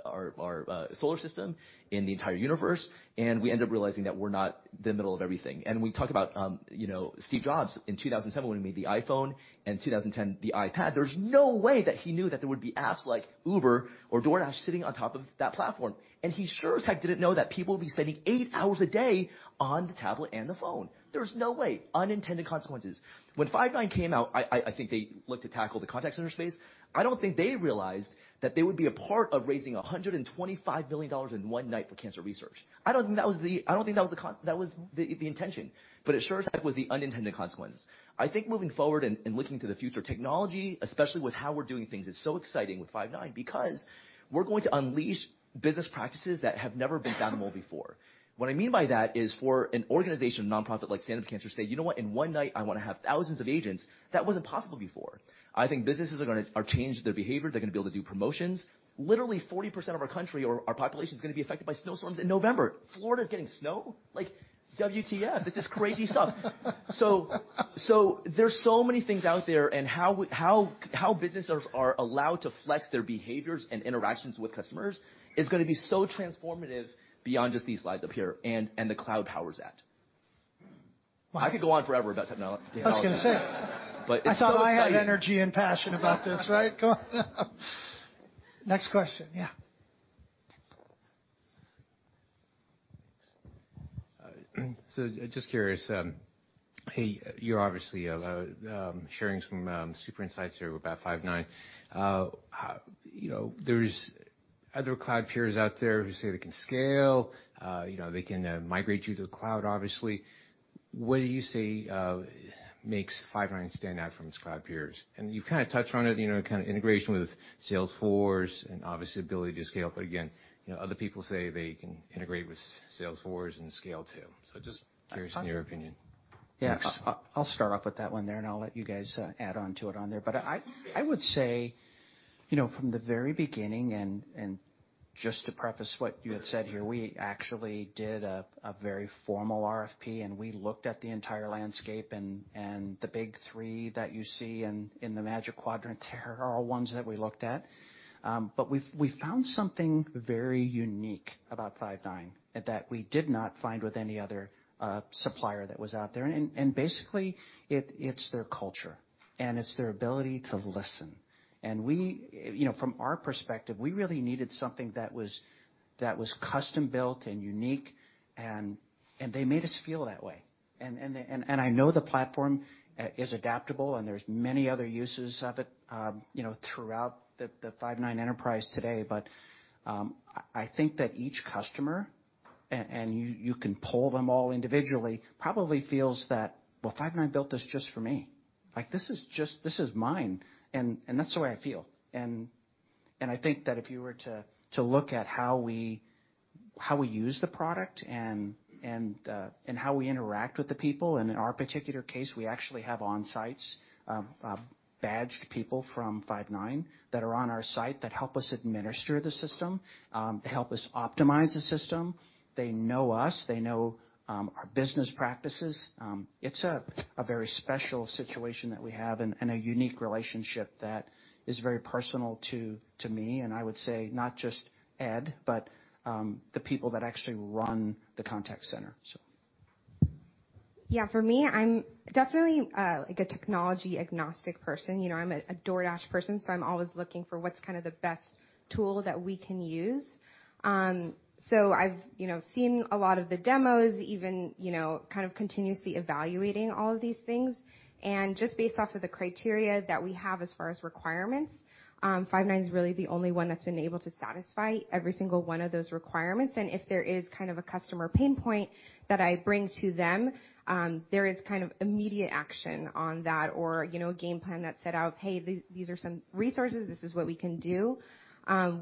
our solar system, in the entire universe, and we end up realizing that we're not the middle of everything. We talk about Steve Jobs in 2007 when he made the iPhone and 2010, the iPad. There's no way that he knew that there would be apps like Uber or DoorDash sitting on top of that platform. He sure as heck didn't know that people would be spending eight hours a day on the tablet and the phone. There's no way. Unintended consequences. When Five9 came out, I think they looked to tackle the contact center space. I don't think they realized that they would be a part of raising $125 million in one night for cancer research. I don't think that was the intention, but it sure as heck was the unintended consequence. I think moving forward and looking to the future technology, especially with how we're doing things, it's so exciting with Five9 because we're going to unleash business practices that have never been fathomable before. What I mean by that is for an organization, nonprofit like Stand Up To Cancer say, "You know what? In one night, I want to have thousands of agents." That wasn't possible before. I think businesses are going to change their behavior. They're going to be able to do promotions. Literally 40% of our country or our population is going to be affected by snowstorms in November. Florida's getting snow? Like WTF. This is crazy stuff. There's so many things out there and how businesses are allowed to flex their behaviors and interactions with customers is going to be so transformative beyond just these slides up here and the cloud powers that. Wow. I could go on forever about technology, Dan. I was going to say. I thought only I had energy and passion about this, right? Go on. Next question. Yeah. Just curious. Hey, you're obviously sharing some super insights here about Five9. There's other cloud peers out there who say they can scale, they can migrate you to the cloud, obviously. What do you say makes Five9 stand out from its cloud peers? You've kind of touched on it, kind of integration with Salesforce and obviously ability to scale. Again, other people say they can integrate with Salesforce and scale too. Just curious in your opinion. Yeah. I'll start off with that one there, and I'll let you guys add onto it on there. I would say, from the very beginning and just to preface what you had said here, we actually did a very formal RFP, we looked at the entire landscape, the big three that you see in the Magic Quadrant there are ones that we looked at. We found something very unique about Five9 that we did not find with any other supplier that was out there. Basically, it's their culture, and it's their ability to listen. From our perspective, we really needed something that was custom-built and unique, they made us feel that way. I know the platform is adaptable and there's many other uses of it throughout the Five9 enterprise today. I think that each customer, and you can poll them all individually, probably feels that, "Well, Five9 built this just for me. This is mine." That's the way I feel. I think that if you were to look at how we use the product and how we interact with the people, and in our particular case, we actually have on-sites, badged people from Five9 that are on our site that help us administer the system, help us optimize the system. They know us. They know our business practices. It's a very special situation that we have and a unique relationship that is very personal to me, and I would say not just Ed, but the people that actually run the contact center. Yeah, for me, I'm definitely a technology agnostic person. I'm a DoorDash person. I'm always looking for what's the best tool that we can use. I've seen a lot of the demos even, continuously evaluating all of these things, and just based off of the criteria that we have as far as requirements, Five9 is really the only one that's been able to satisfy every single one of those requirements. If there is a customer pain point that I bring to them, there is immediate action on that or a game plan that's set out, "Hey, these are some resources. This is what we can do.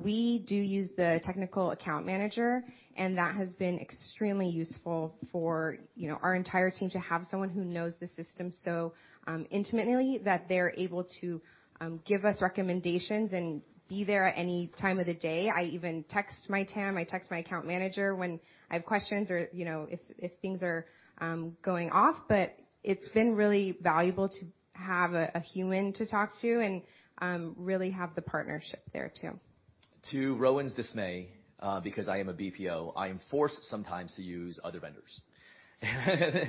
We do use the technical account manager, that has been extremely useful for our entire team to have someone who knows the system so intimately that they're able to give us recommendations and be there at any time of the day. I even text my TAM. I text my account manager when I have questions or if things are going off. It's been really valuable to have a human to talk to and really have the partnership there too. To Rowan's dismay, because I am a BPO, I am forced sometimes to use other vendors.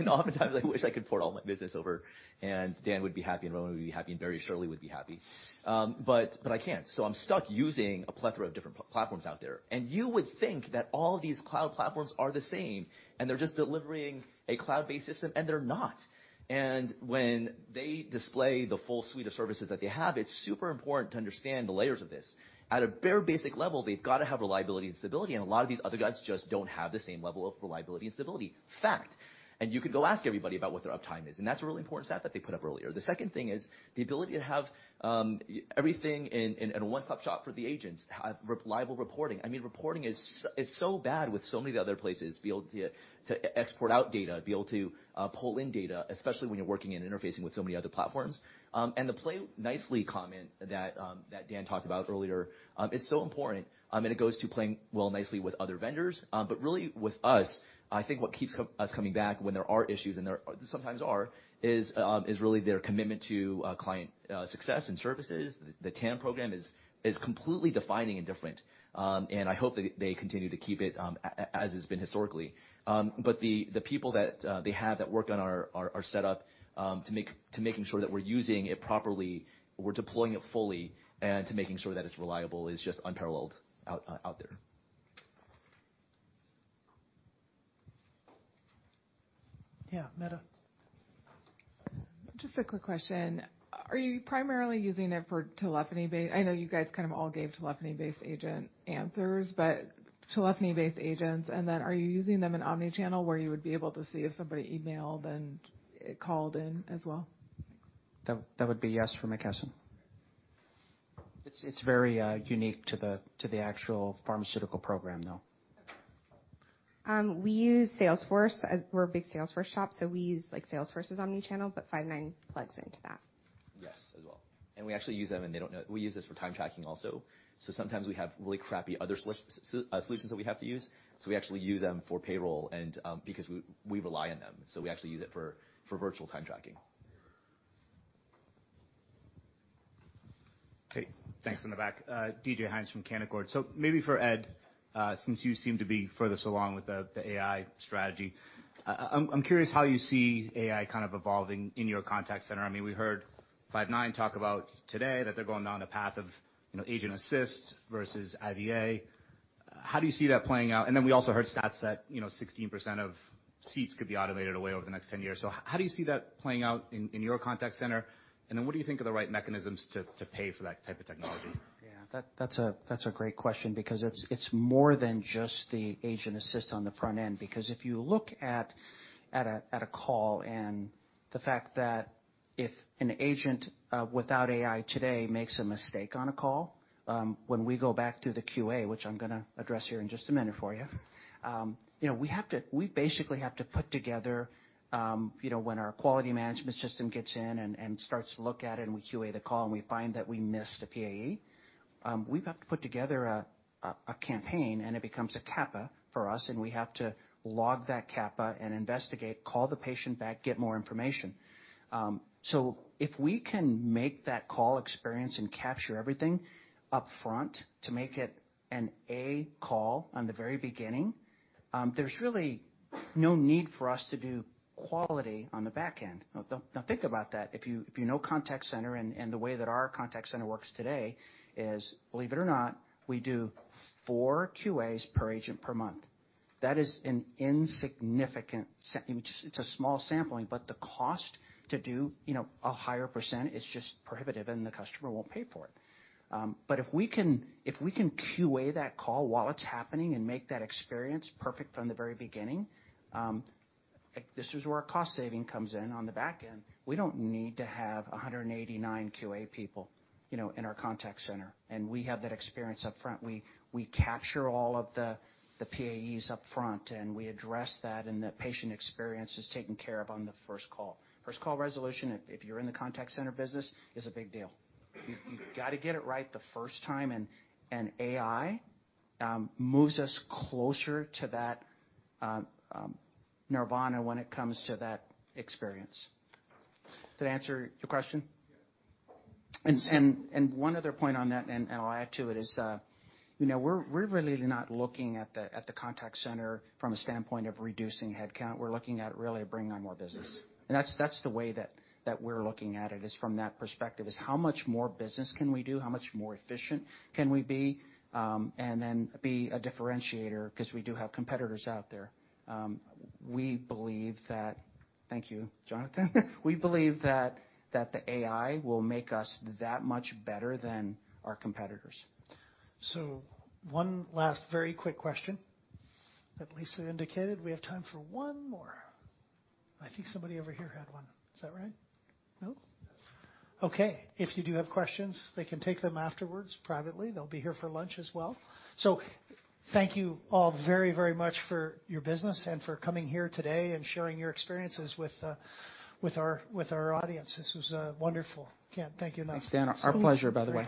Oftentimes, I wish I could port all my business over, and Dan would be happy, and Rowan would be happy, and Barry surely would be happy. I can't. I'm stuck using a plethora of different platforms out there. You would think that all these cloud platforms are the same and they're just delivering a cloud-based system, and they're not. When they display the full suite of services that they have, it's super important to understand the layers of this. At a bare basic level, they've got to have reliability and stability, and a lot of these other guys just don't have the same level of reliability and stability. Fact. You could go ask everybody about what their uptime is, and that's a really important stat that they put up earlier. The second thing is the ability to have everything in a one-stop shop for the agents, have reliable reporting. Reporting is so bad with so many other places, to be able to export out data, be able to pull in data, especially when you're working and interfacing with so many other platforms. The play nicely comment that Dan talked about earlier, is so important, and it goes to playing well nicely with other vendors. Really with us, I think what keeps us coming back when there are issues, and there sometimes are, is really their commitment to client success and services. The TAM program is completely defining and different. I hope that they continue to keep it, as it's been historically. The people that they have that work on our setup to making sure that we're using it properly, we're deploying it fully, and to making sure that it's reliable is just unparalleled out there. Yeah. Meta. Just a quick question. Are you primarily using it for telephony-based I know you guys all gave telephony-based agent answers, but telephony-based agents, and then are you using them in omni-channel, where you would be able to see if somebody emailed and called in as well? That would be yes for McKesson. It's very unique to the actual pharmaceutical program, though. We use Salesforce as we're a big Salesforce shop. We use Salesforce's omni-channel. Five9 plugs into that. Yes, as well. We actually use them, and they don't know. We use this for time tracking also. Sometimes we have really crappy other solutions that we have to use, so we actually use them for payroll and, because we rely on them, so we actually use it for virtual time tracking. Okay. Thanks. In the back. D.J. Hynes from Canaccord. Maybe for Ed, since you seem to be furthest along with the AI strategy, I'm curious how you see AI evolving in your contact center. We heard Five9 talk about today that they're going down a path of agent assist versus IVA. How do you see that playing out? We also heard stats that 16% of seats could be automated away over the next 10 years. How do you see that playing out in your contact center, and then what do you think are the right mechanisms to pay for that type of technology? Yeah, that's a great question because it's more than just the agent assist on the front end because if you look at a call. If an agent without AI today makes a mistake on a call, when we go back to the QA, which I'm going to address here in just a minute for you, we basically have to put together, when our quality management system gets in and starts to look at it, and we QA the call, and we find that we missed a PAE, we've had to put together a campaign and it becomes a CAPA for us, and we have to log that CAPA and investigate, call the patient back, get more information. If we can make that call experience and capture everything up front to make it an A call on the very beginning, there's really no need for us to do quality on the back end. Now think about that. If you know contact center and the way that our contact center works today is, believe it or not, we do four QAs per agent per month. That is an insignificant, it's a small sampling, but the cost to do a higher percent is just prohibitive and the customer won't pay for it. If we can QA that call while it's happening and make that experience perfect from the very beginning, this is where our cost saving comes in on the back end. We don't need to have 189 QA people in our contact center. We have that experience up front. We capture all of the PAEs up front. We address that. The patient experience is taken care of on the first call. First call resolution, if you're in the contact center business, is a big deal. You've got to get it right the first time. AI moves us closer to that nirvana when it comes to that experience. Did that answer your question? Yes. One other point on that, I'll add to it, is we're really not looking at the contact center from a standpoint of reducing headcount. We're looking at really bringing on more business. That's the way that we're looking at it is from that perspective, is how much more business can we do, how much more efficient can we be, and then be a differentiator because we do have competitors out there. Thank you, Jonathan. We believe that the AI will make us that much better than our competitors. One last very quick question, that Lisa indicated we have time for one more. I think somebody over here had one. Is that right? No? Okay. If you do have questions, they can take them afterwards privately. They'll be here for lunch as well. Thank you all very much for your business and for coming here today and sharing your experiences with our audience. This was wonderful. Again, thank you. Thanks, Dan. Our pleasure, by the way.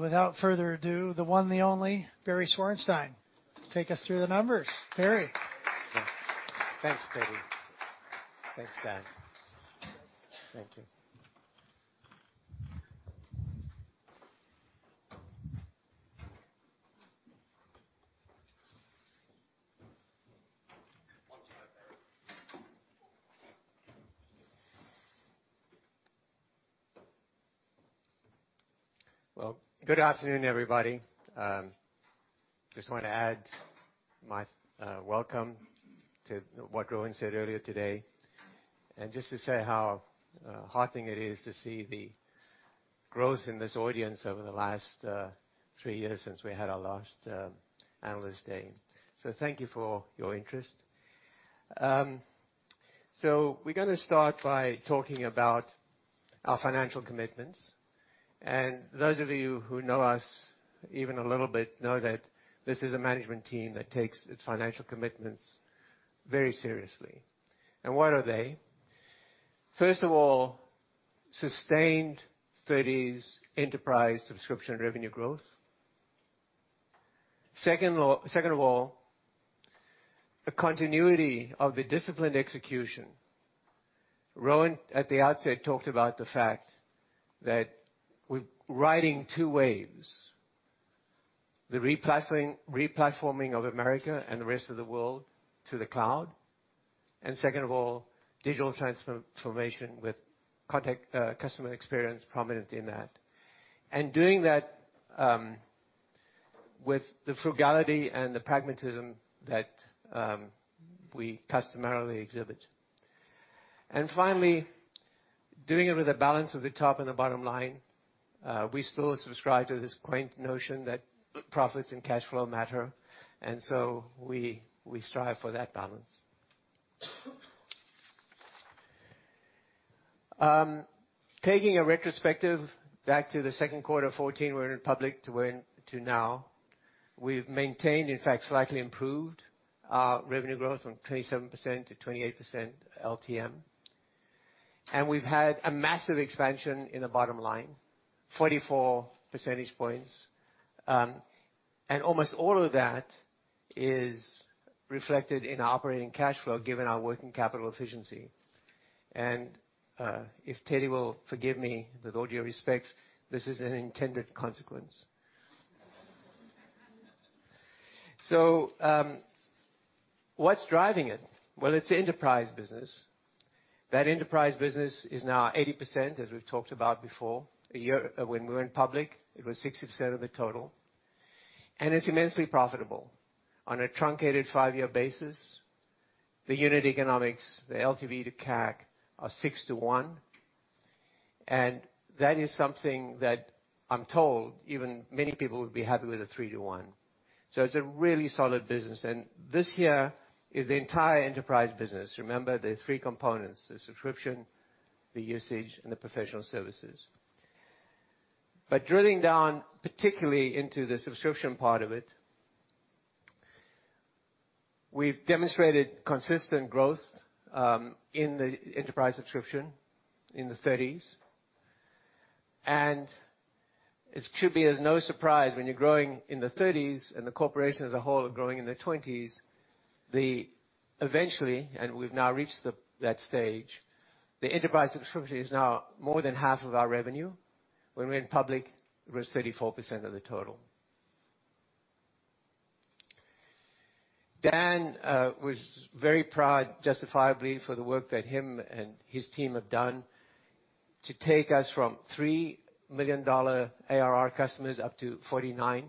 Without further ado, the one, the only, Barry Zwarenstein. Take us through the numbers, Barry. Thanks, Teddy. Thanks, Dan. Thank you. On to it, Barry. Good afternoon, everybody. Just want to add my welcome to what Rowan said earlier today, and just to say how heartening it is to see the growth in this audience over the last three years since we had our last Analyst Day. Thank you for your interest. We're going to start by talking about our financial commitments. Those of you who know us even a little bit know that this is a management team that takes its financial commitments very seriously. What are they? First of all, sustained 30s enterprise subscription revenue growth. Second of all, a continuity of the disciplined execution. Rowan, at the outset, talked about the fact that we're riding two waves, the re-platforming of America and the rest of the world to the cloud, and second of all, digital transformation with customer experience prominent in that. Doing that with the frugality and the pragmatism that we customarily exhibit. Finally, doing it with a balance of the top and the bottom line. We still subscribe to this quaint notion that profits and cash flow matter, we strive for that balance. Taking a retrospective back to the second quarter 2014 we went public to now, we've maintained, in fact slightly improved our revenue growth from 27% to 28% LTM. We've had a massive expansion in the bottom line, 44 percentage points. Almost all of that is reflected in our operating cash flow, given our working capital efficiency. If Teddy will forgive me, with all due respect, this is an intended consequence. What's driving it? Well, it's the enterprise business. That enterprise business is now 80%, as we've talked about before. When we went public, it was 60% of the total. It's immensely profitable. On a truncated five-year basis, the unit economics, the LTV to CAC are 6 to 1. That is something that I'm told even many people would be happy with a 3 to 1. It's a really solid business. This here is the entire enterprise business. Remember the 3 components, the subscription, the usage, and the professional services. Drilling down particularly into the subscription part of it, we've demonstrated consistent growth in the enterprise subscription in the 30s. It should be as no surprise when you're growing in the 30s and the corporation as a whole are growing in the 20s, eventually, and we've now reached that stage, the enterprise subscription is now more than half of our revenue. When we went public, it was 34% of the total. Dan was very proud, justifiably, for the work that him and his team have done to take us from $3 million ARR customers up to 49.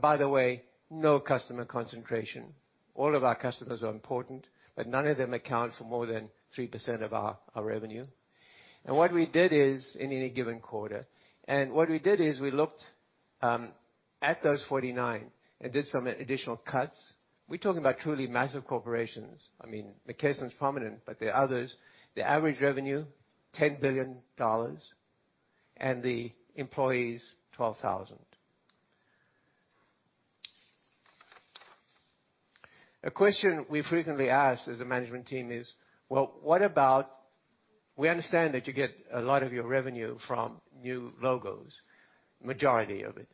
By the way, no customer concentration. All of our customers are important, but none of them account for more than 3% of our revenue in any given quarter. What we did is we looked at those 49 and did some additional cuts. We're talking about truly massive corporations. McKesson's prominent, but there are others. The average revenue, $10 billion, and the employees, 12,000. A question we frequently ask as a management team is, we understand that you get a lot of your revenue from new logos, majority of it.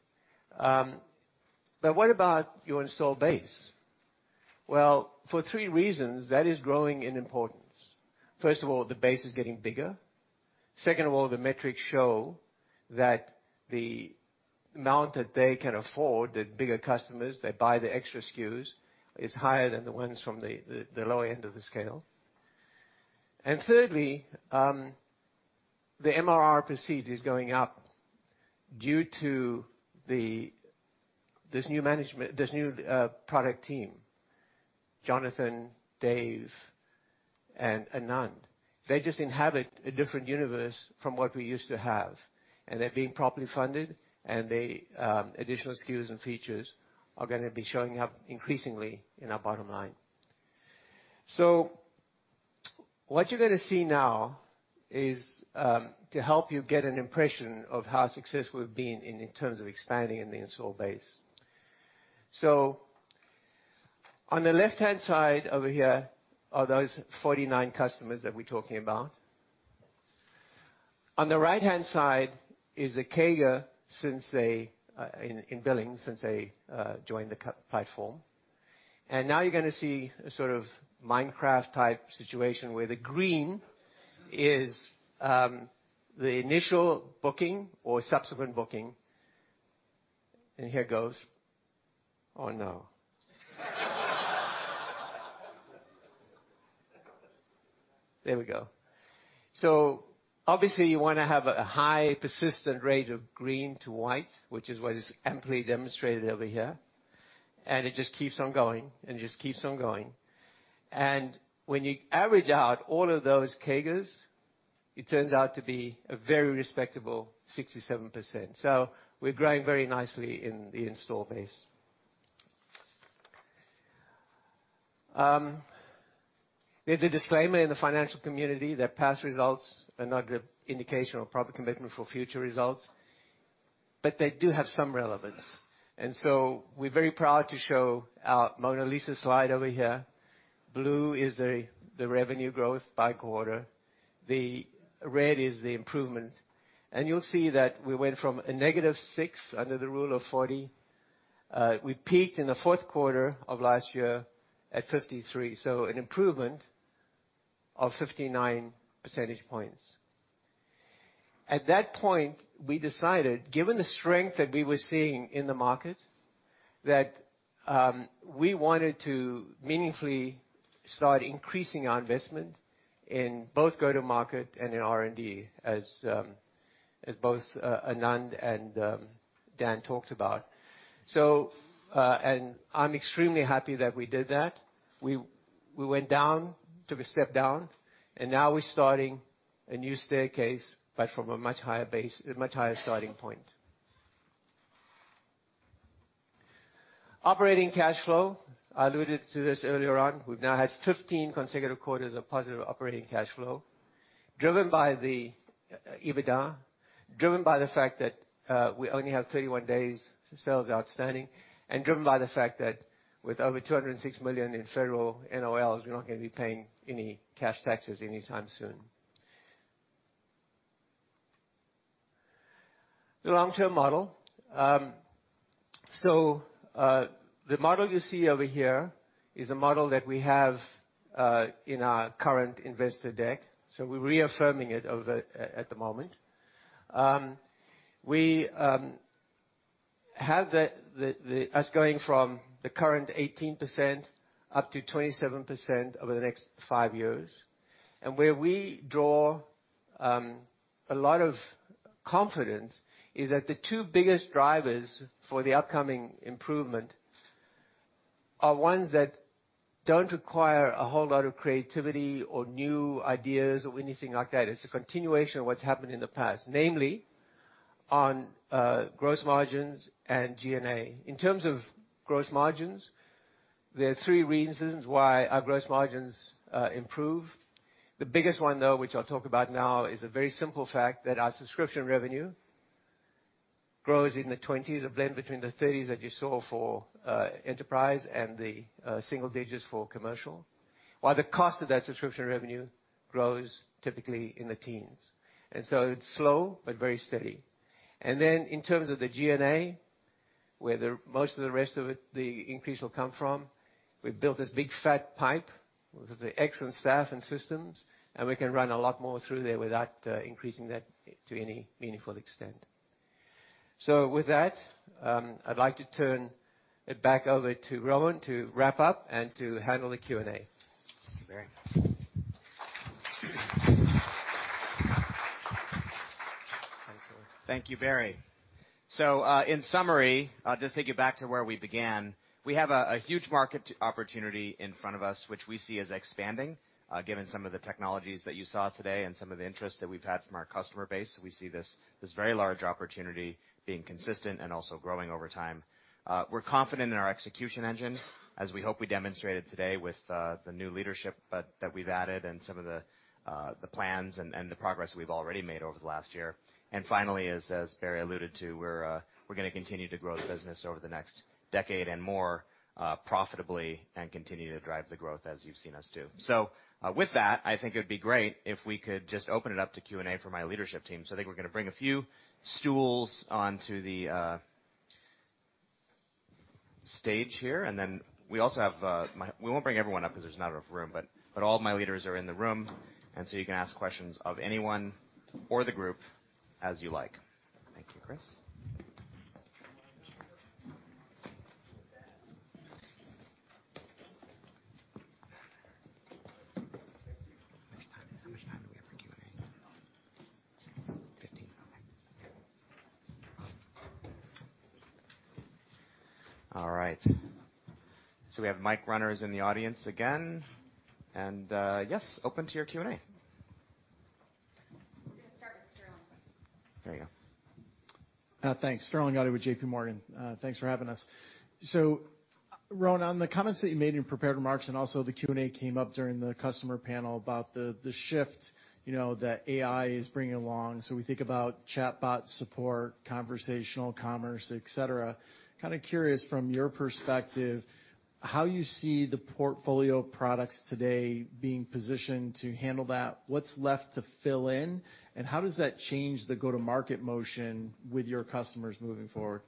What about your install base? Well, for three reasons, that is growing in importance. First of all, the base is getting bigger. Second of all, the metrics show that the amount that they can afford, the bigger customers, they buy the extra SKUs, is higher than the ones from the lower end of the scale. Thirdly, the MRR per seat is going up due to this new product team, Jonathan, Dave and Anand. They just inhabit a different universe from what we used to have, and they're being properly funded, and the additional SKUs and features are going to be showing up increasingly in our bottom line. What you're going to see now is to help you get an impression of how successful we've been in terms of expanding in the install base. On the left-hand side over here are those 49 customers that we're talking about. On the right-hand side is the CAGR in billing since they joined the platform. Now you're going to see a sort of Minecraft-type situation where the green is the initial booking or subsequent booking, and here goes. Oh, no. There we go. Obviously you want to have a high persistent rate of green to white, which is what is amply demonstrated over here, and it just keeps on going and just keeps on going. When you average out all of those CAGRs, it turns out to be a very respectable 67%. We're growing very nicely in the install base. There's a disclaimer in the financial community that past results are not a good indication or proper commitment for future results, but they do have some relevance. We're very proud to show our Mona Lisa slide over here. Blue is the revenue growth by quarter. The red is the improvement. You'll see that we went from a negative six under the rule of 40. We peaked in the fourth quarter of last year at 53, so an improvement of 59 percentage points. At that point, we decided, given the strength that we were seeing in the market, that we wanted to meaningfully start increasing our investment in both go-to-market and in R&D, as both Anand and Dan talked about. I'm extremely happy that we did that. We took a step down and now we're starting a new staircase, but from a much higher starting point. Operating cash flow. I alluded to this earlier on. We've now had 15 consecutive quarters of positive operating cash flow driven by the EBITDA, driven by the fact that we only have 31 days of sales outstanding, and driven by the fact that with over $206 million in federal NOLs, we're not going to be paying any cash taxes anytime soon. The long-term model. The model you see over here is a model that we have in our current investor deck, we're reaffirming it at the moment. We have us going from the current 18% up to 27% over the next five years. Where we draw a lot of confidence is that the two biggest drivers for the upcoming improvement are ones that don't require a whole lot of creativity or new ideas or anything like that. It's a continuation of what's happened in the past, namely on gross margins and G&A. In terms of gross margins, there are three reasons why our gross margins improve. The biggest one, though, which I'll talk about now, is a very simple fact that our subscription revenue grows in the 20s, a blend between the 30s that you saw for enterprise and the single digits for commercial, while the cost of that subscription revenue grows typically in the teens. It's slow, but very steady. In terms of the G&A, where most of the rest of it, the increase will come from, we've built this big fat pipe with the excellent staff and systems, and we can run a lot more through there without increasing that to any meaningful extent. With that, I'd like to turn it back over to Rowan to wrap up and to handle the Q&A. Thank you, Barry. Thank you, Barry. In summary, just take it back to where we began. We have a huge market opportunity in front of us, which we see as expanding, given some of the technologies that you saw today and some of the interest that we've had from our customer base. We see this very large opportunity being consistent and also growing over time. We're confident in our execution engine, as we hope we demonstrated today with the new leadership that we've added and some of the plans and the progress we've already made over the last year. Finally, as Barry alluded to, we're going to continue to grow the business over the next decade and more, profitably, and continue to drive the growth as you've seen us do. With that, I think it'd be great if we could just open it up to Q&A for my leadership team. I think we're going to bring a few stools onto the stage here. We won't bring everyone up because there's not enough room, but all of my leaders are in the room, you can ask questions of anyone or the group as you like. Thank you, Chris. How much time do we have for Q&A? 15. Okay. All right. We have mic runners in the audience again. Yes, open to your Q&A. We're going to start with Sterling. There you go. Thanks. Sterling Auty with JPMorgan. Thanks for having us. Rowan, on the comments that you made in your prepared remarks, and also the Q&A came up during the customer panel about the shift that AI is bringing along. We think about chatbot support, conversational commerce, et cetera. Curious from your perspective, how you see the portfolio of products today being positioned to handle that? What's left to fill in, and how does that change the go-to-market motion with your customers moving forward?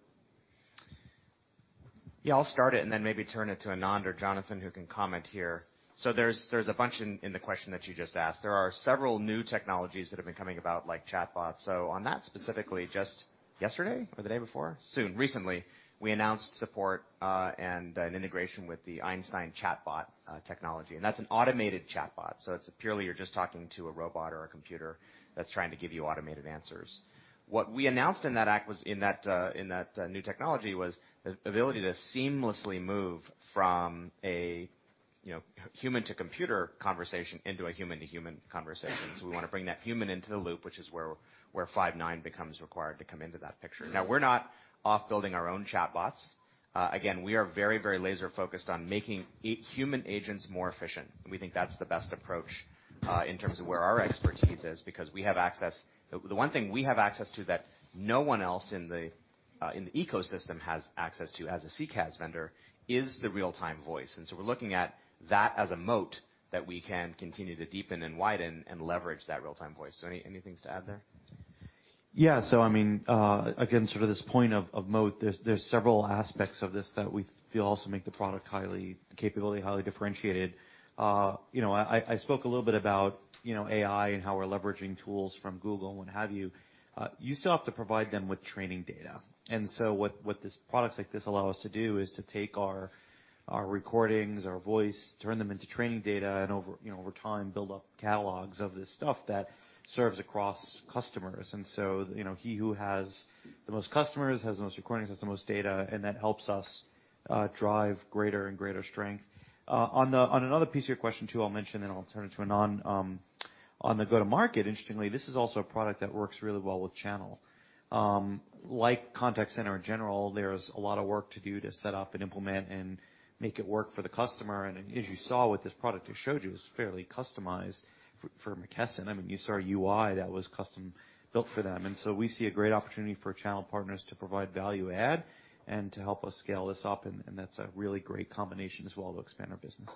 Yeah, I'll start it and then maybe turn it to Anand or Jonathan, who can comment here. There's a bunch in the question that you just asked. There are several new technologies that have been coming about, like chatbots. On that specifically, just yesterday or the day before, soon, recently, we announced support and an integration with the Einstein chatbot technology, and that's an automated chatbot. It's purely, you're just talking to a robot or a computer that's trying to give you automated answers. What we announced in that new technology was the ability to seamlessly move from a human-to-computer conversation into a human-to-human conversation. We want to bring that human into the loop, which is where Five9 becomes required to come into that picture. Now, we're not off building our own chatbots. We are very laser-focused on making human agents more efficient, and we think that's the best approach in terms of where our expertise is, because the one thing we have access to that no one else in the ecosystem has access to as a CCaaS vendor is the real-time voice. We're looking at that as a moat that we can continue to deepen and widen and leverage that real-time voice. Any things to add there? Yeah. Again, this point of moat, there's several aspects of this that we feel also make the product capability highly differentiated. I spoke a little bit about AI and how we're leveraging tools from Google and what have you. You still have to provide them with training data. What products like this allow us to do is to take our recordings, our voice, turn them into training data, and over time, build up catalogs of this stuff that serves across customers. He who has the most customers, has the most recordings, has the most data, and that helps us drive greater and greater strength. On another piece of your question, too, I'll mention, and I'll turn it to Anand. On the go-to-market, interestingly, this is also a product that works really well with channel. Like contact center in general, there's a lot of work to do to set up and implement and make it work for the customer. As you saw with this product we showed you, it was fairly customized for McKesson. You saw a UI that was custom-built for them. We see a great opportunity for channel partners to provide value add and to help us scale this up, and that's a really great combination as well to expand our business.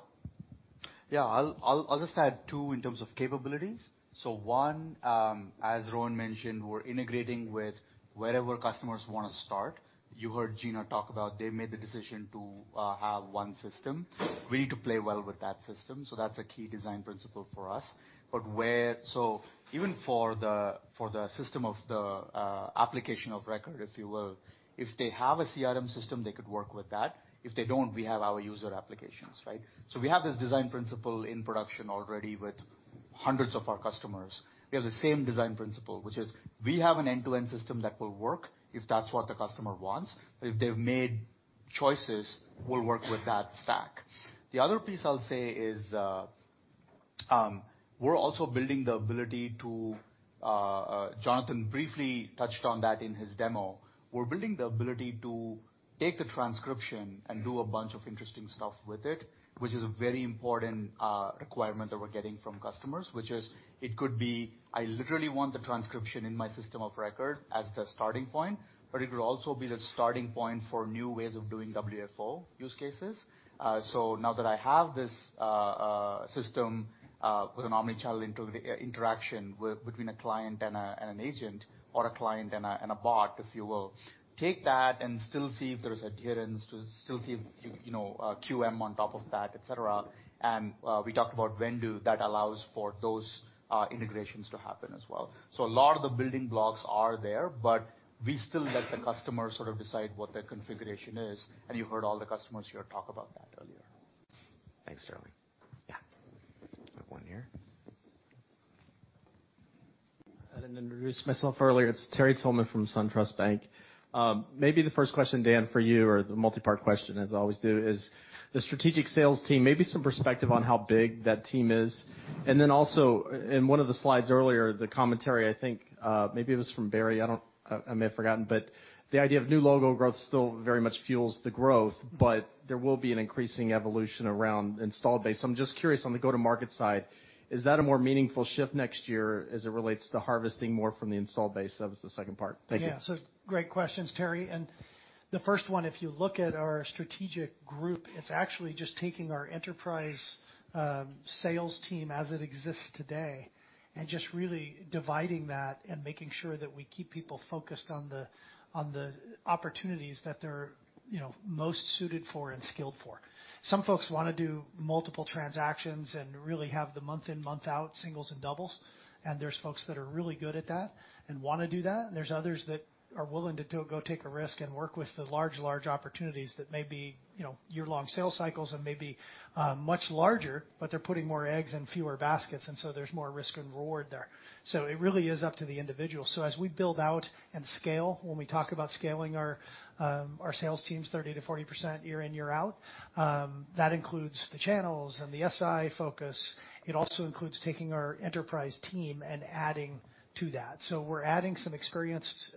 Yeah. I'll just add, too, in terms of capabilities. One, as Rowan mentioned, we're integrating with wherever customers want to start. You heard Gina talk about they made the decision to have one system. We need to play well with that system, so that's a key design principle for us. Even for the system of the application of record, if you will, if they have a CRM system, they could work with that. If they don't, we have our user applications, right? We have this design principle in production already with hundreds of our customers. We have the same design principle, which is we have an end-to-end system that will work if that's what the customer wants. If they've made choices, we'll work with that stack. The other piece I'll say is, we're also building the ability to Jonathan briefly touched on that in his demo. We're building the ability to take the transcription and do a bunch of interesting stuff with it, which is a very important requirement that we're getting from customers, which is it could be I literally want the transcription in my system of record as the starting point, but it will also be the starting point for new ways of doing WFO use cases. Now that I have this system, with an omnichannel interaction between a client and an agent or a client and a bot, if you will, take that and still see if there's adherence, to still see QM on top of that, et cetera. We talked about Whendu, that allows for those integrations to happen as well. A lot of the building blocks are there, but we still let the customer sort of decide what their configuration is, and you heard all the customers here talk about that earlier. Thanks, Charlie. Yeah. Got one here. I didn't introduce myself earlier. It is Terry Tillman from SunTrust Bank. Maybe the first question, Dan, for you, or the multipart question as I always do, is the strategic sales team, maybe some perspective on how big that team is. Also in one of the slides earlier, the commentary, I think, maybe it was from Barry, I may have forgotten, but the idea of new logo growth still very much fuels the growth, but there will be an increasing evolution around installed base. I am just curious on the go-to-market side, is that a more meaningful shift next year as it relates to harvesting more from the installed base? That was the second part. Thank you. Yeah. Great questions, Terry. The first one, if you look at our strategic group, it's actually just taking our enterprise sales team as it exists today and just really dividing that and making sure that we keep people focused on the opportunities that they're most suited for and skilled for. Some folks want to do multiple transactions and really have the month-in, month-out singles and doubles, and there's folks that are really good at that and want to do that. There's others that are willing to go take a risk and work with the large opportunities that may be year-long sales cycles and may be much larger, but they're putting more eggs in fewer baskets, there's more risk and reward there. It really is up to the individual. As we build out and scale, when we talk about scaling our sales teams 30%-40% year in, year out, that includes the channels and the SI focus. It also includes taking our enterprise team and adding to that. We're adding some experienced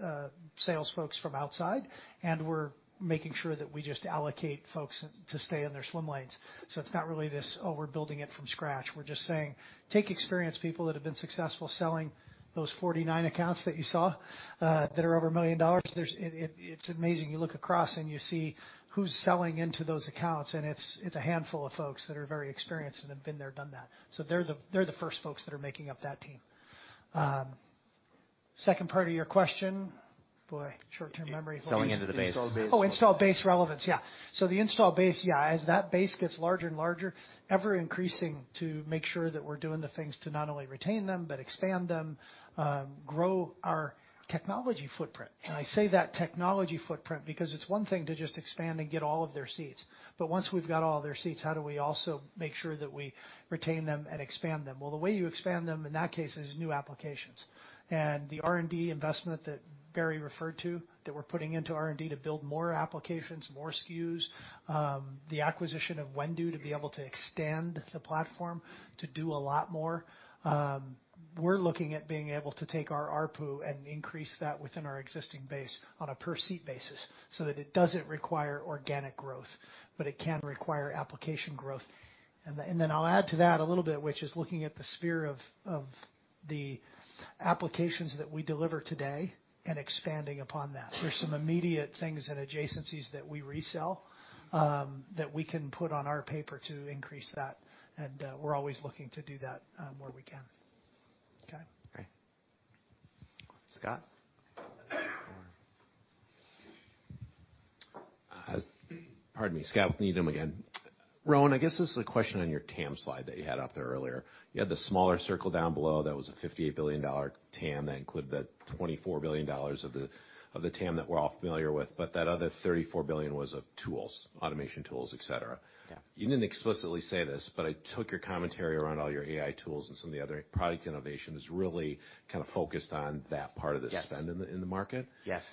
sales folks from outside, and we're making sure that we just allocate folks to stay in their swim lanes. It's not really this, "Oh, we're building it from scratch." We're just saying, take experienced people that have been successful selling those 49 accounts that you saw that are over $1 million. It's amazing. You look across, and you see who's selling into those accounts, and it's a handful of folks that are very experienced and have been there, done that. They're the first folks that are making up that team. Second part of your question. Boy, short-term memory loss. Selling into the base. Installed base relevance. Oh, installed base relevance. Yeah. The installed base, yeah, as that base gets larger and larger, ever increasing to make sure that we're doing the things to not only retain them but expand them, grow our technology footprint. I say that technology footprint because it's one thing to just expand and get all of their seats. Once we've got all their seats, how do we also make sure that we retain them and expand them? The way you expand them in that case is new applications. The R&D investment that Barry referred to, that we're putting into R&D to build more applications, more SKUs, the acquisition of Whendu to be able to extend the platform to do a lot more. We're looking at being able to take our ARPU and increase that within our existing base on a per-seat basis so that it doesn't require organic growth, it can require application growth. I'll add to that a little bit, which is looking at the sphere of the applications that we deliver today and expanding upon that. There's some immediate things and adjacencies that we resell that we can put on our paper to increase that, we're always looking to do that where we can. Okay. Great. Scott. Pardon me. Scott Berg again. Rowan, I guess this is a question on your TAM slide that you had up there earlier. You had the smaller circle down below that was a $58 billion TAM. That included that $24 billion of the TAM that we're all familiar with, but that other $34 billion was of tools, automation tools, et cetera. Yeah. You didn't explicitly say this, but I took your commentary around all your AI tools and some of the other product innovations really kind of focused on that part of the spend- Yes in the market. Yes.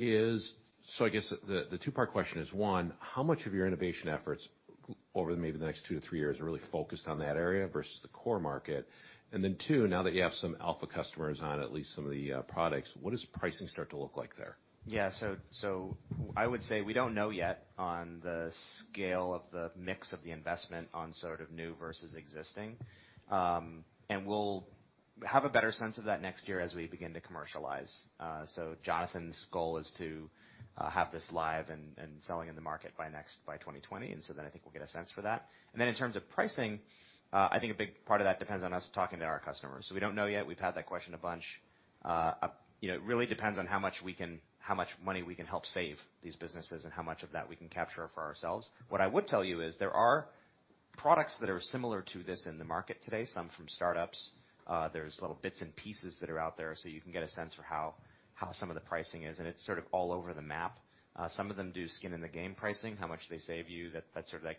I guess the two-part question is, one, how much of your innovation efforts over maybe the next two to three years are really focused on that area versus the core market? Two, now that you have some alpha customers on at least some of the products, what does pricing start to look like there? Yeah. I would say we don't know yet on the scale of the mix of the investment on sort of new versus existing. We'll have a better sense of that next year as we begin to commercialize. Jonathan's goal is to have this live and selling in the market by 2020. I think we'll get a sense for that. In terms of pricing, I think a big part of that depends on us talking to our customers. We don't know yet. We've had that question a bunch. It really depends on how much money we can help save these businesses and how much of that we can capture for ourselves. What I would tell you is there are products that are similar to this in the market today, some from startups. There's little bits and pieces that are out there, so you can get a sense for how some of the pricing is, and it's sort of all over the map. Some of them do skin in the game pricing, how much they save you, that sort of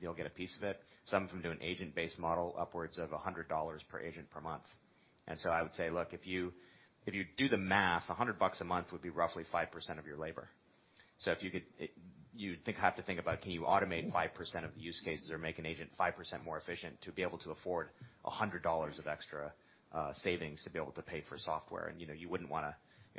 You'll get a piece of it. Some of them do an agent-based model upwards of $100 per agent per month. I would say, look, if you do the math, $100 a month would be roughly 5% of your labor. You have to think about can you automate 5% of the use cases or make an agent 5% more efficient to be able to afford $100 of extra savings to be able to pay for software. You wouldn't want to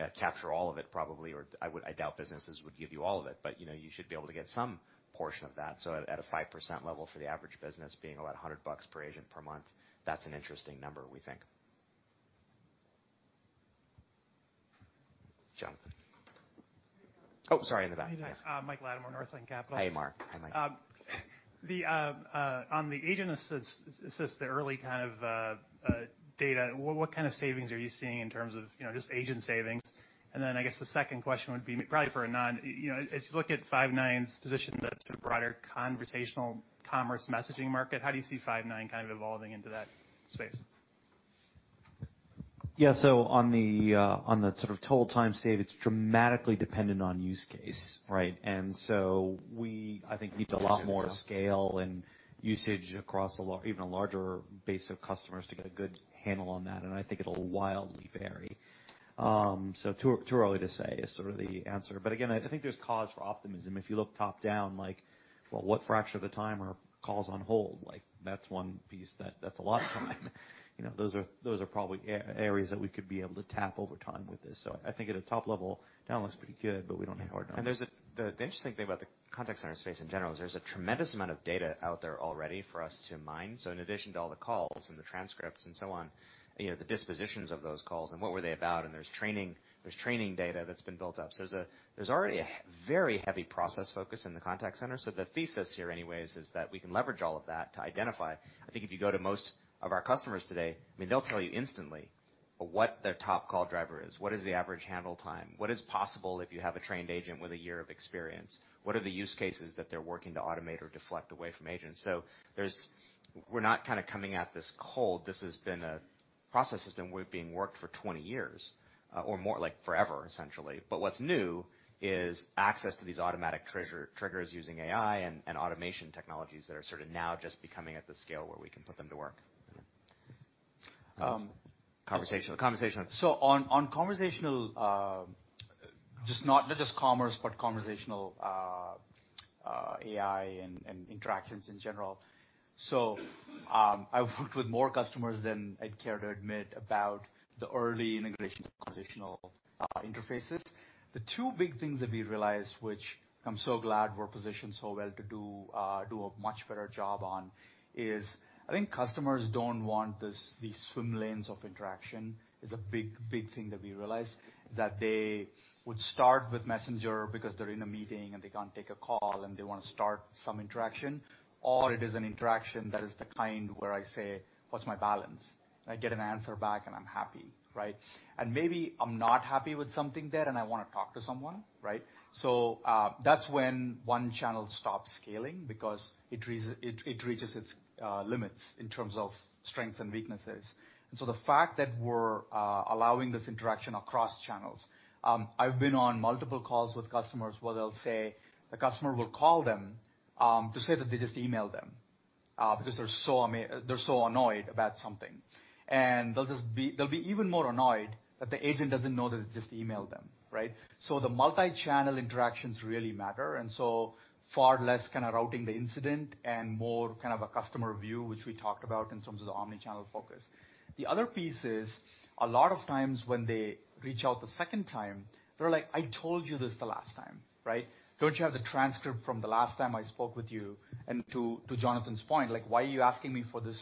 capture all of it probably, or I doubt businesses would give you all of it, but you should be able to get some portion of that. At a 5% level for the average business being about $100 per agent per month, that's an interesting number, we think. Jonathan. Oh, sorry. In the back. Hey, guys. Mike Latimore, Northland Capital. Hey, Mark. Hi, Mike. On the Agent Assist, the early kind of data, what kind of savings are you seeing in terms of just agent savings? I guess the second question would be probably for Anand. As you look at Five9's position to the broader conversational commerce messaging market, how do you see Five9 kind of evolving into that space? Yeah. On the sort of total time save, it's dramatically dependent on use case, right? We, I think, need a lot more scale and usage across even a larger base of customers to get a good handle on that, and I think it'll wildly vary. Too early to say is sort of the answer. Again, I think there's cause for optimism. If you look top-down, like, well, what fraction of the time are calls on hold? That's one piece that's a lot of time. Those are probably areas that we could be able to tap over time with this. I think at a top level, that one looks pretty good, but we don't have hard numbers. The interesting thing about the contact center space in general is there's a tremendous amount of data out there already for us to mine. In addition to all the calls and the transcripts and so on, the dispositions of those calls and what were they about, and there's training data that's been built up. There's already a very heavy process focus in the contact center. The thesis here, anyway, is that we can leverage all of that to identify. I think if you go to most of our customers today, they'll tell you instantly what their top call driver is. What is the average handle time? What is possible if you have a trained agent with a year of experience? What are the use cases that they're working to automate or deflect away from agents? We're not coming at this cold. This process has been worked for 20 years, or more like forever, essentially. What's new is access to these automatic triggers using AI and automation technologies that are sort of now just becoming at the scale where we can put them to work. Conversational. On conversational, not just commerce, but conversational AI and interactions in general. I've worked with more customers than I'd care to admit about the early integrations of conversational interfaces. The two big things that we realized, which I'm so glad we're positioned so well to do a much better job on, is, I think customers don't want these swim lanes of interaction, is a big thing that we realized. They would start with Messenger because they're in a meeting and they can't take a call and they want to start some interaction, or it is an interaction that is the kind where I say, "What's my balance?" I get an answer back, and I'm happy, right? Maybe I'm not happy with something there, and I want to talk to someone, right? That's when one channel stops scaling because it reaches its limits in terms of strengths and weaknesses. The fact that we're allowing this interaction across channels, I've been on multiple calls with customers where they'll say a customer will call them to say that they just emailed them, because they're so annoyed about something. They'll be even more annoyed that the agent doesn't know that they just emailed them, right? The multi-channel interactions really matter, far less kind of routing the incident and more kind of a customer view, which we talked about in terms of the omni-channel focus. The other piece is a lot of times when they reach out the second time, they're like, "I told you this the last time," right? Don't you have the transcript from the last time I spoke with you?" To Jonathan's point, like, "Why are you asking me for this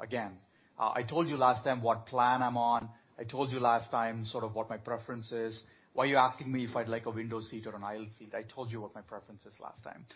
again? I told you last time what plan I'm on. I told you last time sort of what my preference is. Why are you asking me if I'd like a window seat or an aisle seat? I told you what my preference is last time."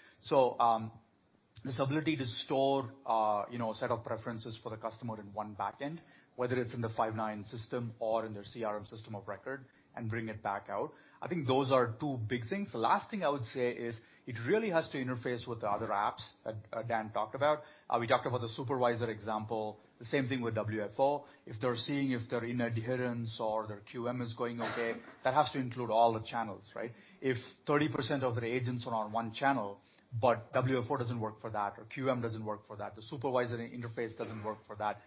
This ability to store a set of preferences for the customer in one back end, whether it's in the Five9 system or in their CRM system of record and bring it back out, I think those are two big things. The last thing I would say is it really has to interface with the other apps that Dan talked about. We talked about the supervisor example, the same thing with WFO. If they're seeing if they're in adherence or their QM is going okay, that has to include all the channels, right? If 30% of their agents are on one channel, but WFO doesn't work for that or QM doesn't work for that, the supervisor interface doesn't work for that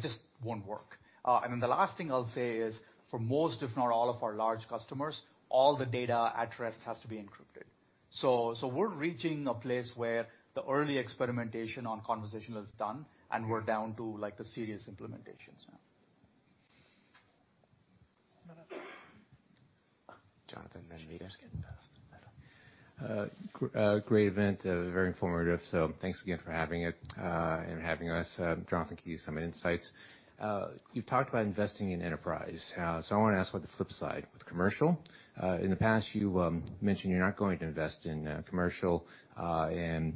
just won't work. The last thing I'll say is, for most, if not all of our large customers, all the data at rest has to be encrypted. We're reaching a place where the early experimentation on conversational is done, and we're down to the serious implementations now. Jonathan, then [Meta]. Great event. Very informative. Thanks again for having it, and having us. Jonathan, thank you for some insights. You've talked about investing in enterprise. I want to ask about the flip side with commercial. In the past, you mentioned you're not going to invest in commercial. The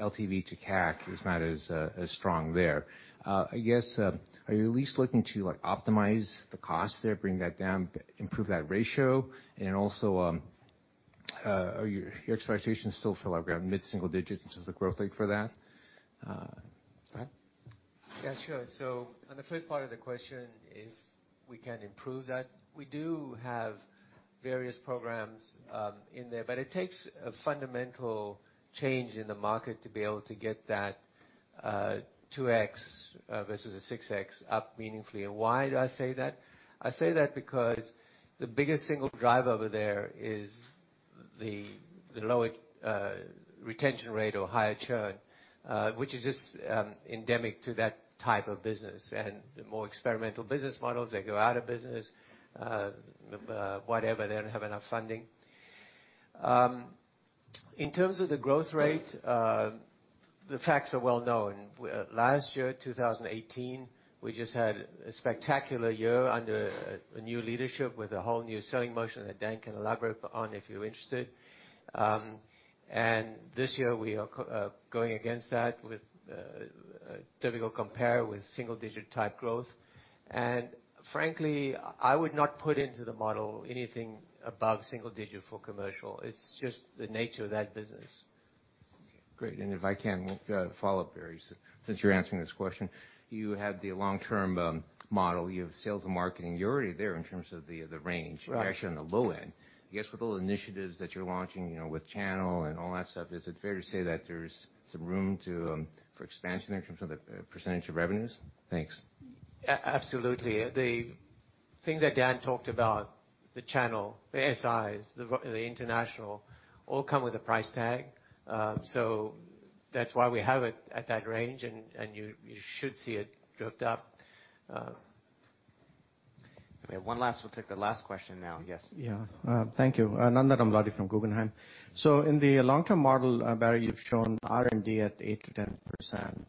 LTV to CAC is not as strong there. I guess, are you at least looking to optimize the cost there, bring that down, improve that ratio? Are your expectations still for mid-single digits in terms of growth rate for that? Yeah, sure. On the first part of the question, if we can improve that, we do have various programs in there. It takes a fundamental change in the market to be able to get that 2x versus a 6x up meaningfully. Why do I say that? I say that because the biggest single driver over there is the lower retention rate or higher churn, which is just endemic to that type of business. The more experimental business models, they go out of business, whatever, they don't have enough funding. In terms of the growth rate, the facts are well known. Last year, 2018, we just had a spectacular year under a new leadership with a whole new selling motion that Dan can elaborate on if you're interested. This year we are going against that with a difficult compare with single-digit type growth. Frankly, I would not put into the model anything above single digit for commercial. It's just the nature of that business. Great. If I can follow up, Barry, since you're answering this question. You have the long-term model. You have sales and marketing. You are already there in terms of the range. Right. You're actually on the low end. I guess with all the initiatives that you're launching, with channel and all that stuff, is it fair to say that there's some room for expansion in terms of the percentage of revenues? Thanks. Absolutely. The things that Dan talked about, the channel, the SIs, the international, all come with a price tag. That's why we have it at that range, and you should see it drift up. Okay, one last. We'll take the last question now. Yes. Yeah. Thank you. Nandan Amladi from Guggenheim. In the long-term model, Barry, you've shown R&D at 8%-10%.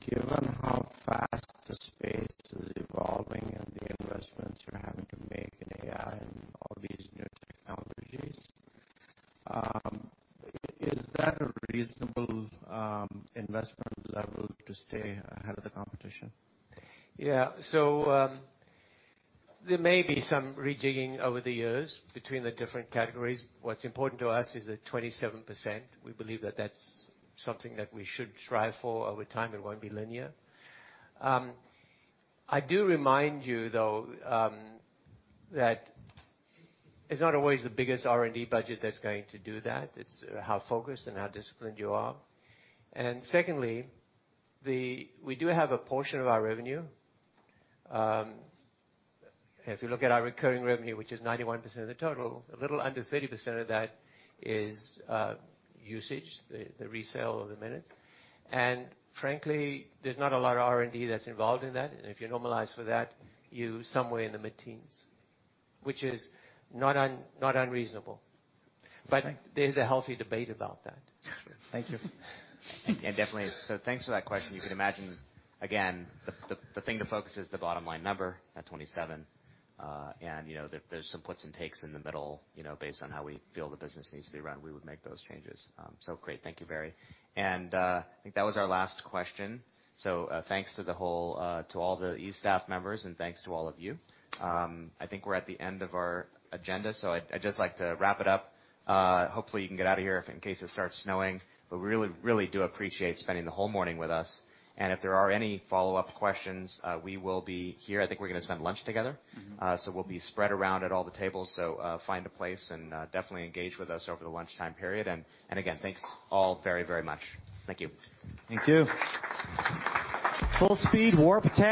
Given how fast the space is evolving and the investments you're having to make in AI and all these new technologies, is that a reasonable investment level to stay ahead of the competition? Yeah. There may be some rejigging over the years between the different categories. What's important to us is the 27%. We believe that that's something that we should strive for over time. It won't be linear. I do remind you though, that it's not always the biggest R&D budget that's going to do that. It's how focused and how disciplined you are. Secondly, we do have a portion of our revenue. If you look at our recurring revenue, which is 91% of the total, a little under 30% of that is usage, the resale of the minutes. Frankly, there's not a lot of R&D that's involved in that. If you normalize for that, you're somewhere in the mid-teens, which is not unreasonable. Okay. There's a healthy debate about that. Thank you. Thanks for that question. You can imagine, again, the thing to focus is the bottom line number at 27. There's some puts and takes in the middle, based on how we feel the business needs to be run, we would make those changes. Great. Thank you, Barry. I think that was our last question. Thanks to all the E-staff members and thanks to all of you. I think we're at the end of our agenda, I'd just like to wrap it up. Hopefully you can get out of here in case it starts snowing. We really do appreciate you spending the whole morning with us. If there are any follow-up questions, we will be here. I think we're going to spend lunch together. We'll be spread around at all the tables, so find a place and definitely engage with us over the lunchtime period. Again, thanks all very much. Thank you. Thank you. Full speed warp 10.